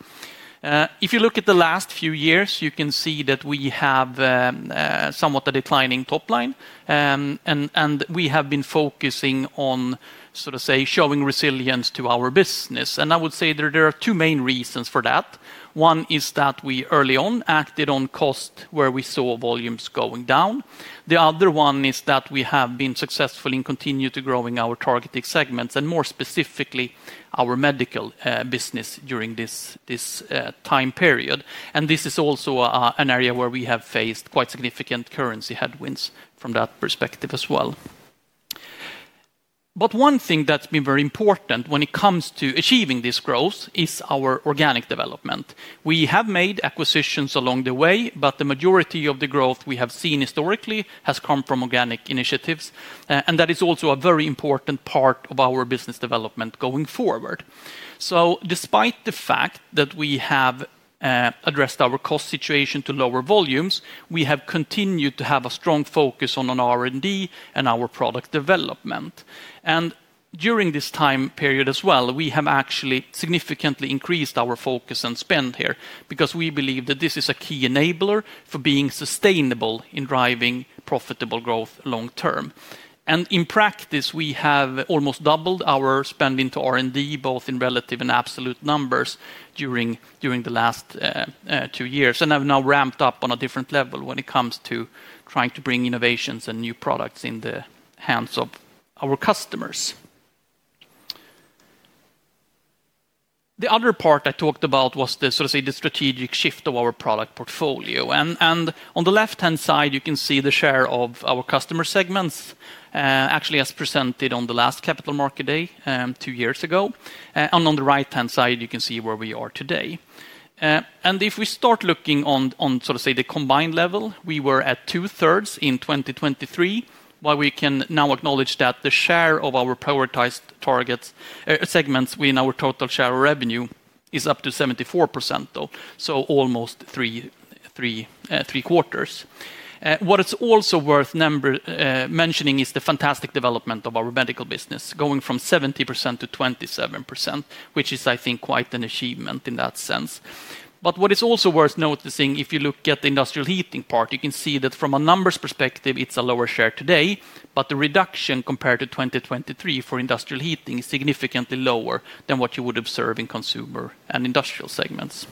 if you look at the last few years, you can see that we have somewhat a declining top line and we have been focusing on, sort of say, showing resilience to our business. I would say that there are two main reasons for that. One is that we early on acted on cost where we saw volumes going down. The other one is that we have been successful in continuing to growing our targeted segments and more specifically, specifically our medical business during this time period. This is also an area where we have faced quite significant currency headwinds from that perspective as well. One thing that's been very important when it comes to achieving this growth is our organic development. We have made acquisitions along the way, but the majority of the growth we have seen historically has come from organic initiatives. That is also a very important part of our business development going forward. Despite the fact that we have addressed our cost situation to lower volumes, we have continued to have a strong focus on R&D and our product development. During this time period as well, we have actually significantly increased our focus and spend here because we believe that this is a key enabler for being sustainable in driving profitable growth long term. In practice, we have almost doubled our spend into R&D both in relative and absolute numbers during the last two years. I've now ramped up on a different level when it comes to trying to bring innovations and new products in the hands of our customers. The other part I talked about was the sort of strategic shift of our product portfolio, and on the left hand side you can see the share of our customer segments actually as presented on the last capital market day two years ago. On the right hand side you can see where we are today. If we start looking on, say, the combined level, we were at two-thirds in 2023. We can now acknowledge that the share of our prioritized target segments within our total share of revenue is up to 74%, though, so almost three quarters. What is also worth mentioning is the fantastic development of our medical business going from 70% to 27%, which is I think quite an achievement in that sense. What is also worth noticing, if you look at the industrial heating part, you can see that from a numbers perspective it's a lower share today, but the reduction compared to 2023 for industrial heating is significantly lower than what you would observe in consumer and industrial segments.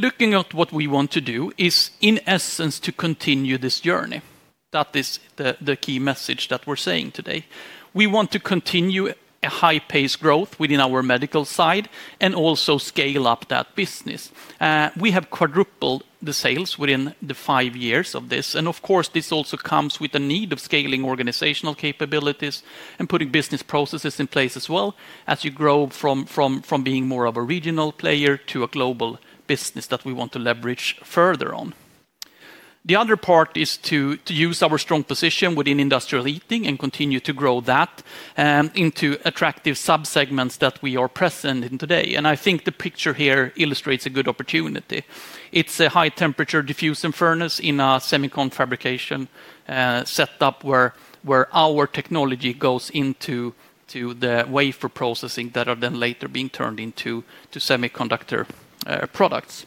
Looking at what we want to do is in essence to continue this journey. That is the key message that we're saying today. We want to continue a high pace growth within our medical side and also scale up that business. We have quadrupled the sales within the five years of this. Of course this also comes with the need of scaling organizational capabilities and putting business processes in place as you grow from being more of a regional player to a global business that we want to leverage further. The other part is to use our strong position within industrial heating and continue to grow that into attractive subsegments that we are present in today. I think the picture here illustrates a good opportunity. It's a high temperature diffusion furnace in a semi-conductor fabrication setup where our technology goes into the wafer processing that are then later being turned into semiconductor products.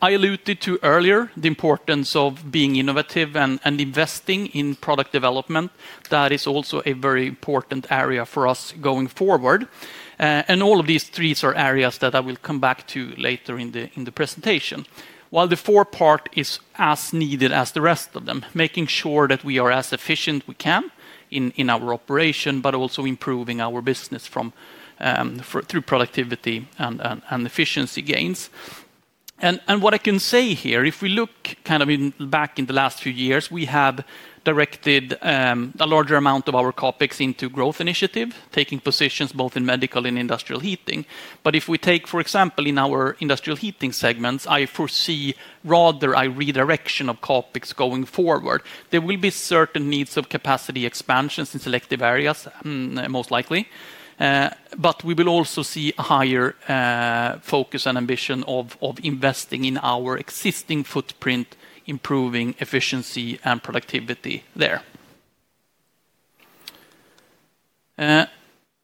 I alluded to earlier the importance of being innovative and investing in product development. That is also a very important area for us going forward. All of these trees are areas that I will come back to later in the presentation. While the fourth part is as needed as the rest of them, making sure that we are as efficient as we can in our operation but also improving our business through productivity and efficiency gains. What I can say here, if we look back in the last few years, we have directed a larger amount of our CapEx into growth initiatives, taking positions both in medical and industrial heat. If we take, for example, in our industrial heating segments, I foresee rather a redirection of CapEx going forward. There will be certain needs of capacity expansions in selective areas most likely, but we will also see higher focus and ambition of investing in our existing footprint, improving efficiency and productivity there.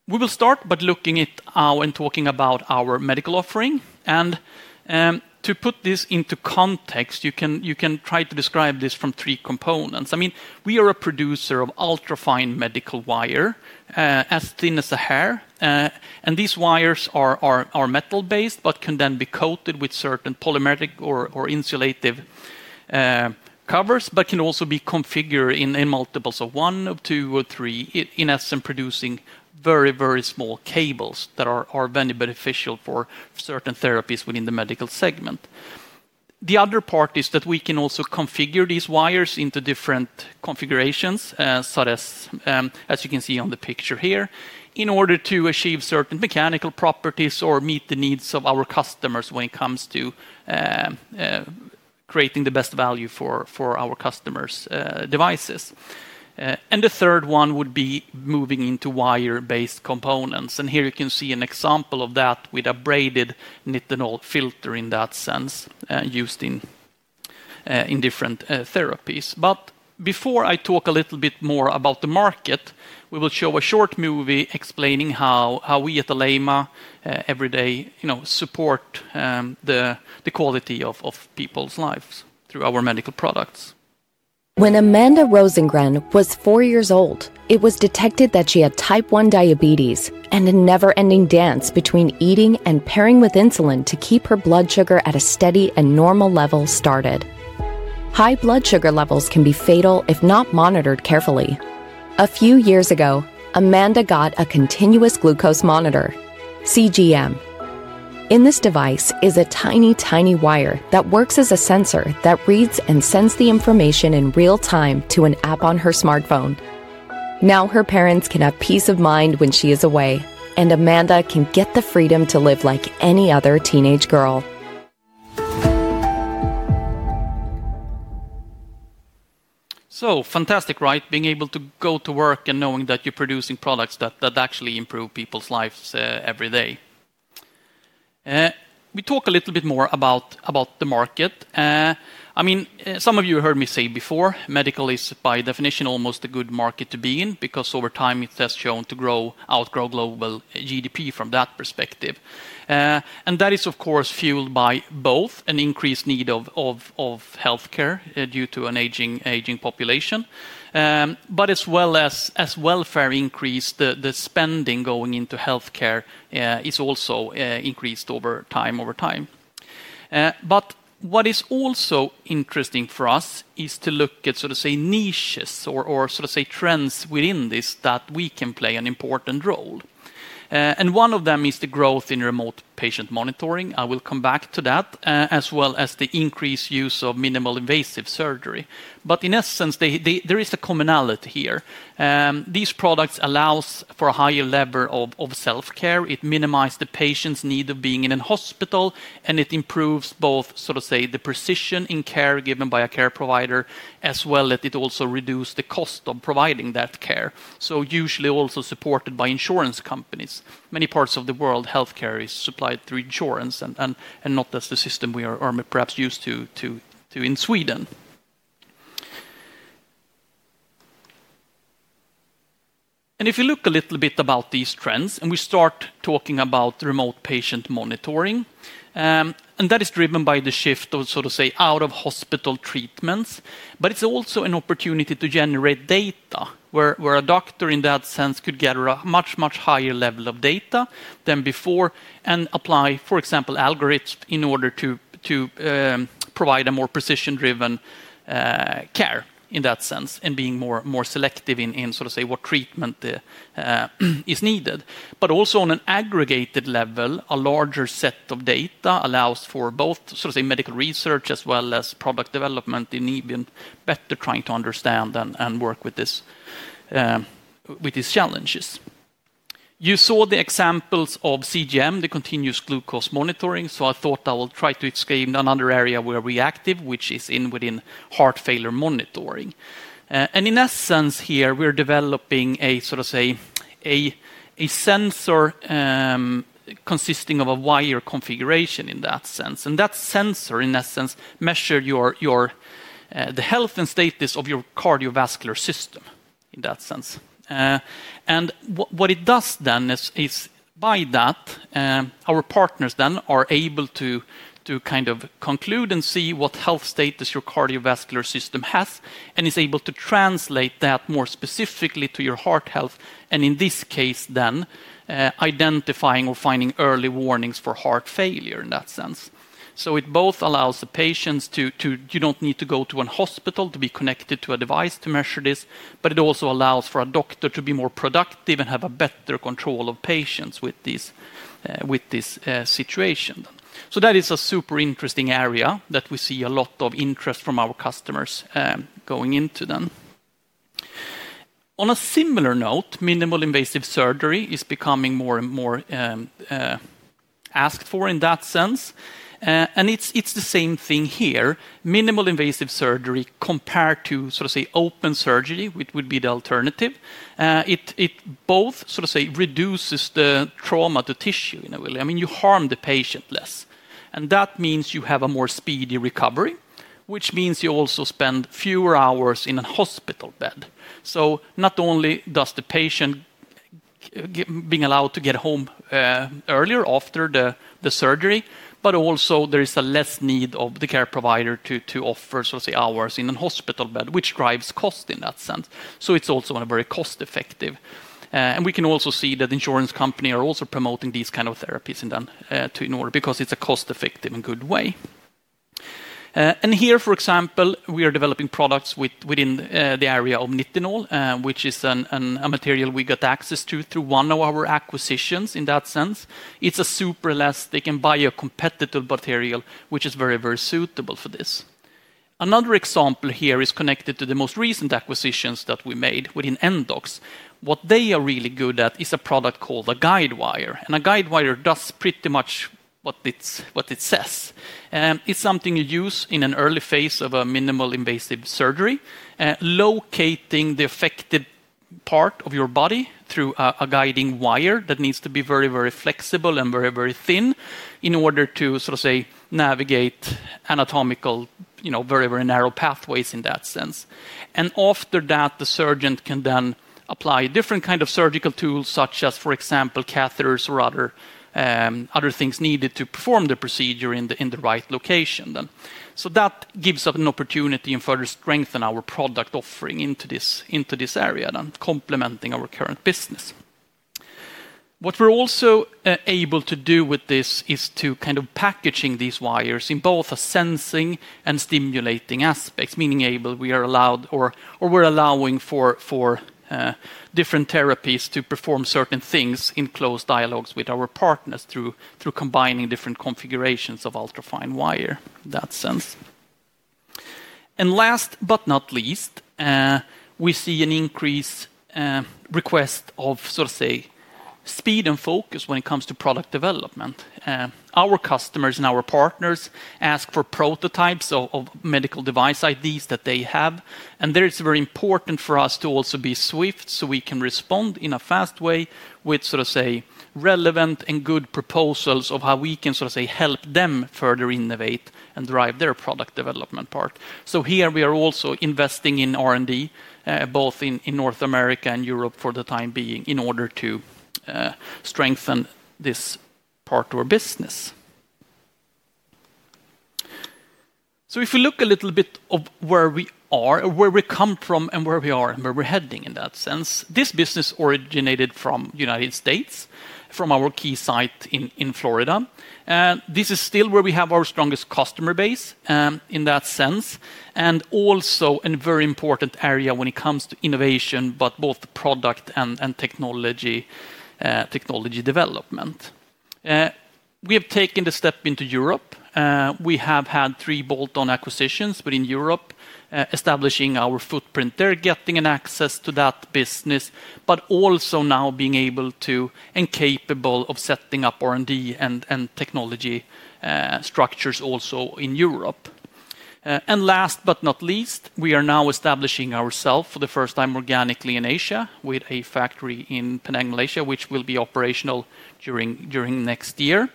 We will start by looking at how and talking about our medical offering. To put this into context, you can try to describe this from three components. I mean we are a producer of ultra-fine medical wire as thin as a hair and these wires are metal based but can then be coated with certain polymeric or insulative covers but can also be configured in multiples of one or two or three, in essence producing very, very small cables that are very beneficial for certain therapies within the medical segment. The other part is that we can also configure these wires into different configurations as you can see on the picture here, in order to achieve certain mechanical properties or meet the needs of our customers when it comes to creating the best value for our customers' devices. The third one would be moving into wire based components and here you can see an example of that with a braided Nitinol filter in that sense used in different therapies. Before I talk a little bit more about the market, we will show a short movie explaining how we at Alleima every day support the quality of people's lives through our medical products. When Amanda Rosengren was four years old. It was detected that she had Type 1 diabetes and a never ending dance between eating and pairing with insulin to keep her blood sugar at a steady and normal level. High blood sugar levels can be fatal. If not monitored carefully. A few years ago Amanda got a continuous glucose monitor CGM. In this device is a tiny, tiny wire that works as a sensor that reads and sends the information in real-time to an app on her smartphone now her parents can have peace of mind when she is away. Amanda can get the freedom to live like any other teenage girl. Fantastic, right? Being able to go to work and knowing that you're producing products that actually improve people's lives. Every day we talk a little bit more about the market. I mean, some of you heard me say before, medical is by definition almost a good market to be in because over time it has shown to outgrow global GDP from that perspective. That is of course fueled by both an increased need of health care due to an aging population, but as well as welfare increase, the spending going into health care is also increased over time. Over time. What is also interesting for us is to look at sort of say niches or sort of say trends within this that we can play an important role. One of them is the growth in remote patient monitoring. I will come back to that as well as the increased use of minimal invasive surgery. In essence, there is a commonality here. These products allow for a higher level of self care. It minimizes the patient's need of being in a hospital and it improves both, sort of say, the precision in care given by a care provider as well as it also reduces the cost of providing that care. Usually, it is also supported by insurance companies. In many parts of the world, healthcare is supplied through insurance and not just the system we are perhaps used to in Sweden. If you look a little bit about these trends and we start talking about remote patient monitoring, that is driven by the shift, so to say, out of hospital treatments. But it's also an opportunity to generate data where a doctor in that sense could gather a much, much higher level of data than before and apply, for example, algorithms in order to provide a more precision-driven care in that sense and being more selective in sort of say what treatment is needed. Also, on an aggregated level, a larger set of data allows for both medical research as well as product development in Alleima. Better trying to understand and work with this, with these challenges. You saw the examples of CGM, the continuous glucose monitoring. I thought I will try to explain another area where we are active, which is within heart failure monitoring. In essence, here we're developing a sort of say a sensor consisting of a wire configuration in that sense. That sensor in essence measures the health and status of your cardiovascular system in that sense. What it does then is by that our partners then are able to kind of conclude and see what health status your cardiovascular system has and are able to translate that more specifically to your heart health, and in this case that identifying or finding early warnings for heart failure in that sense. It both allows the patients to, you do not need to go to a hospital to be connected to a device to measure this, but it also allows for a doctor to be more productive and have better control of patients with this situation. That is a super interesting area that we see a lot of interest from our customers going into them. On a similar note, minimal invasive surgery is becoming more and more asked for in that sense. It's the same thing here, minimal invasive surgery compared to sort of say open surgery, which would be the alternative. It both sort of say reduces the trauma to tissue in a way. I mean you harm the patient less and that means you have a more speedy recovery, which means you also spend fewer hours in a hospital bed. Not only does the patient being allowed to get home earlier after the surgery, but also there is a less need of the care provider to offer hours in a hospital bed, which drives cost in that sense. It's also very cost effective. We can also see that insurance companies are also promoting these kind of therapies done to ignore because it's a cost effective and good way. Here, for example, we are developing products within the area of Nitinol, which is a material we got access to through one of our acquisitions. In that sense, it is a super elastic and biocompatible material which is very, very suitable for this. Another example here is connected to the most recent acquisitions that we made within NDOCs. What they are really good at is a product called a guide wire. And a guide wire does pretty much what it says. It is something you use in an early phase of a minimal invasive surgery, locating the affected part of your body through a guiding wire that needs to be very, very flexible and very, very thin in order to, sort of say, navigate anatomically very, very narrow pathways in that sense. After that the surgeon can then apply different kind of surgical tools such as, for example, catheters or other things needed to perform the procedure in the right location. That gives us an opportunity and further strengthens our product offering into this area, complementing our current business. What we're also able to do with this is to kind of package these wires in both a sensing and stimulating aspect, meaning we are allowed or we're allowing for different therapies to perform certain things in close dialogues with our partners through combining different configurations of ultra-fine wire that sense. Last but not least, we see an increased request of, sort of say, speed and focus when it comes to product development. Our customers and our partners ask for prototypes of medical device IDs that they have. There it's very important for us to also be swift so we can respond in a fast way with, sort of say, relevant and good proposals of how we can, sort of say, help them further innovate and drive their product development part. Here we are also investing in R&D both in North America and Europe for the time being in order to strengthen this part of our business. If you look a little bit at where we are, where we come from, and where we're heading in that sense, this business originated from the United States, from our key site in Florida. This is still where we have our strongest customer base in that sense and also a very important area when it comes to innovation, both product and technology development. We have taken the step into Europe. We have had three bolt-on acquisitions within Europe, establishing our footprint there, getting access to that business, but also now being able to and capable of setting up R&D and technology structures also in Europe. Last but not least, we are now establishing ourselves for the first time organically in Asia with a factory in Penang, Malaysia, which will be operational during next year.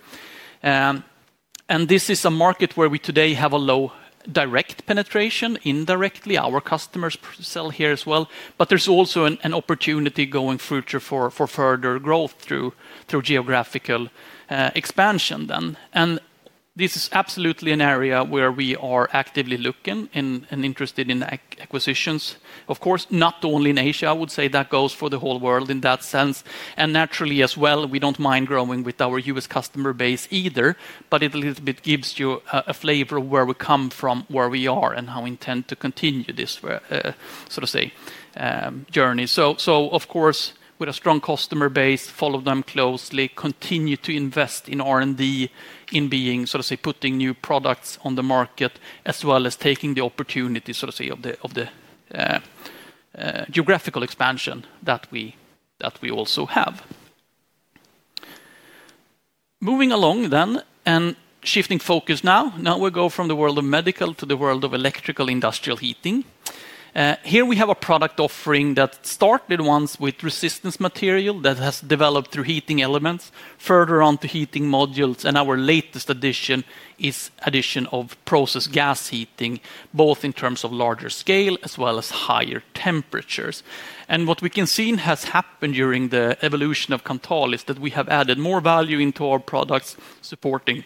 This is a market where we today have a low direct penetration. Indirectly our customers sell here as well. There is also an opportunity going further for further growth through geographical expansion then. This is absolutely an area where we are actively looking and interested in acquisitions. Of course, not only in Asia. I would say that goes for the whole world in that sense. Naturally as well, we do not mind growing with our U.S. customer base either. It a little bit gives you a flavor of where we come from, where we are, and how we intend to continue this sort of say journey. Of course, with a strong customer base, follow them closely, continue to invest in R&D, in being sort of say putting new products, products on the market as well as taking the opportunity, so to say, of the geographical expansion that we also have. Moving along then and shifting focus now. Now we go from the world of medical to the world of electrical industrial heating. Here we have a product offering that started once with resistance material that has developed through heating elements, further on to heating modules. Our latest addition is addition of process gas heating both in terms of larger scale as well as higher temperatures. What we can see has happened during the evolution of Kanthal is that we have added more value into our products, supporting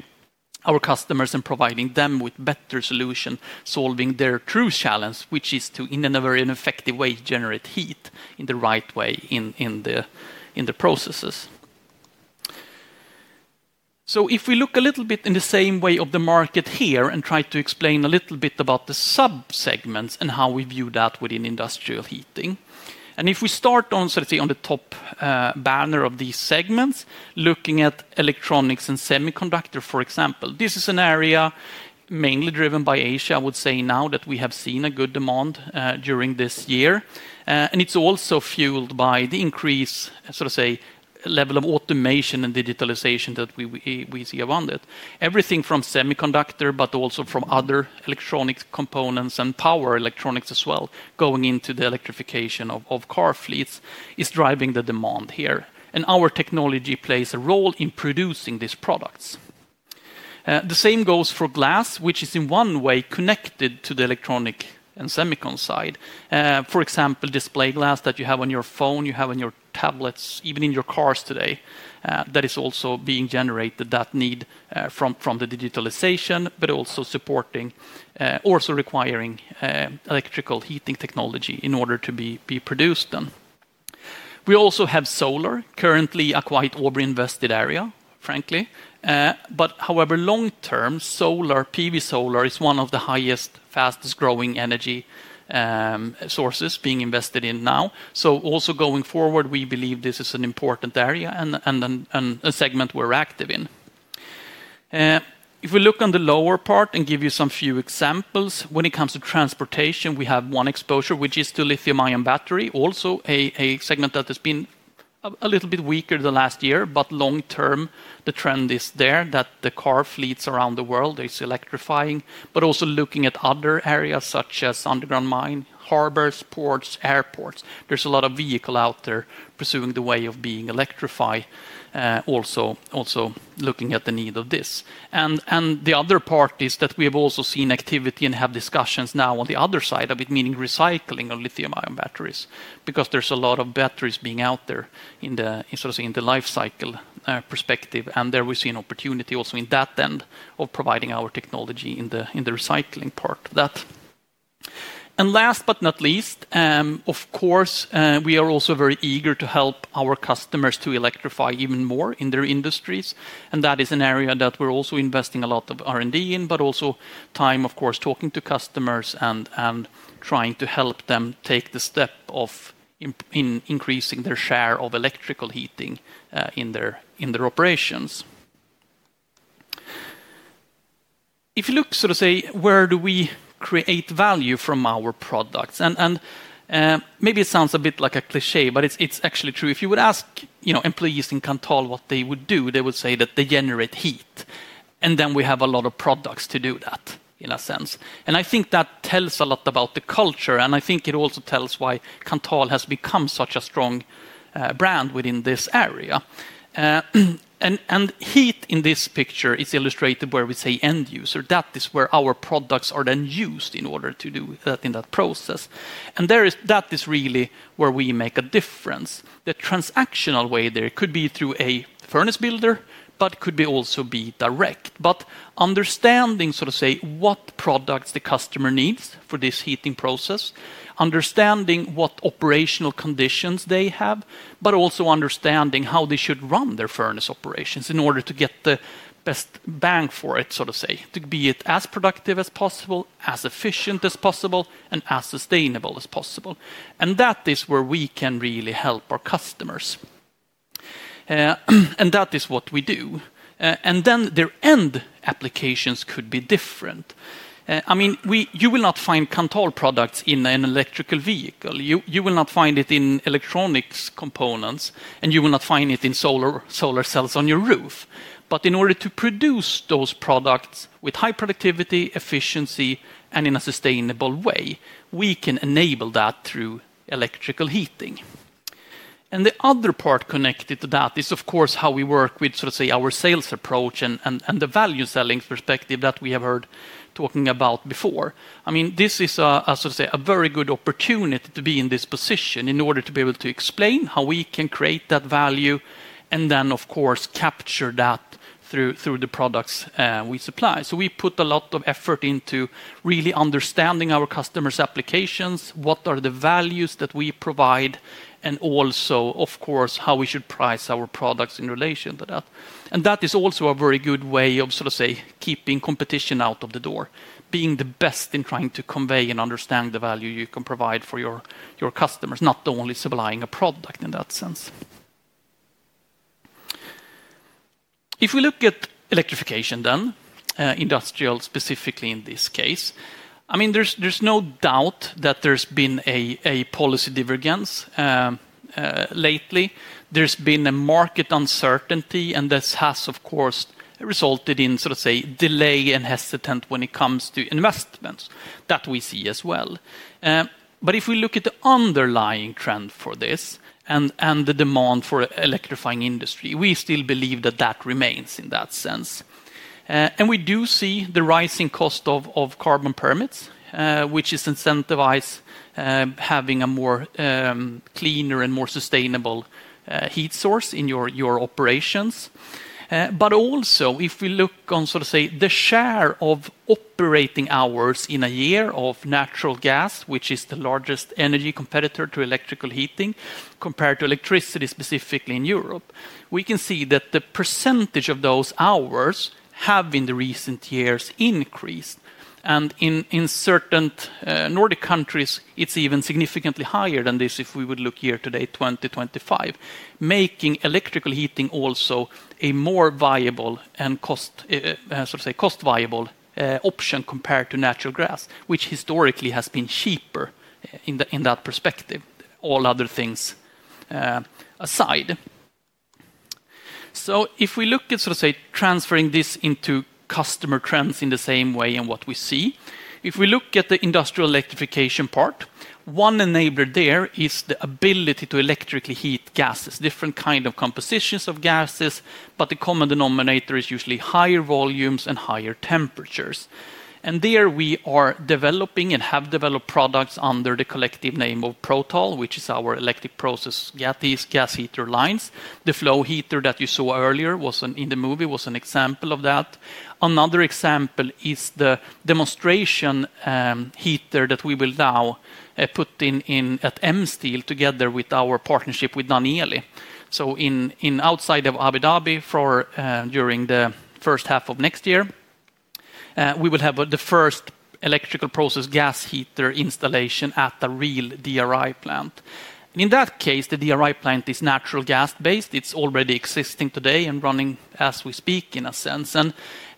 our customers and providing them with better solution, solving their true challenge which is to ineffective way generate heat in the right way in the processes. If we look a little bit in the same way of the market here and try to explain a little bit about the sub segments and how we view that within industrial heating and if we start on the top banner of these segments, looking at electronics and semiconductor for example, this is an area mainly driven by Asia. I would say now that we have seen a good demand during this year. It is also fueled by the increased, sort of, level of automation and digitalization that we see around it. Everything from semiconductor, but also from other electronic components and power electronics as well. Going into the electrification of car fleets is driving the demand here and our technology plays a role in producing these products. The same goes for glass, which is in one way connected to the electronics, electronic and semiconductor side. For example, display glass that you have on your phone, you have on your tablets, even in your cars today, that is also being generated, that need from the digitalization, but also supporting, also requiring industrial electric heating technology in order to be produced. We also have solar, currently a quite aubrey invested area, frankly. However, long term, solar PV, solar is one of the highest, fastest growing energy sources being invested in now. Also going forward we believe this is an important area and a segment we're active in. If we look on the lower part and give you some few examples when it comes to transportation, we have one exposure which is to lithium ion battery. Also a segment that has been a little bit weaker the last year. Long term the trend is there that the car fleets around the world is electrifying. Also looking at other areas such as underground mine harbors, ports, airports, there's a lot of vehicle out there pursuing the way of being electrified. Also looking at the need of this. The other part is that we have also seen activity and have discussions now on the other side of it, meaning recycling of lithium ion batteries. Because there's a lot of batteries being out there in the lifecycle perspective. There we see an opportunity also in that end of providing our technology in the recycling part of that. Last but not least, of course we are also very eager to help our customers to electrify even more in their industries. That is an area that we're also investing a lot of R&D in. Also, time of course talking to customers and trying to help them take the step of increasing their share of electrical heating in their operations. If you look, sort of say, where do we create value from our products, and maybe it sounds a bit like a cliché, but it's actually true. If you would ask employees in Kanthal what they would do, they would say that they generate heat. Then we have a lot of products to do that in a sense. I think that tells a lot about the culture and I think it also tells why Kanthal has become such a strong brand within this area. Heat in this picture is illustrated where we say end user. That is where our products are then used in order to do that in that process. That is really where we make a difference. The transactional way there could be through a furnace build, but could also be direct, but understanding, so to say, what products the customer needs for this heating process, understanding what operational conditions they have, but also understanding how they should run their furnace operations in order to get the best bang for it, so to say, to be as productive as possible, as efficient as possible, and as sustainable as possible. That is where we can really help our customers and that is what we do. Their end applications could be different. I mean, you will not find Kanthal products in an electrical vehicle, you will not find it in electronics components, and you will not find it in solar cells on your roof. In order to produce those products with high productivity, efficiency, and in a sustainable way, we can enable that through electrical heating. The other part connected to that is of course how we work with our sales approach and the value selling perspective that we have heard talking about before. I mean, this is a very good opportunity to be in this position in order to be able to explain how we can create that value and then of course capture that through the products we supply. We put a lot of effort into really understanding our customers' applications, what are the values that we provide, and also, of course, how we should price our products in relation to that. That is also a very good way of, sort of say, keeping competition out of the door, being the best in trying to convey and understand the value you can provide for your customers, not only supplying a product in that sense. If we look at electrification, then industrial specifically in this case, I mean, there's no doubt that there's been a policy divergence lately. There's been a market uncertainty, and this has, of course, resulted in, sort of say, delay and hesitant when it comes to investments that we see as well. If we look at the underlying trend for this and the demand for electrifying industry, we still believe that that remains in that sense. We do see the rising cost of carbon permits, which is incentivized, having a more cleaner and more sustainable heat source in your operations. Also, if we look on, sort of, say, the share of operating hours in a year of natural gas, which is the largest energy competitor to electrical heating compared to electricity specifically in Europe, we can see that the percentage of those hours have in the recent years increased. In certain Nordic countries, it is even significantly higher than this. If we would look here today, 2025, making electrical heating also a more viable and cost viable option compared to natural gas, which historically has been cheaper in that perspective, all other things aside. If we look at sort of say transferring this into customer trends in the same way. What we see if we look at the industrial electrification part, one enabler there is the ability to electrically heat gases. Different kind of compositions of gases, but the common denominator is usually higher volumes and higher temperatures. There we are developing and have developed products under the collective name of Prothal which is our electric process gas heater lines. The flow heater that you saw earlier in the movie was an example of that. Another example is the demonstration heater that we will now put in at Emsteel together with our partnership with Danieli, so outside of Abu Dhabi during the first half of next year, we will have the first electrical process gas heater installation at the real DRI plant. In that case, the DRI plant is natural gas based. It's already existing today and running as we speak, in a sense.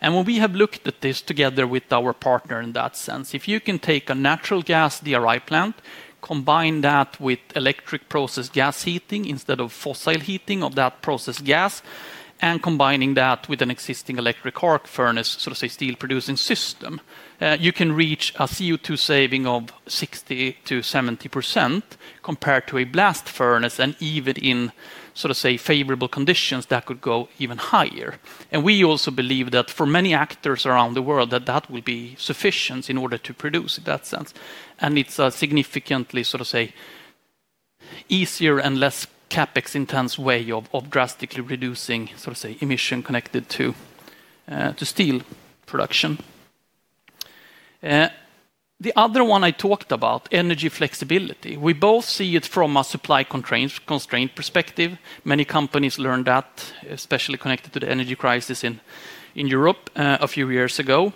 When we have looked at this together with our partner in that sense, if you can take a natural gas DRI plant, combine that with electricity process gas heating instead of fossil heating of that process gas, and combine that with an existing electric arc furnace, so to say steel producing system, you can reach a CO_2 saving of 60%-70% compared to a blast furnace. Even in, sort of say, favorable conditions, that could go even higher. We also believe that for many actors around the world, that will be sufficient in order to produce in that sense. It's a significantly, sort of say, easier and less CapEx intense way of drastically reducing, sort of say, emission connected to steel production. The other one I talked about, energy flexibility, we both see it from a supply constraint perspective. Many companies learn that especially connected to the energy crisis in Europe a few years ago.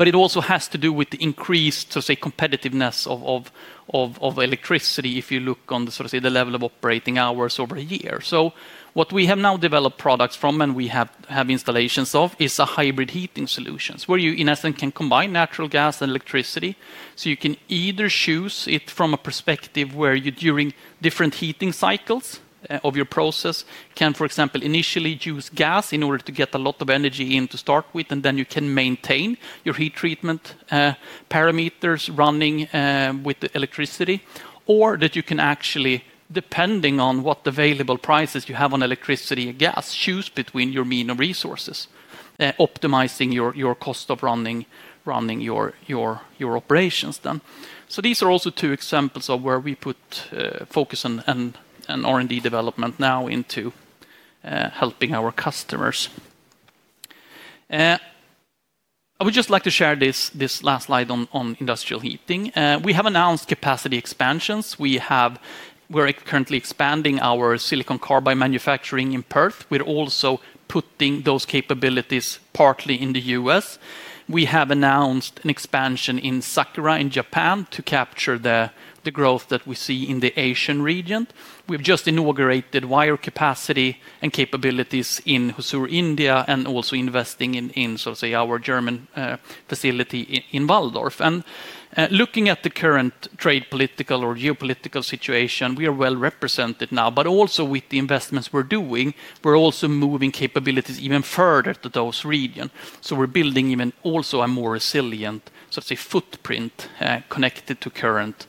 It also has to do with the increased, to say, competitiveness of electricity. If you look on the sort of the level of operating hours over a year. What we have now developed products from and we have installations of is hybrid heating solutions where you in essence can combine natural gas and electricity. You can either choose it from a perspective where you during different heating cycles of your process can, for example, initially use gas in order to get a lot of energy in to start with, and then you can maintain your heat treatment parameters running with the electricity, or you can actually, depending on what available prices you have on electricity and gas, choose between your main resources, optimizing your cost of running your operations then. These are also two examples of where we put focus and R&D development now into helping our customers. I would just like to share this last slide on industrial heating. We have announced capacity expansions. We're currently expanding our silicon carbide manufacturing in Per. We're also putting those capabilities partly in the U.S. We have announced an expansion in Sakura in Japan to capture the growth that we see in the Asian region. We've just inaugurated wire capacity and capabilities in Hissar, India and also investing in our German facility in Waldkrich. Looking at the current trade, political or geopolitical situation, we are well represented now. With the investments we're doing, we're also moving capabilities even further to those regions. We're building an even more resilient footprint connected to current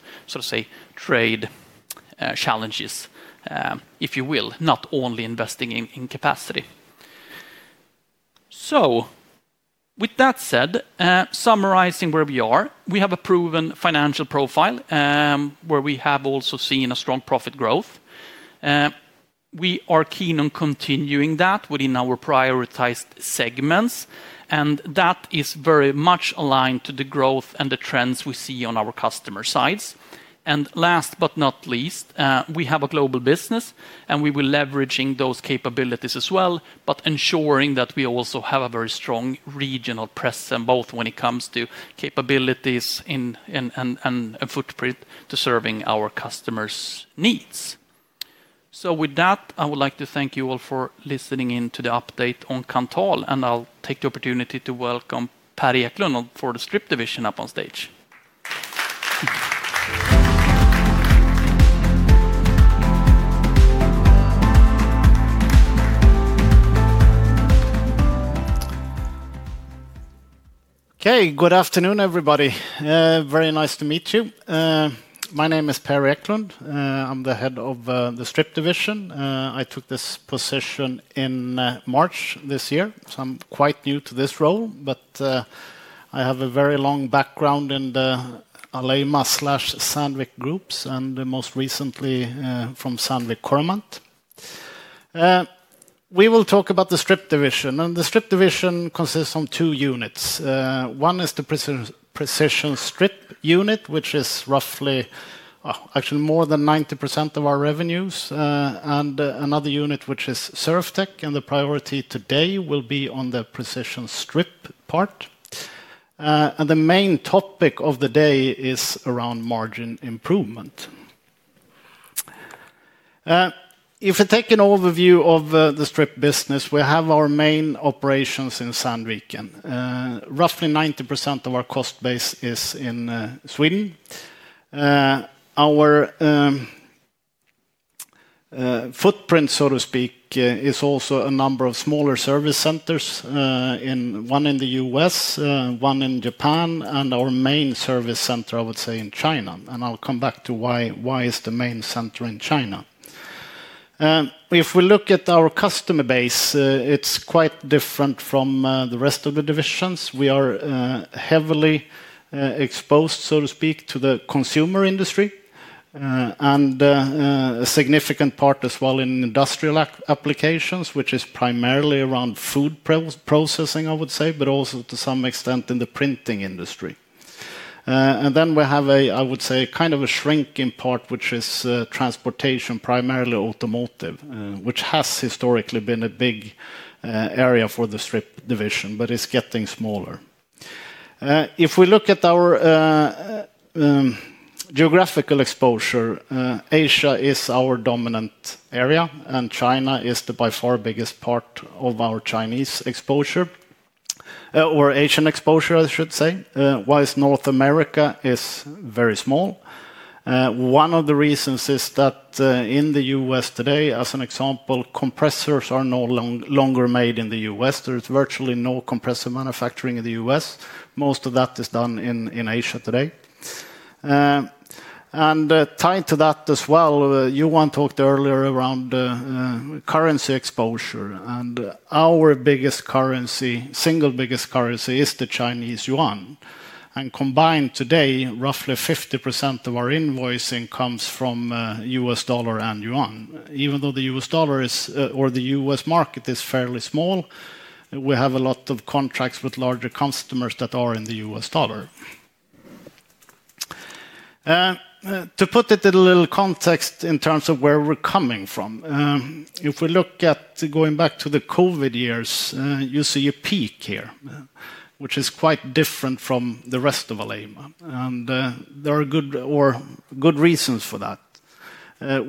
trade challenges, if you will, not only investing in capacity. With that said, summarizing where we are, we have a proven financial profile where we have also seen a strong profit growth. Growth. We are keen on continuing that within our prioritized segments and that is very much aligned to the growth and the trends we see on our customer sides. Last but not least, we have a global business and we will be leveraging those capabilities as well, but ensuring that we also have a very strong regional presence both when it comes to capabilities and footprint to serving our customers' needs. With that I would like to thank you all for listening in to the update on Kanthal. I'll take the opportunity to welcome Per Eklund for the Strip Division up on stage. Okay, good afternoon everybody. Very nice to meet you. My name is Per Eklund. I'm the head of the Strip Division. I took this position in March this year. I'm quite new to this role, but I have a very long background in the Alleima and Sandvik groups and most recently from Sandvik Coromant We will talk about the Strip Division. The Strip Division consists of two units. One is the precision strip unit, which is roughly actually more than 90% of our revenues. Another unit is ServTech, and the priority today will be on the precision strip part. The main topic of the day is around margin improvement. If I take an overview of the strip business, we have our main operations in Sandviken. Roughly 90% of our cost base is in Sweden. Our footprint, so to speak, is also a number of smaller service centers. One in the U.S., one in Japan, and our main service center, I would say, in China. I'll come back to why is the main center in China? If we look at our customer base, it's quite different from the rest of the divisions. We are heavily exposed, so to speak, to the consumer industry and a significant part as well in industrial applications, which is primarily around food processing, I would say, but also to some extent in the printing industry. We have a, I would say, kind of a shrinking part, which is transportation, primarily automotive, which has historically been a big area for the Strip Division. It's getting smaller. If we look at our geographical exposure, Asia is our dominant area and China is by far the biggest part of our Chinese exposure, or Asian exposure, I should say, whilst North America is very small. One of the reasons is that in the U.S. today, as an example, compressors are no longer made in the U.S. There is virtually no compressor manufacturing in the U.S. Most of that is done in Asia today and tied to that as well. Johan talked earlier around currency exposure and our biggest currency, single biggest currency is the Chinese Yuan. And combined today, roughly 50% of our invoicing comes from U.S. dollar and Yuan. Even though the U.S. dollar or the U.S. market is fairly small, we have a lot of contracts with larger customers that are in the U.S. dollar. To put it in a little context in terms of where we're coming from, if we look at going back to the COVID years, you see a peak here which is quite different from the rest of Alleima. There are good reasons for that.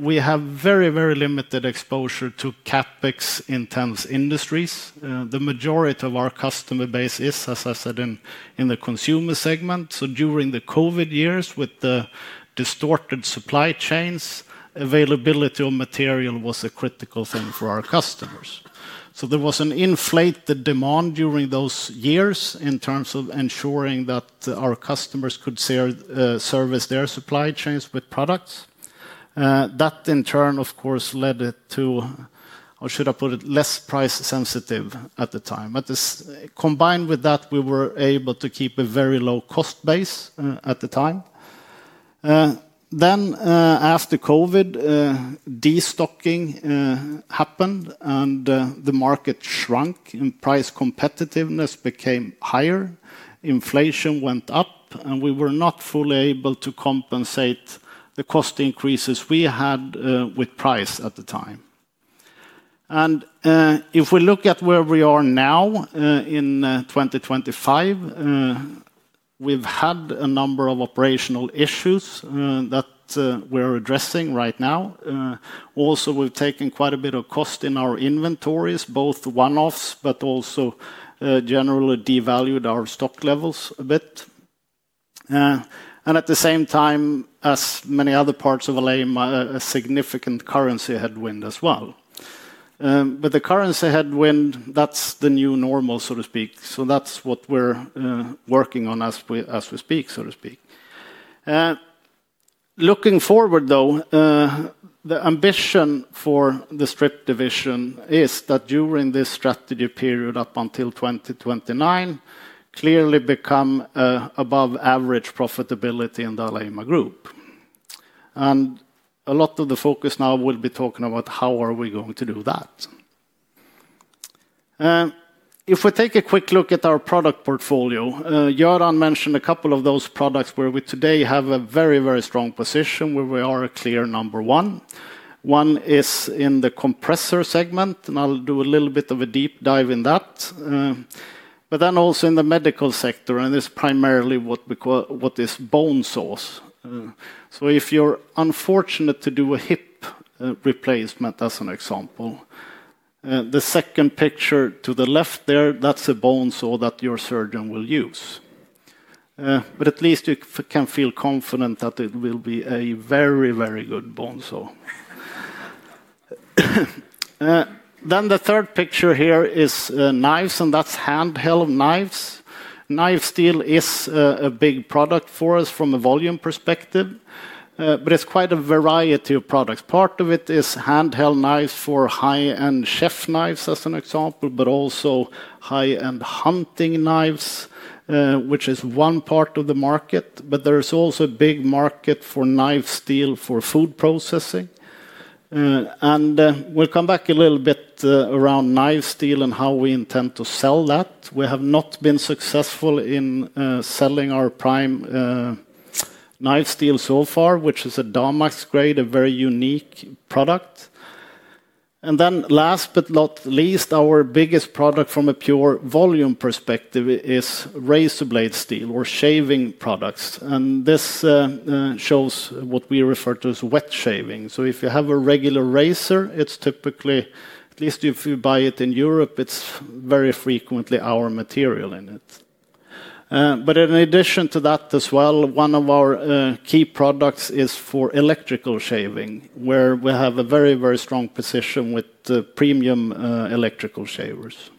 We have very, very limited exposure to CapEx intense industries. The majority of our customer base is, as I said, in the consumer segment. During the COVID years, with the distorted supply chain, availability of material was a critical thing for our customers. There was an inflated demand during those years in terms of ensuring that our customers could service their supply chains with products that in turn of course led to, or should I put it, less price sensitive at the time. Combined with that, we were able to keep a very low cost base at the time. After COVID, destocking happened and the market shrunk and price competitiveness became higher, inflation went up and we were not fully able to compensate the cost increases we had with price at the time. If we look at where we are now in 2025, we've had a number of operational issues that we're addressing right now. Also, we've taken quite a bit of cost in our inventories, both one-offs, but also generally devalued our stock levels a bit, and at the same time as many other parts of Alleima, a significant currency headwind as well. The currency headwind, that's the new normal, so to speak. That's what we're working on as we speak, so to speak. Looking forward though, the ambition for the Strip division is that during this strategy period up until 2029, clearly become above average profitability in the Alleima group. A lot of the focus now will be talking about how are we going to do that if we take a quick look at our product portfolio. Göran mentioned a couple of those products where we today have a very, very strong position where we are a clear number one. One is in the compressor segment and I'll do a little bit of a deep dive in that. Also in the medical sector and this primarily what is bone saw steel. If you're unfortunate to do hip replacement as an example, the second picture to the left there, that's a bone saw that your surgeon will use, but at least you can feel confident that it will be a very, very good bone saw. The third picture here is knives and that's handheld knives. Knife steel is a big product for us from a volume process perspective, but it's quite a variety of products. Part of it is handheld knives for high end chef knives as an example, but also high end hunting knives, which is one part of the market. There's also a big market for knife steel for food processing. We'll come back a little bit around knife steel and how we intend to sell that. We have not been successful in selling our prime knife steel so far, which is a Dahmax grade, a very unique product. Last but not least, our biggest product from a pure volume perspective is razor blade steel or shaving products. This shows what we refer to as wet shaving. If you have a regular razor, typically at least if you buy it in Europe, it is very frequently our material in it. In addition to that as well, one of our key products is for electrical shaving where we have a very, very strong position with premium electrical shavers.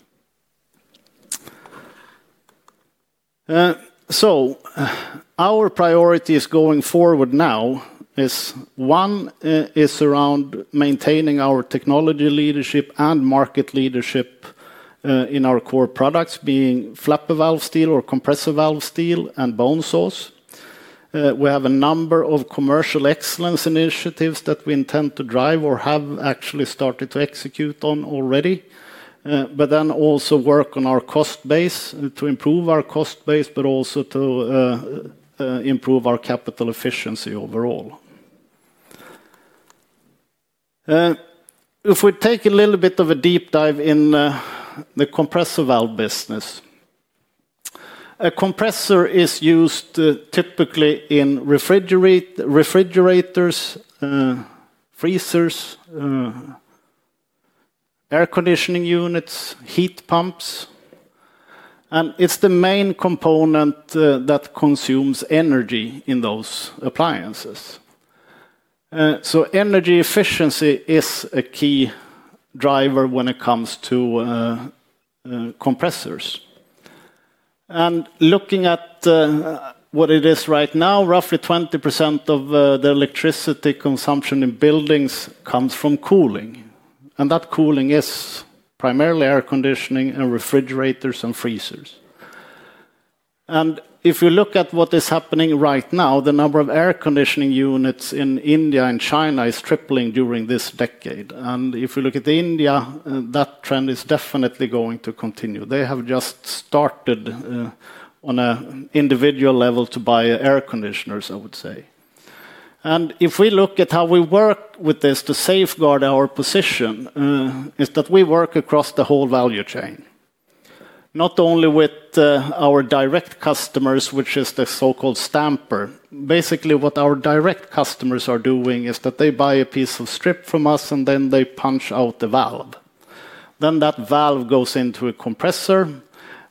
Our priorities going forward now is one is around maintaining our technology leadership and market leadership. In our core products, being flapper valve steel or compressor valve steel and bone saws, we have a number of commercial excellence initiatives that we intend to drive or have actually started to execute on already, but then also work on our cost base to improve our cost base, but also to improve our capital efficiency overall. If we take a little bit of a deep dive in the compressor valve business. A compressor is used typically in refrigerators, freezers, air conditioning units, heat pumps, and it's the main component that consumes energy in those appliances. Energy efficiency is a key driver when it comes to compressors. Looking at what it is right now, roughly 20% of the electricity consumption in buildings comes from cooling. That cooling is primarily air conditioning and refrigerators and freezers. If you look at what is happening right now, the number of air conditioning units in India and China is tripling during this decade. If you look at India, that trend is definitely going to continue. They have just started on an individual level to buy air conditioners, I would say. If we look at how we work with this to safeguard, our position is that we work across the whole value chain, not only with our direct customers, which is the so-called stamper. Basically, what our direct customers are doing is that they buy a piece of strip from us and then they punch out the valve. That valve goes into a compressor.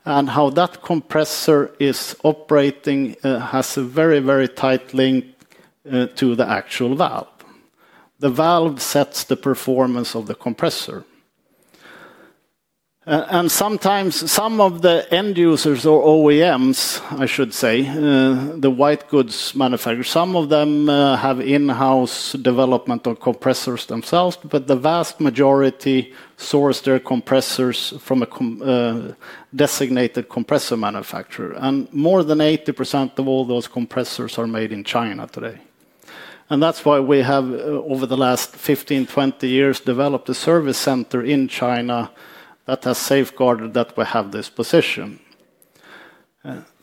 How that compressor is operating has a very, very tight link to the actual valve. The valve sets the performance of the compressor. Sometimes some of the end users or OEMs, I should say the white goods manufacturers, some of them have in-house development or compressors themselves. The vast majority source their compressors from a designated compressor manufacturer. More than 80% of all those compressors are made in China today. That is why we have over the last 15, 20 years developed a service center in China that has safeguarded that we have this position.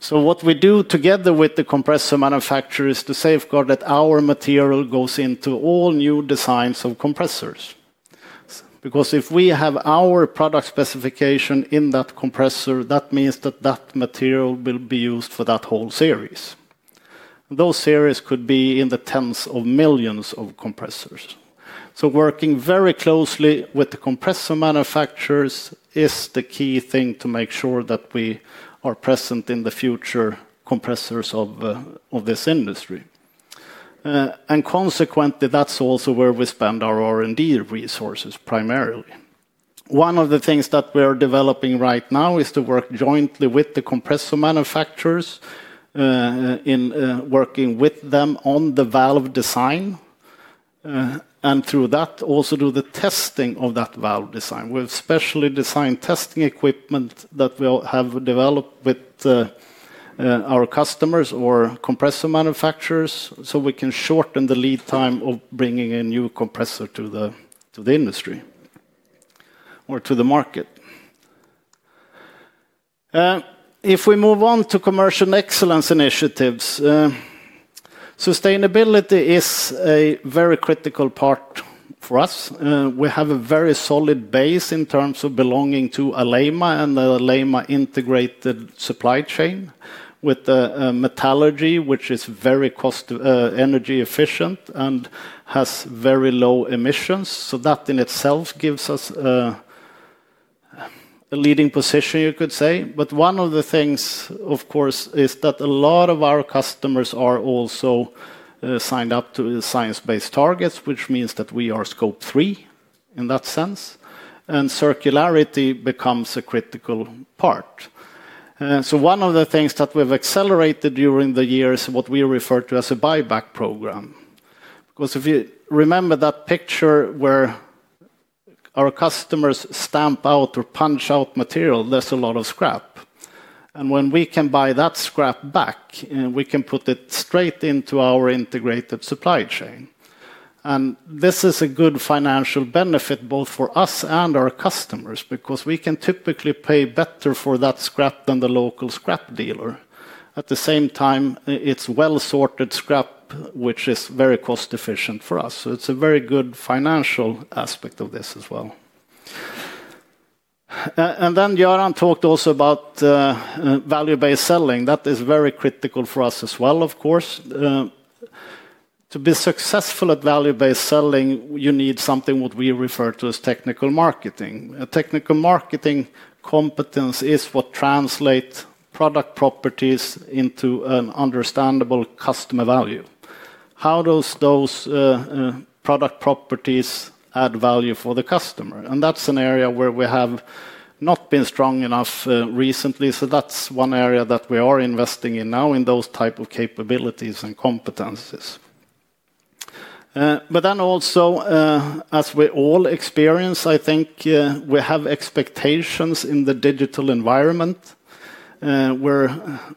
What we do together with the compressor manufacturer is to safeguard that our material goes into all new designs of compressors. If we have our product specification in that compressor, that means that material will be used for that whole series. Those series could be in the tens of millions of compressors. Working very closely with the compressor manufacturers is the key thing to make sure that we are present in the future compressors of this industry. Consequently, that is also where we spend our R&D resources. Primarily, one of the things that we are developing right now is to work jointly with the compressor manufacturers in working with them on the valve design and through that also do the testing of that valve design. We have specially designed testing equipment that we have developed with our customers or compressor manufacturers so we can shorten the lead time of bringing a new compressor to the industry or to the market. If we move on to commercial excellence initiatives, sustainability is a very critical part for us. We have a very solid base in terms of belonging to Alleima and the Alleima integrated supply chain with metallurgy, which is very cost and energy efficient and has very low emissions. That in itself gives us. A leading position, you could say. One of the things of course is that a lot of our customers are also signed up to Science Based Targets, which means that we are scope three in that sense and circularity becomes a critical part. One of the things that we've accelerated during the years, what we refer to as a buyback program because if you remember that picture where our customers stamp out or punch out material, there's a lot of scrap. When we can buy that scrap back, we can put it straight into our integrated supply chain. This is a good financial benefit both for us and our customers because we can typically pay better for that scrap than the local scrap dealer. At the same time, it's well sorted scrap which is very cost efficient for us. It is a very good financial aspect of this as well. Yaran talked also about value based selling. That is very critical for us as well. Of course, to be successful at value based selling you need something what we refer to as technical marketing. Technical marketing. Marketing competence is what translates product properties into an understandable customer value. How do those product properties add value for the customer? That is an area where we have not been strong enough recently. That is one area that we are investing in now in those type of capabilities and competencies. Also, as we all experience, I think we have expectations in the digital environment where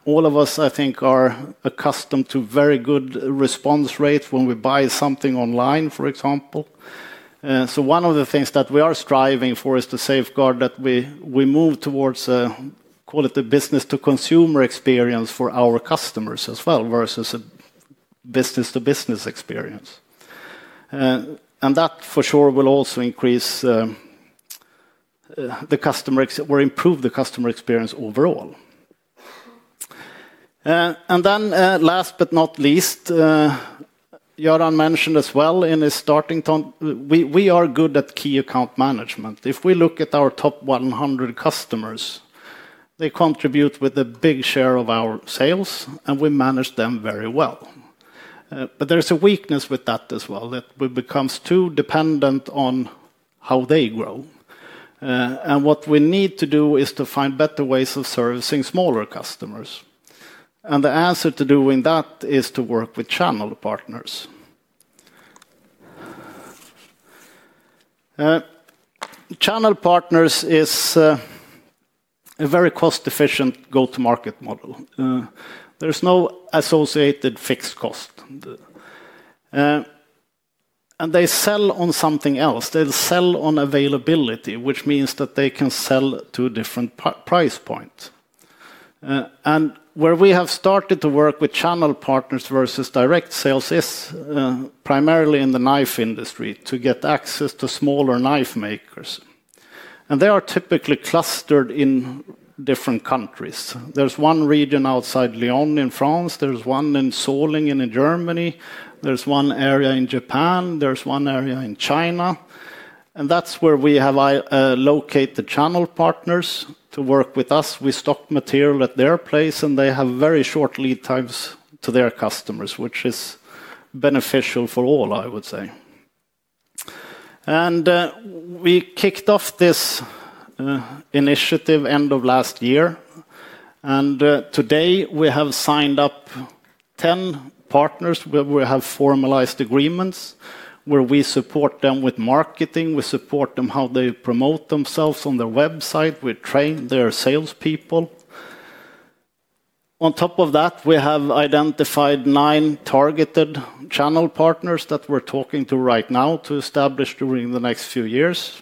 all of us I think are accustomed to very good response rates when we buy something online, for example. One of the things that we are striving for is to safeguard that we move towards quality business to consumer experience for our customers as well, versus a business to business experience. That for sure will also increase the customer or improve the customer experience overall. Last but not least, Göran mentioned as well in his starting tone, we are good at key account management. If we look at our top 100 customers, they contribute with a big share of our sales and we manage them very well. There is a weakness with that as well, that we become too dependent on how they grow. What we need to do is to find better ways of servicing smaller customers. The answer to doing that is to work with Channel Partners. Channel Partners is a very cost efficient go to market model. There's no associated fixed cost and they sell on something else. They sell on availability, which means that they can sell to different price points. Where we have started to work with Channel Partners versus direct sales is primarily in the knife industry to get access to smaller knife makers. They are typically clustered in different countries. There's one region outside Lyon in France, there's one in Solingen in Germany, there's one area in Japan, there's one area in China. That's where we have located Channel Partners to work with us. We stock material at their place and they have very short lead times to their customers, which is beneficial for all, I would say. We kicked off this initiative end of last year and today we have signed up 10 partners where we have formalized agreements where we support them with marketing, we support them how they promote themselves on their website, we train their salespeople. On top of that, we have identified nine targeted Channel Partners that we're talking to right now to establish during the next few years.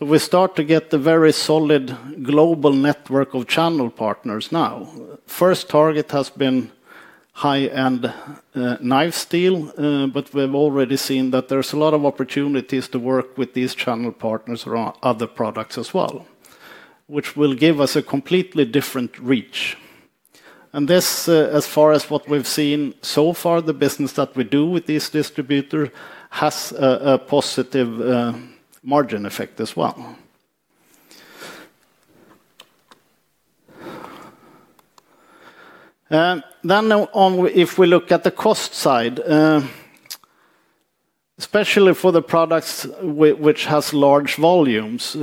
We start to get the very solid global network of Channel Partners. The first target has been high end knife steel. We've already seen that there's a lot of opportunities to work with these Channel Partners around other products as well, which will give us a completely different reach. As far as what we've seen so far, the business that we do with these distributors has a positive margin effect as well. Well. If we look at the cost side, especially for the products which has large volumes,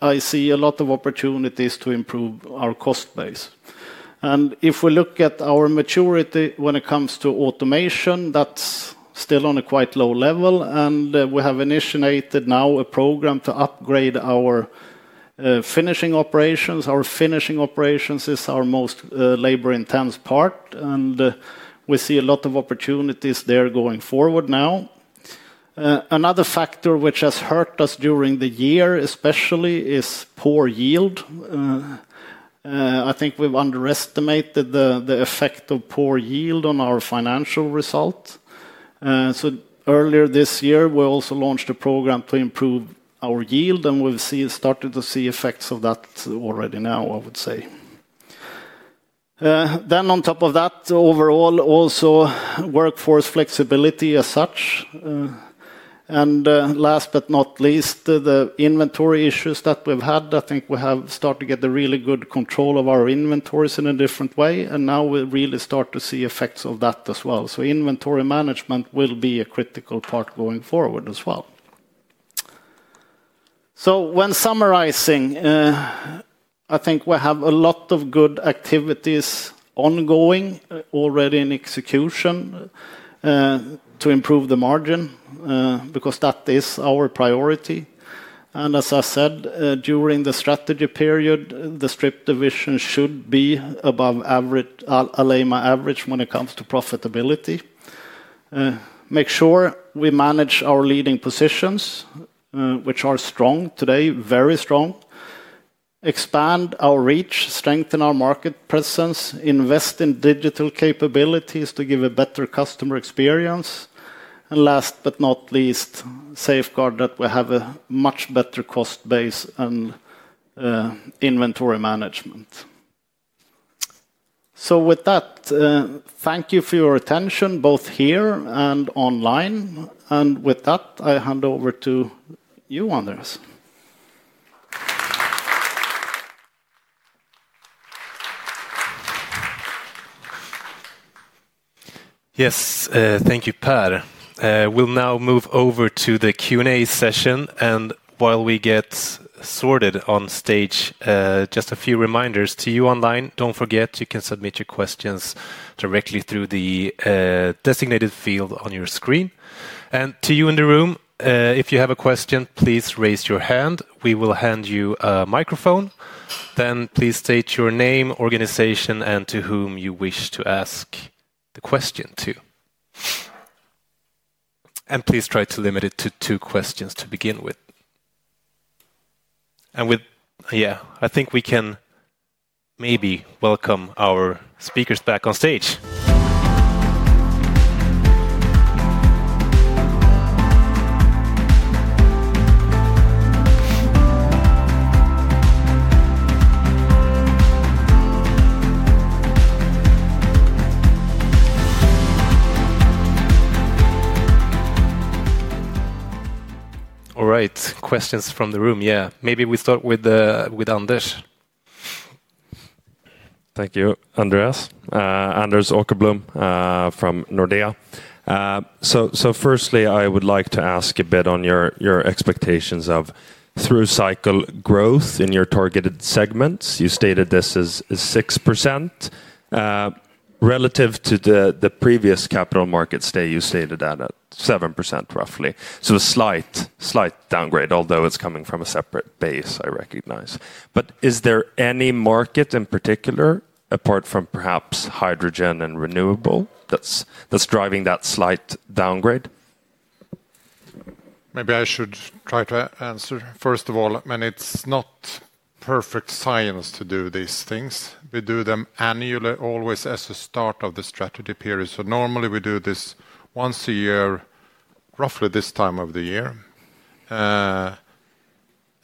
I see a lot of opportunities to improve our cost base. If we look at our maturity when it comes to automation, that's still on a quite low level. We have initiated now a project to upgrade our finishing operations. Our finishing operations is our most labor intense part and we see a lot of opportunities there going forward. Another factor which has hurt us during the year especially is poor yield. I think we've underestimated the effect of poor yield on our financial result. Earlier this year we also launched a program to improve our yield and we've started to see effects of that already. Now I would say then on top of that overall also workforce flexibility as such, and last but not least the inventory issues that we've had. I think we have started to get the really good control of our inventories in a different way. Now we really start to see effects of that as well. Inventory management will be a critical part going forward as well. When summarizing, I think we have a lot of good activities ongoing already in execution to improve the margin, because that is our priority. As I said during the strategy period, the Strip Division should be above. Alleima average when it comes to profitability. Make sure we manage our leading positions which are strong today, very strong, expand our reach, strengthen our market presence, invest in digital capabilities to give a better customer experience and last but not least, safeguard that we have a much better cost base and inventory management. Thank you for your attention both here and online. With that I hand over to you, Andreas. Yes, thank you, Per. We'll now move over to the Q&A session and while we get sorted on stage, just a few reminders to you online. Don't forget you can submit your questions directly through the designated field on your screen, and to you in the room, if you have a question, please raise your hand. We will hand you a microphone then. Please state your name, organization, and to whom you wish to ask the question. Please try to limit it to two questions to begin with. And with. Yeah, I think we can maybe welcome our speakers back on stage. All right, questions from the room. Yeah, maybe we start with Anders. Thank you, Andreas. Anders Ekblom from Nordea. Firstly I would like to ask a bit on your expectations of through cycle growth in your targeted segments. You stated this is 6% relative to the previous capital markets day. You stated at 7% roughly. A slight downgrade, although it is coming from a separate base, I recognize. Is there any market in particular, apart from perhaps hydrogen and renewable, that is driving that slight downgrade? Maybe I should try to answer. First of all, it's not perfect science to do these things. We do them annually, always as a start of the strategy period. Normally we do this once a year, roughly this time of the year,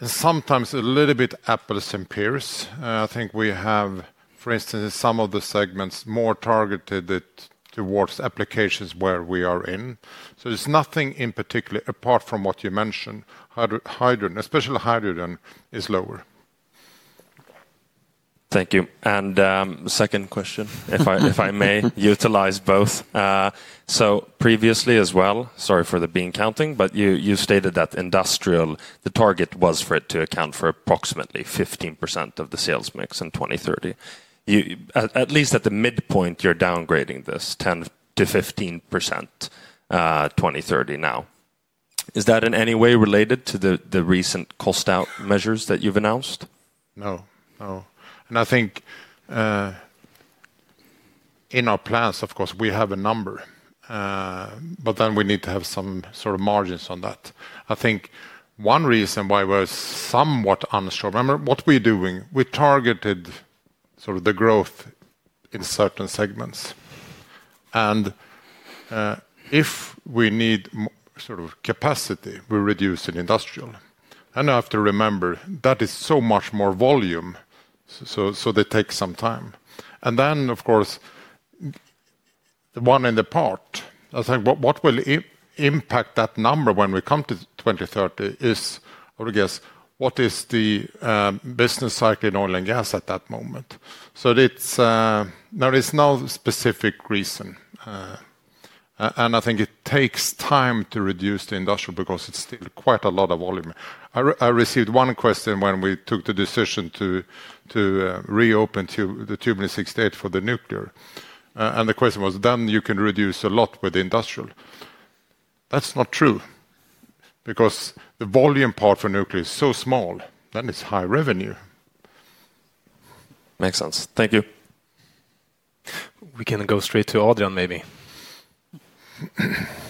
sometimes a little bit. Apples and peers. I think we have for instance in some of the segments more targeted towards applications where we are in. There's nothing in particular apart from what you mentioned. Hydrogen, especially hydrogen is lower. Thank you. Second question, if I may utilize both so previously as well. Sorry for the bean counting, but you stated that industrial, the target was for it to account for approximately 15% of the sales mix in 2030, at least at the midpoint. You're downgrading this to 10%-15% in 2030 now. Is that in any way related to the recent cost out measures that you've announced? No, no. I think in our plans of course we have a number, but then we need to have some sort of margins on that. I think one reason why we're somewhat unsure, remember what we're doing, we targeted sort of the growth in certain segments and if we need sort of capacity, we reduce in industrial, and I have to remember that is so much more volume. They take some time. Of course, the one in the part I think what will impact that number when we come to 2030 is, I would guess, what is the business cycle in oil and gas at that moment. There is no specific reason, and I think it takes time to reduce the industrial because it's still quite a lot of volume. I received one question when we took the decision to reopen the Tube in 1968 for the nuclear and the question was then you can reduce a lot with industrial. That's not true because the volume part for nuclear is so small that is high revenue. Makes sense. Thank you. We can go straight to Adrian maybe.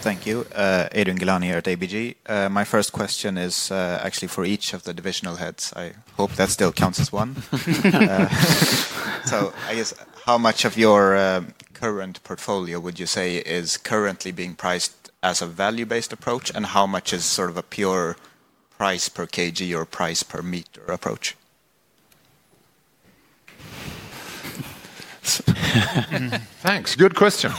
Thank you. Adrian Gilani here at ABG. My first question is actually for each of the divisional heads. I hope that still counts as one. I guess how much of your. Current portfolio would you say is currently being priced as a value-based approach and how much is sort of a pure price per kilogram or price per meter approach? Thanks. Good question.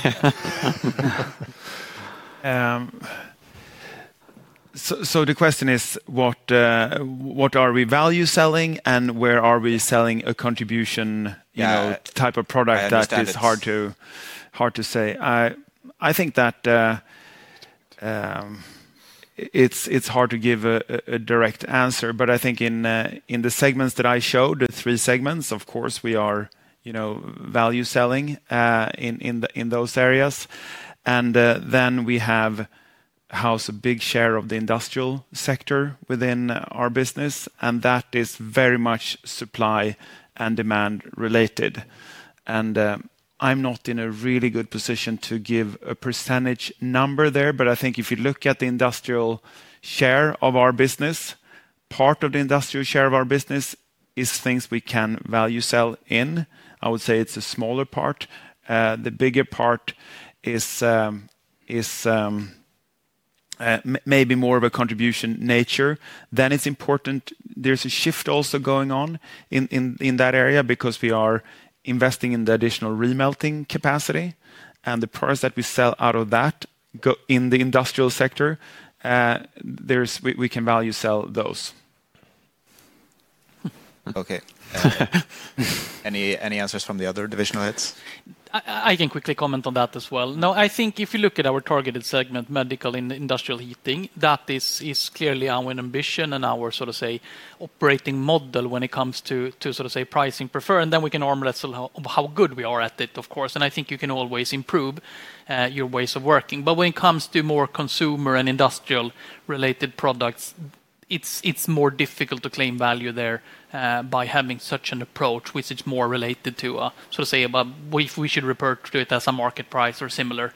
The question is what are we value selling and where are we selling a contribution type of product? That is hard to say. I think that it's hard to give a direct answer, but I think in the segments that I showed, the three segments, of course we are value selling in those areas. We have a big share of the industrial sector within our business, and that is very much supply and demand related. I'm not in a really good position to give a percentage number there, but I think if you look at the industrial share of our business, part of the industrial share of our business is things we can value sell in. I would say it's a smaller part. The bigger part is maybe more of a contribution nature, then it's important. There's a shift also going on in that area because we are investing in the additional ring melting capacity and the products that we sell out of that in the industrial sector we can value sell those. Okay, any answers from the other divisional heads? I can quickly comment on that as well. No, I think if you look at our targeted segment medical and industrial heating, that is clearly our ambition and our sort of, say, operating model when it comes to, say, pricing prefer, and then we can arm less how good we are at it, of course, and I think you can always improve your ways of working. When it comes to more consumer and industrial related products, it's more difficult to claim value there by having such an approach, which is more related to, say, we should refer to it as a market price or similar.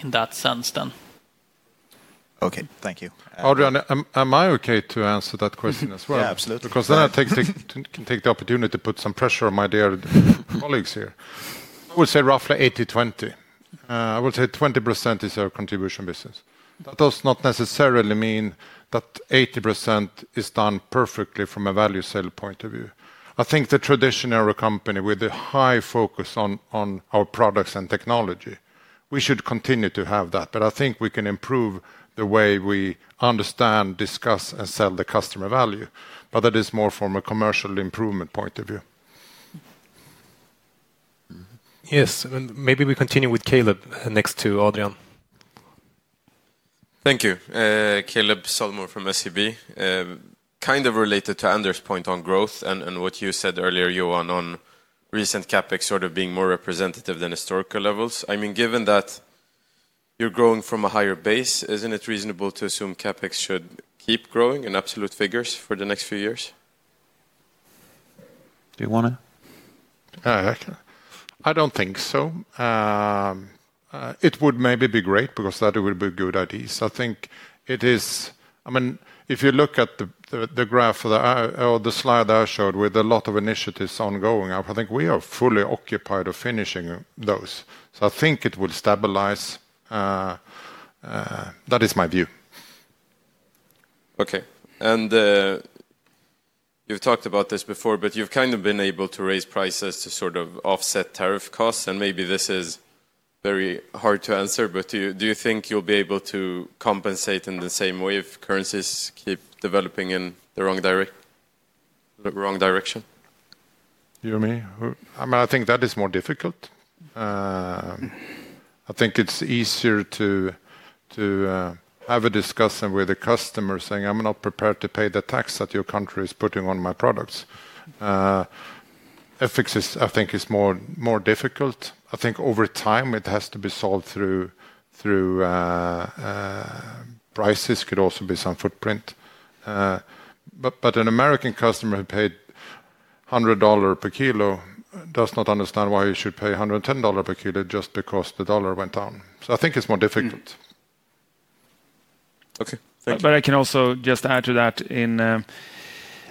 In that sense then. Okay, thank you, Adrian. Am I okay to answer that question as well? Because then I can take the opportunity to put some pressure on my dear colleagues here. I would say roughly 80/20, I would say 20% is our contribution business. That does not necessarily mean that 80% is done perfectly from a value sale point of view. I think the traditionary company with a high focus on our products and technology, we should continue to have that. I think we can improve the way we understand, discuss and sell the customer value. That is more from a commercial improvement point of view. Yes, maybe we continue with Kaleb next to Adrian. Thank you. Kaleb Solomon from SEB. Kind of related to Anders' point on growth and what you said earlier, you want to on recent CapEx sort of being more representative than historical levels. I mean, given that you're growing from a higher base, isn't it reasonable to assume CapEx should keep growing in absolute figures for the next few years? Do you wanna? I don't think so. It would maybe be great because that would be good ideas. I think it is. I mean if you look at the graph or the slide I showed with a lot of initiatives ongoing, I think we are fully occupied of finishing those. I think it will stabilize. That is my view. Okay, and you've talked about this before but you've kind of been able to raise prices to sort of offset tariff costs and maybe this is very hard to answer but do you think you'll be able to compensate in the same way if currencies keep developing in the wrong direct. Wrong direction, you mean? I mean I think that is more difficult. I think it's easier to have a discussion with the customer saying I'm not prepared to pay the tax that your country is putting on my products. FX I think is more difficult. I think over time it has to be solved through prices. Could also be some footprint. An American customer who paid $100 per kg does not understand why he should pay $110 per kg just because the dollar went down. I think it is more difficult. Okay, thank you. But I can also just add to that,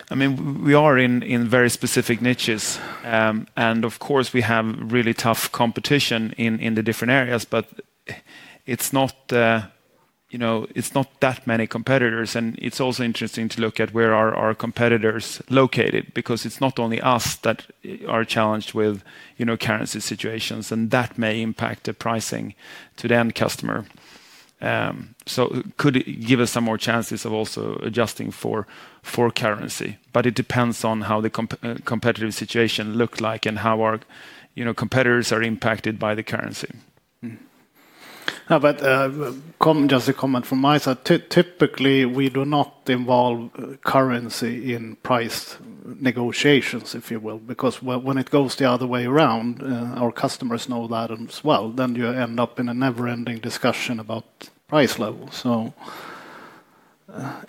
I mean we are in very specific niches and of course we have really tough competition in the different areas, but it's not that many competitors and it's also interesting to look at where our competitors are located because it's not only us that are challenged with currency situations and that may impact the pricing to the end customer. So it could give us some more chances of also adjusting for currency, but it depends on how the competitive situation looked like and how competitors are impacted by the currency. Just a comment from my side. Typically we do not involve currency in price negotiations if you will because when it goes the other way around, our customers know that as well. You end up in a never ending discussion about price level.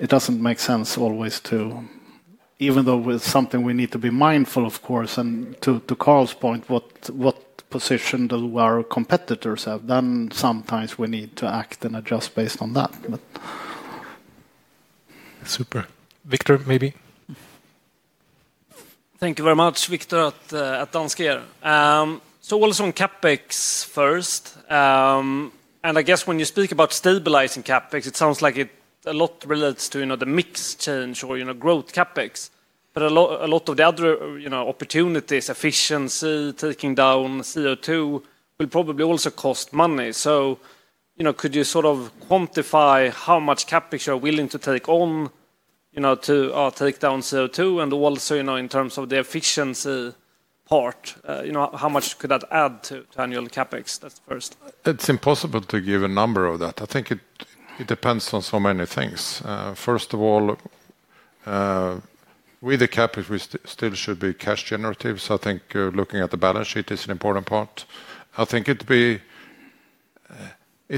It does not make sense always to, even though it is something we need to be mindful of, of course. To Carl's point, what position do our competitors have? Sometimes we need to act and adjust based on that. Super Viktor maybe. Thank you very much Viktor at Danske. Also on CapEx first and I guess when you speak about stabilizing CapEx it sounds like it a lot relates to, you know, the mix change or, you know, growth CapEx but a lot, a lot of the other, you know, opportunities, efficiency. Taking down CO_2 will probably also cost money. You know, could you sort of quantify how much CapEx you're willing to take on, you know, to take down CO_2? Also, you know, in terms of the efficiency part, you know, how much could that add to annual CapEx? That's first, it's impossible to give a number of that. I think it depends on so many things. First of all, with the CapEx, we still should be cash generative. I think looking at the balance sheet is an important part. I think it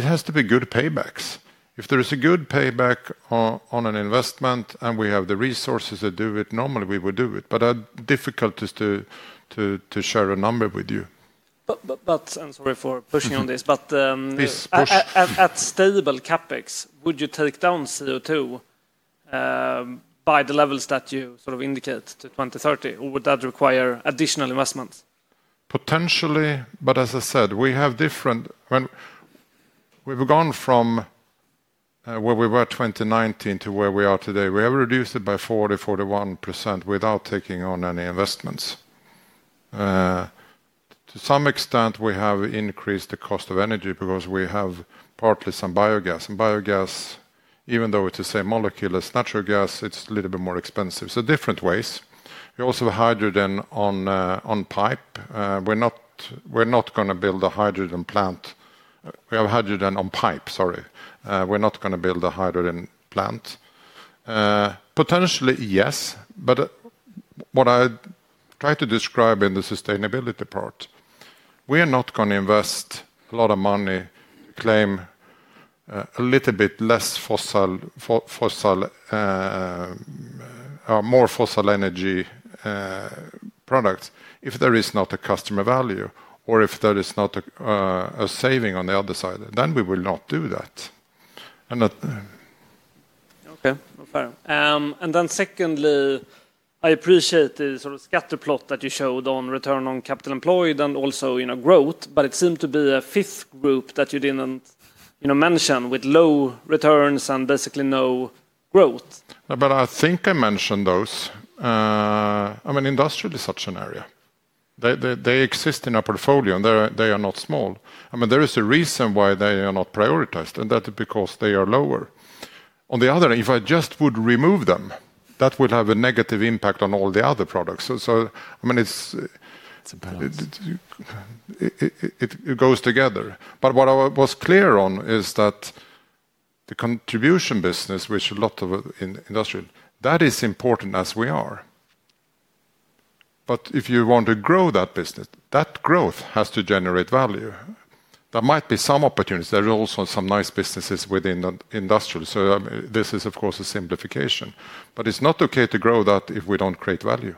has to be good paybacks. If there is a good payback on an investment and we have the resources to do it, normally we would do it, but difficult to start to share a number with you. I'm sorry for pushing on this, but at stable CapEx, would you take down CO_2 by the levels that you sort of indicate to 2030, or would that require additional investments potentially? As I said, we have different. We have gone from where we were in 2019 to where we are today. We have reduced it by 40%, 41% without taking on any investments. To some extent, we have increased the cost of energy because we have partly some biogas, and biogas, even though it is the same molecule as natural gas, is a little bit more expensive. Different ways. We also have hydrogen on pipe. We are not going to build a hydrogen plant. We have hydrogen on pipe. Sorry, we are not going to build a hydrogen plant. Potentially yes. What I try to describe in the sustainability part is we are not going to invest a lot of money, claim a little bit less fossil energy products. If there is not a customer value or if there is not a saving on the other side, then we will not do that. That and not. Okay, fair. Secondly, I appreciate the sort of scatter plot that you showed on return on capital employed and also, you know, growth, but it seemed to be the fifth group that you did not, you know, mention with low returns and basically no growth. I think I mentioned those. I mean industrial is such an area. They exist in a portfolio and they are not small. I mean there is a reason why they are not prioritized and that is because they are lower. On the other hand, if I just would remove them that will have a negative impact on all the other products. It goes together, but what I was clear on is that the contribution business, which a lot of industrial, that is important as we are, but if you want to grow that business, that growth has to generate value. There might be some opportunities. There are also some nice businesses within industrial, so this is of course a simplification, but it's not okay to grow that if we don't create value.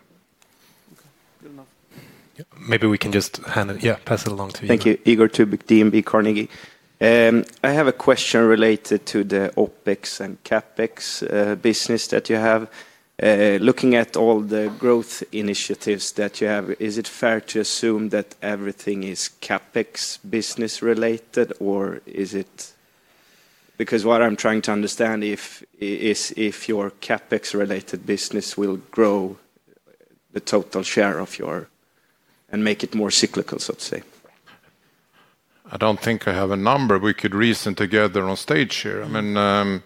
Maybe we can just hand it. Yeah. Pass it along to you. Thank you. Igor Tubic, DNB Carnegie. I have a question related to the OpEx and CapEx business that you have. Looking at all the growth initiatives that you have, is it fair to assume that everything is CapEx business related, or is it, because what I'm trying to understand is if your CapEx related business will grow the total share of your, and make it more cyclical. To say I don't think I have a number we could reason together on stage here. I mean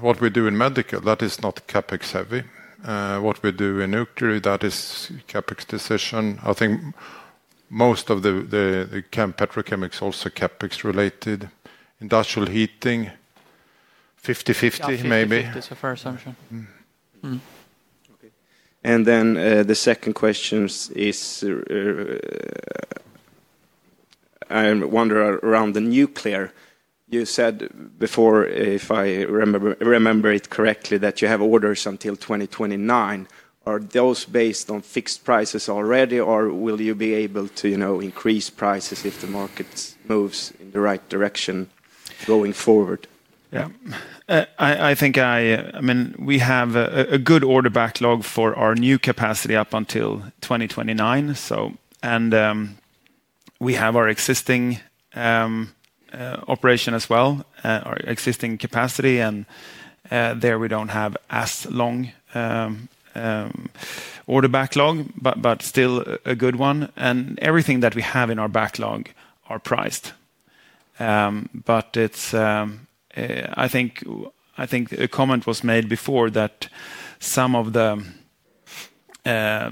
what we do in medical, that is not CapEx heavy. What we do in nuclear, that is a CapEx decision. I think most of the chem petrochemics also CapEx related. Industrial heating, 50/50 maybe. That's a fair assumption. The second question is I wonder around the nuclear. You said before, if I remember it correctly, that you have orders until 2029. Are those based on fixed prices already or will you be able to increase prices if the market moves in the right direction going forward? I think we have a good order backlog for our new capacity up until 2029. We have our existing operation as well, our existing capacity, and there we do not have as long order backlog, but still a good one. Everything that we have in our backlog is priced. I think a comment was made before that some of the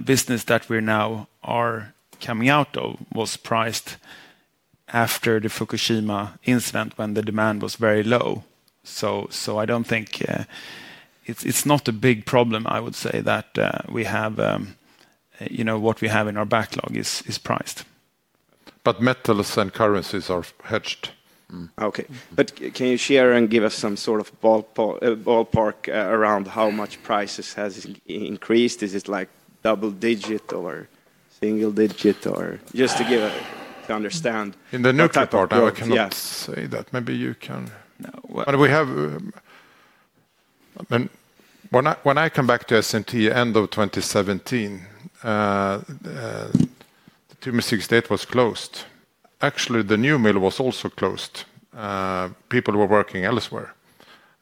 business that we now are coming out of was priced after the Fukushima incident when the demand was very low. I do not think it is a big problem. I would say that we have, you know, what we have in our backlog Is priced,. But metals and currencies are hedged. Okay, but can you share and give us some sort of ballpark around how much prices has increased? Is it like double digit or single digit or just to give a, to understand in the new report? I cannot say that. Maybe you can, but we have. When I come back to Sandvik end of 2017, the 2M68 was closed. Actually, the new mill was also closed. People were working elsewhere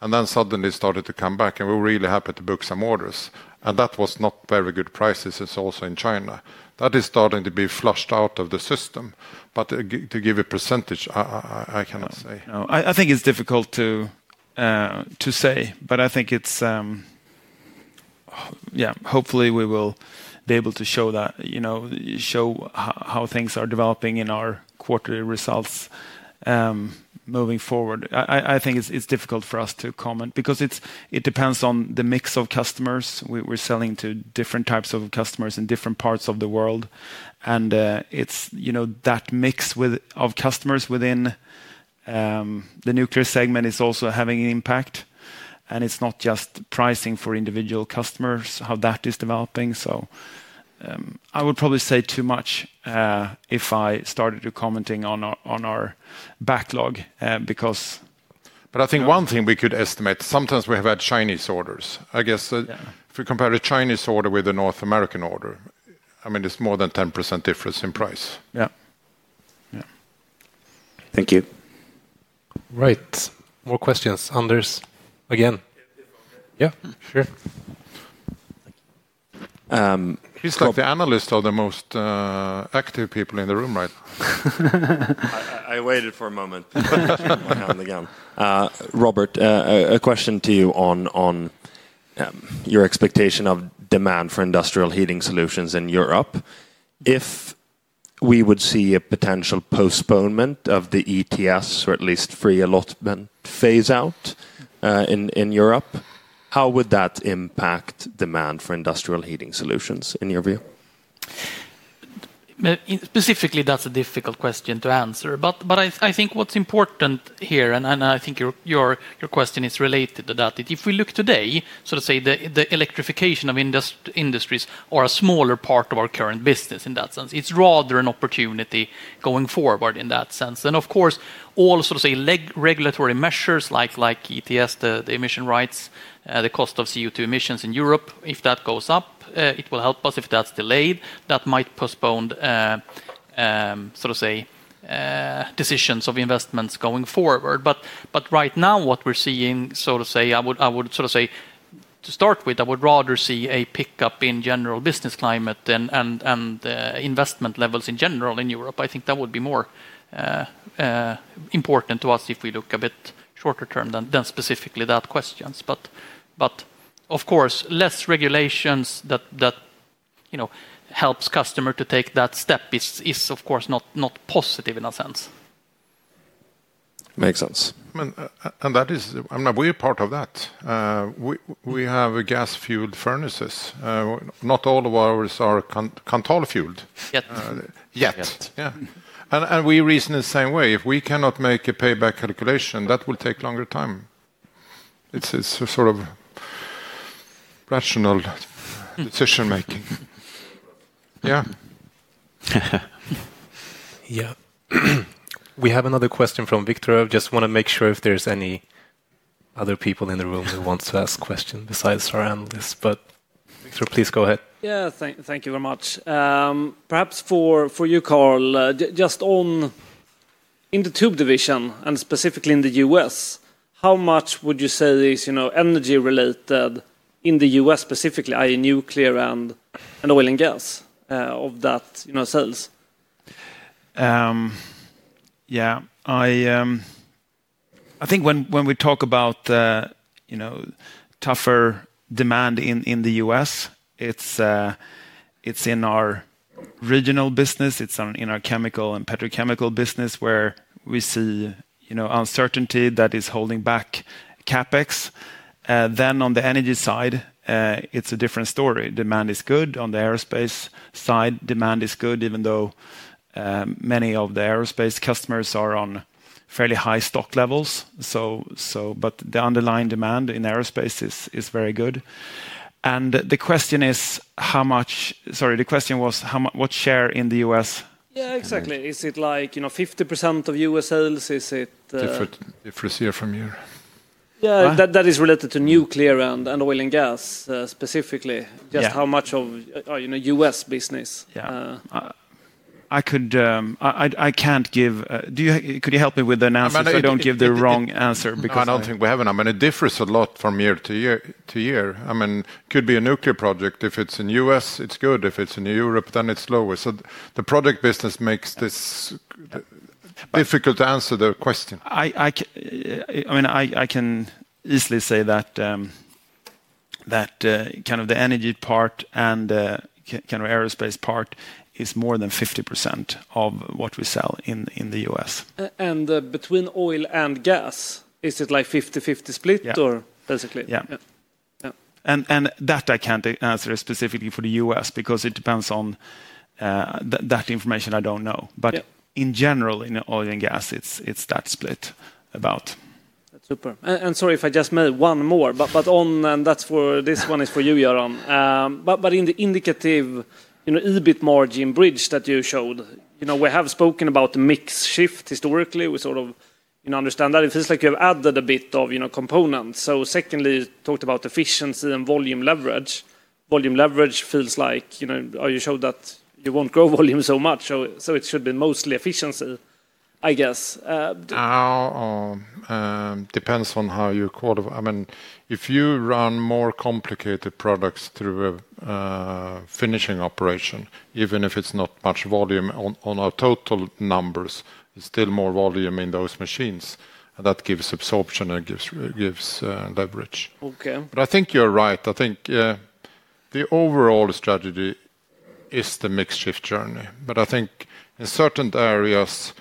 and then suddenly started to come back and we were really happy to book some orders and that was not very good prices. It is also in China that is starting to be flushed out of the system. To give a percentage, I cannot say. I think it's difficult to say but I think it's, yeah, hopefully we will be able to show that, you know, show how things are developing in our quarterly results moving forward. I think it's difficult for us to comment because it depends on the mix of customers. We're selling to different types of customers in different parts of the world and it's that mix of customers within the nuclear segment is also having an impact and it's not just pricing for individual customers, how that is developing. I would probably say too much if I started to comment on our backlog because. I think one thing we could estimate, sometimes we have had Chinese orders. I guess if we compare a Chinese order with the North American order, I mean it's more than 10% difference in price. Yeah, thank you. Right, more questions. Anders again? Yeah, sure. He's like the analyst of the most active people in the room right now. I waited for a moment. Robert, a question to you on your expectation of demand for industrial heating solutions in Europe. If we would see a potential postponement of the ETS or at least free allotted phase out in Europe, how would that impact demand for industrial heating solutions in your view? Specifically? That's a difficult question to answer, but I think what's important here, and I think your question is related to that. If we look today, so to say, the electrification of industries is a smaller part of our current business. In that sense, it's rather an opportunity going forward in that sense. Of course, all sorts of, say, regulatory measures like ETS, the emission rights, the cost of CO_2 emissions in Europe—if that goes up, it will help us. If that's delayed, that might postpone, sort of, decisions of investments going forward. Right now what we're seeing, so to say, I would sort of say to start with, I would rather see a pickup in general business climate and investment levels in general in the U.S. I think that would be more important to us if we look a bit shorter term than specifically that question. Of course, less regulations that, you know, helps customers to take that step is of course not positive in a sense, makes sense. That is we're part of that. We have gas fueled furnaces. Not all of ours are control fueled yet. And we reason the same way. If we cannot make a payback calculation that will take longer time. It's sort of rational decision making. Yeah. Yeah. We have another question from Viktor. I just want to make sure if there's any other people in the room who wants to ask questions besides our hand, this is. Viktor, please go ahead. Yeah, thank you very much. Perhaps for you, Carl, just on the Tube Division and specifically in the U.S., how much would you say is, you know, energy related in the U.S., specifically that is nuclear and oil and gas of that sales? Yeah, I think when we talk about, you know, tougher demand in the U.S., it is in our regional business, it is in our chemical and petrochemical business where we see uncertainty that is holding back CapEx. On the energy side, it is a different story. Demand is good. On the aerospace side, demand is good even though many of the aerospace customers are on fairly high stock levels. The underlying demand in aerospace is very good. The question is how much. Sorry, the question was what share in the U.S.? Yeah, exactly. Is it like, you know, 50% of U.S. sales? Is it different here from here? Yeah, that is related to nuclear and oil and gas specifically just how much of, you know, U.S. business. Yeah, I could, I can't give. Could you help me with an answer if I don't give the wrong answer? Because I don't think we have enough and it differs a lot from year to year to year. I mean, could be a nuclear project. If it's in the U.S. it's good. If it's in Europe then it's slower. The project business makes this difficult to answer the question. I mean I can easily say that kind of the energy part and the kind of aerospace part is more than 50% of what we sell in the U.S., And between oil and gas is it like 50/50 split or. Basically yeah. That I can't answer specifically for the U.S. because it depends on that information. I don't know. In general in oil and gas it's that split about super. Sorry if I just made one more but on and that's for. This one is for you, Johan, but in the indicative a little bit margin bridge that you showed. We have spoken about the mix shift historically. We sort of understand that it feels like you have added a bit of components. Secondly, talked about efficiency and volume leverage. Volume leverage feels like are you sure that you won't grow volume so much? It should be mostly efficiency, I guess. Depends on how you quote of. I mean if you run more complicated products through a finishing operation, even if it's not much volume on our total numbers, it's still more volume in those machines and that gives absorption and gives leverage. Okay, I think you're right. I think the overall strategy is the mix shift journey. I think in certain areas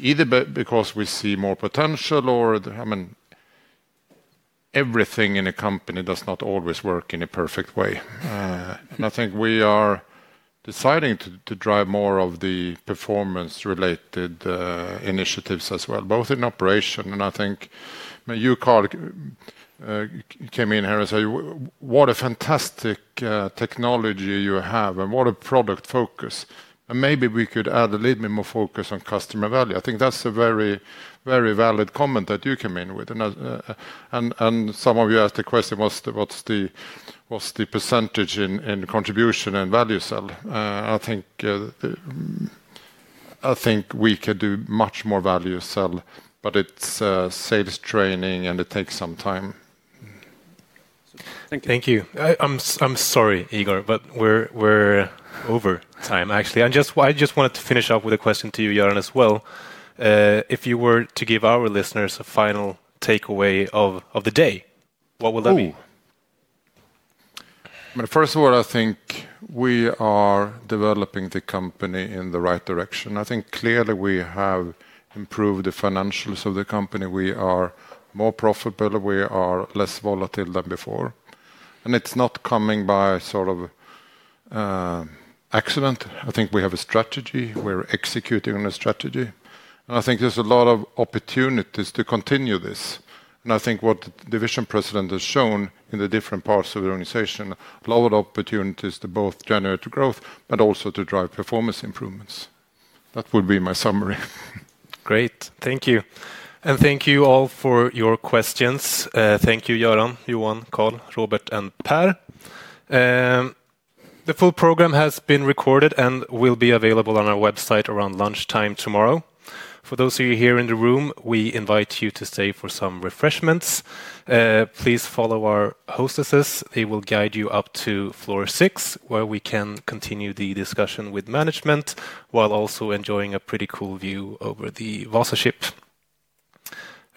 either because we see more potential or I mean everything in a company does not always work in a perfect way. I think we are deciding to drive more of the performance related initiatives as well both in operation. I think you, Carl, came in here and said what a fantastic technology you have and what a product focus and maybe we could add a little bit more focus on customer value. I think that's a very, very valid comment that you came in with and some of you asked the question what's the percentage in contribution and value sell? I think we could do much more value sell but it's sales training and it takes some time. Thank you. I'm sorry, Igor, but we're over time actually and just why do you. I just wanted to finish up with a question to you, Göran, as well. If you were to give our listeners a final takeaway of the day, what will that mean? First of all, I think we are developing the company in the right direction. I think clearly we have improved the financials of the company. We are more profitable, we are less volatile than before and it's not coming by sort of accident. I think we have a strategy, we're executing on a strategy and I think there's a lot of opportunities to continue this, and I think what the division president has shown in the different parts of the organization, a lot of opportunities to both generate growth, but also to drive performance improvements. That would be my summary. Great. Thank you. Thank you all for your questions. Thank you, Göran, Johan, Carl, Robert and Per. The full program has been recorded and will be available on our website around lunchtime tomorrow. For those of you here in the room, we invite you to stay for some refreshments. Please follow our hostesses. They will guide you up to floor six, where we can continue the discussion with management while also enjoying a pretty cool view over the Vasa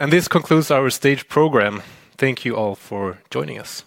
ship. This concludes our stage program. Thank you all for joining us.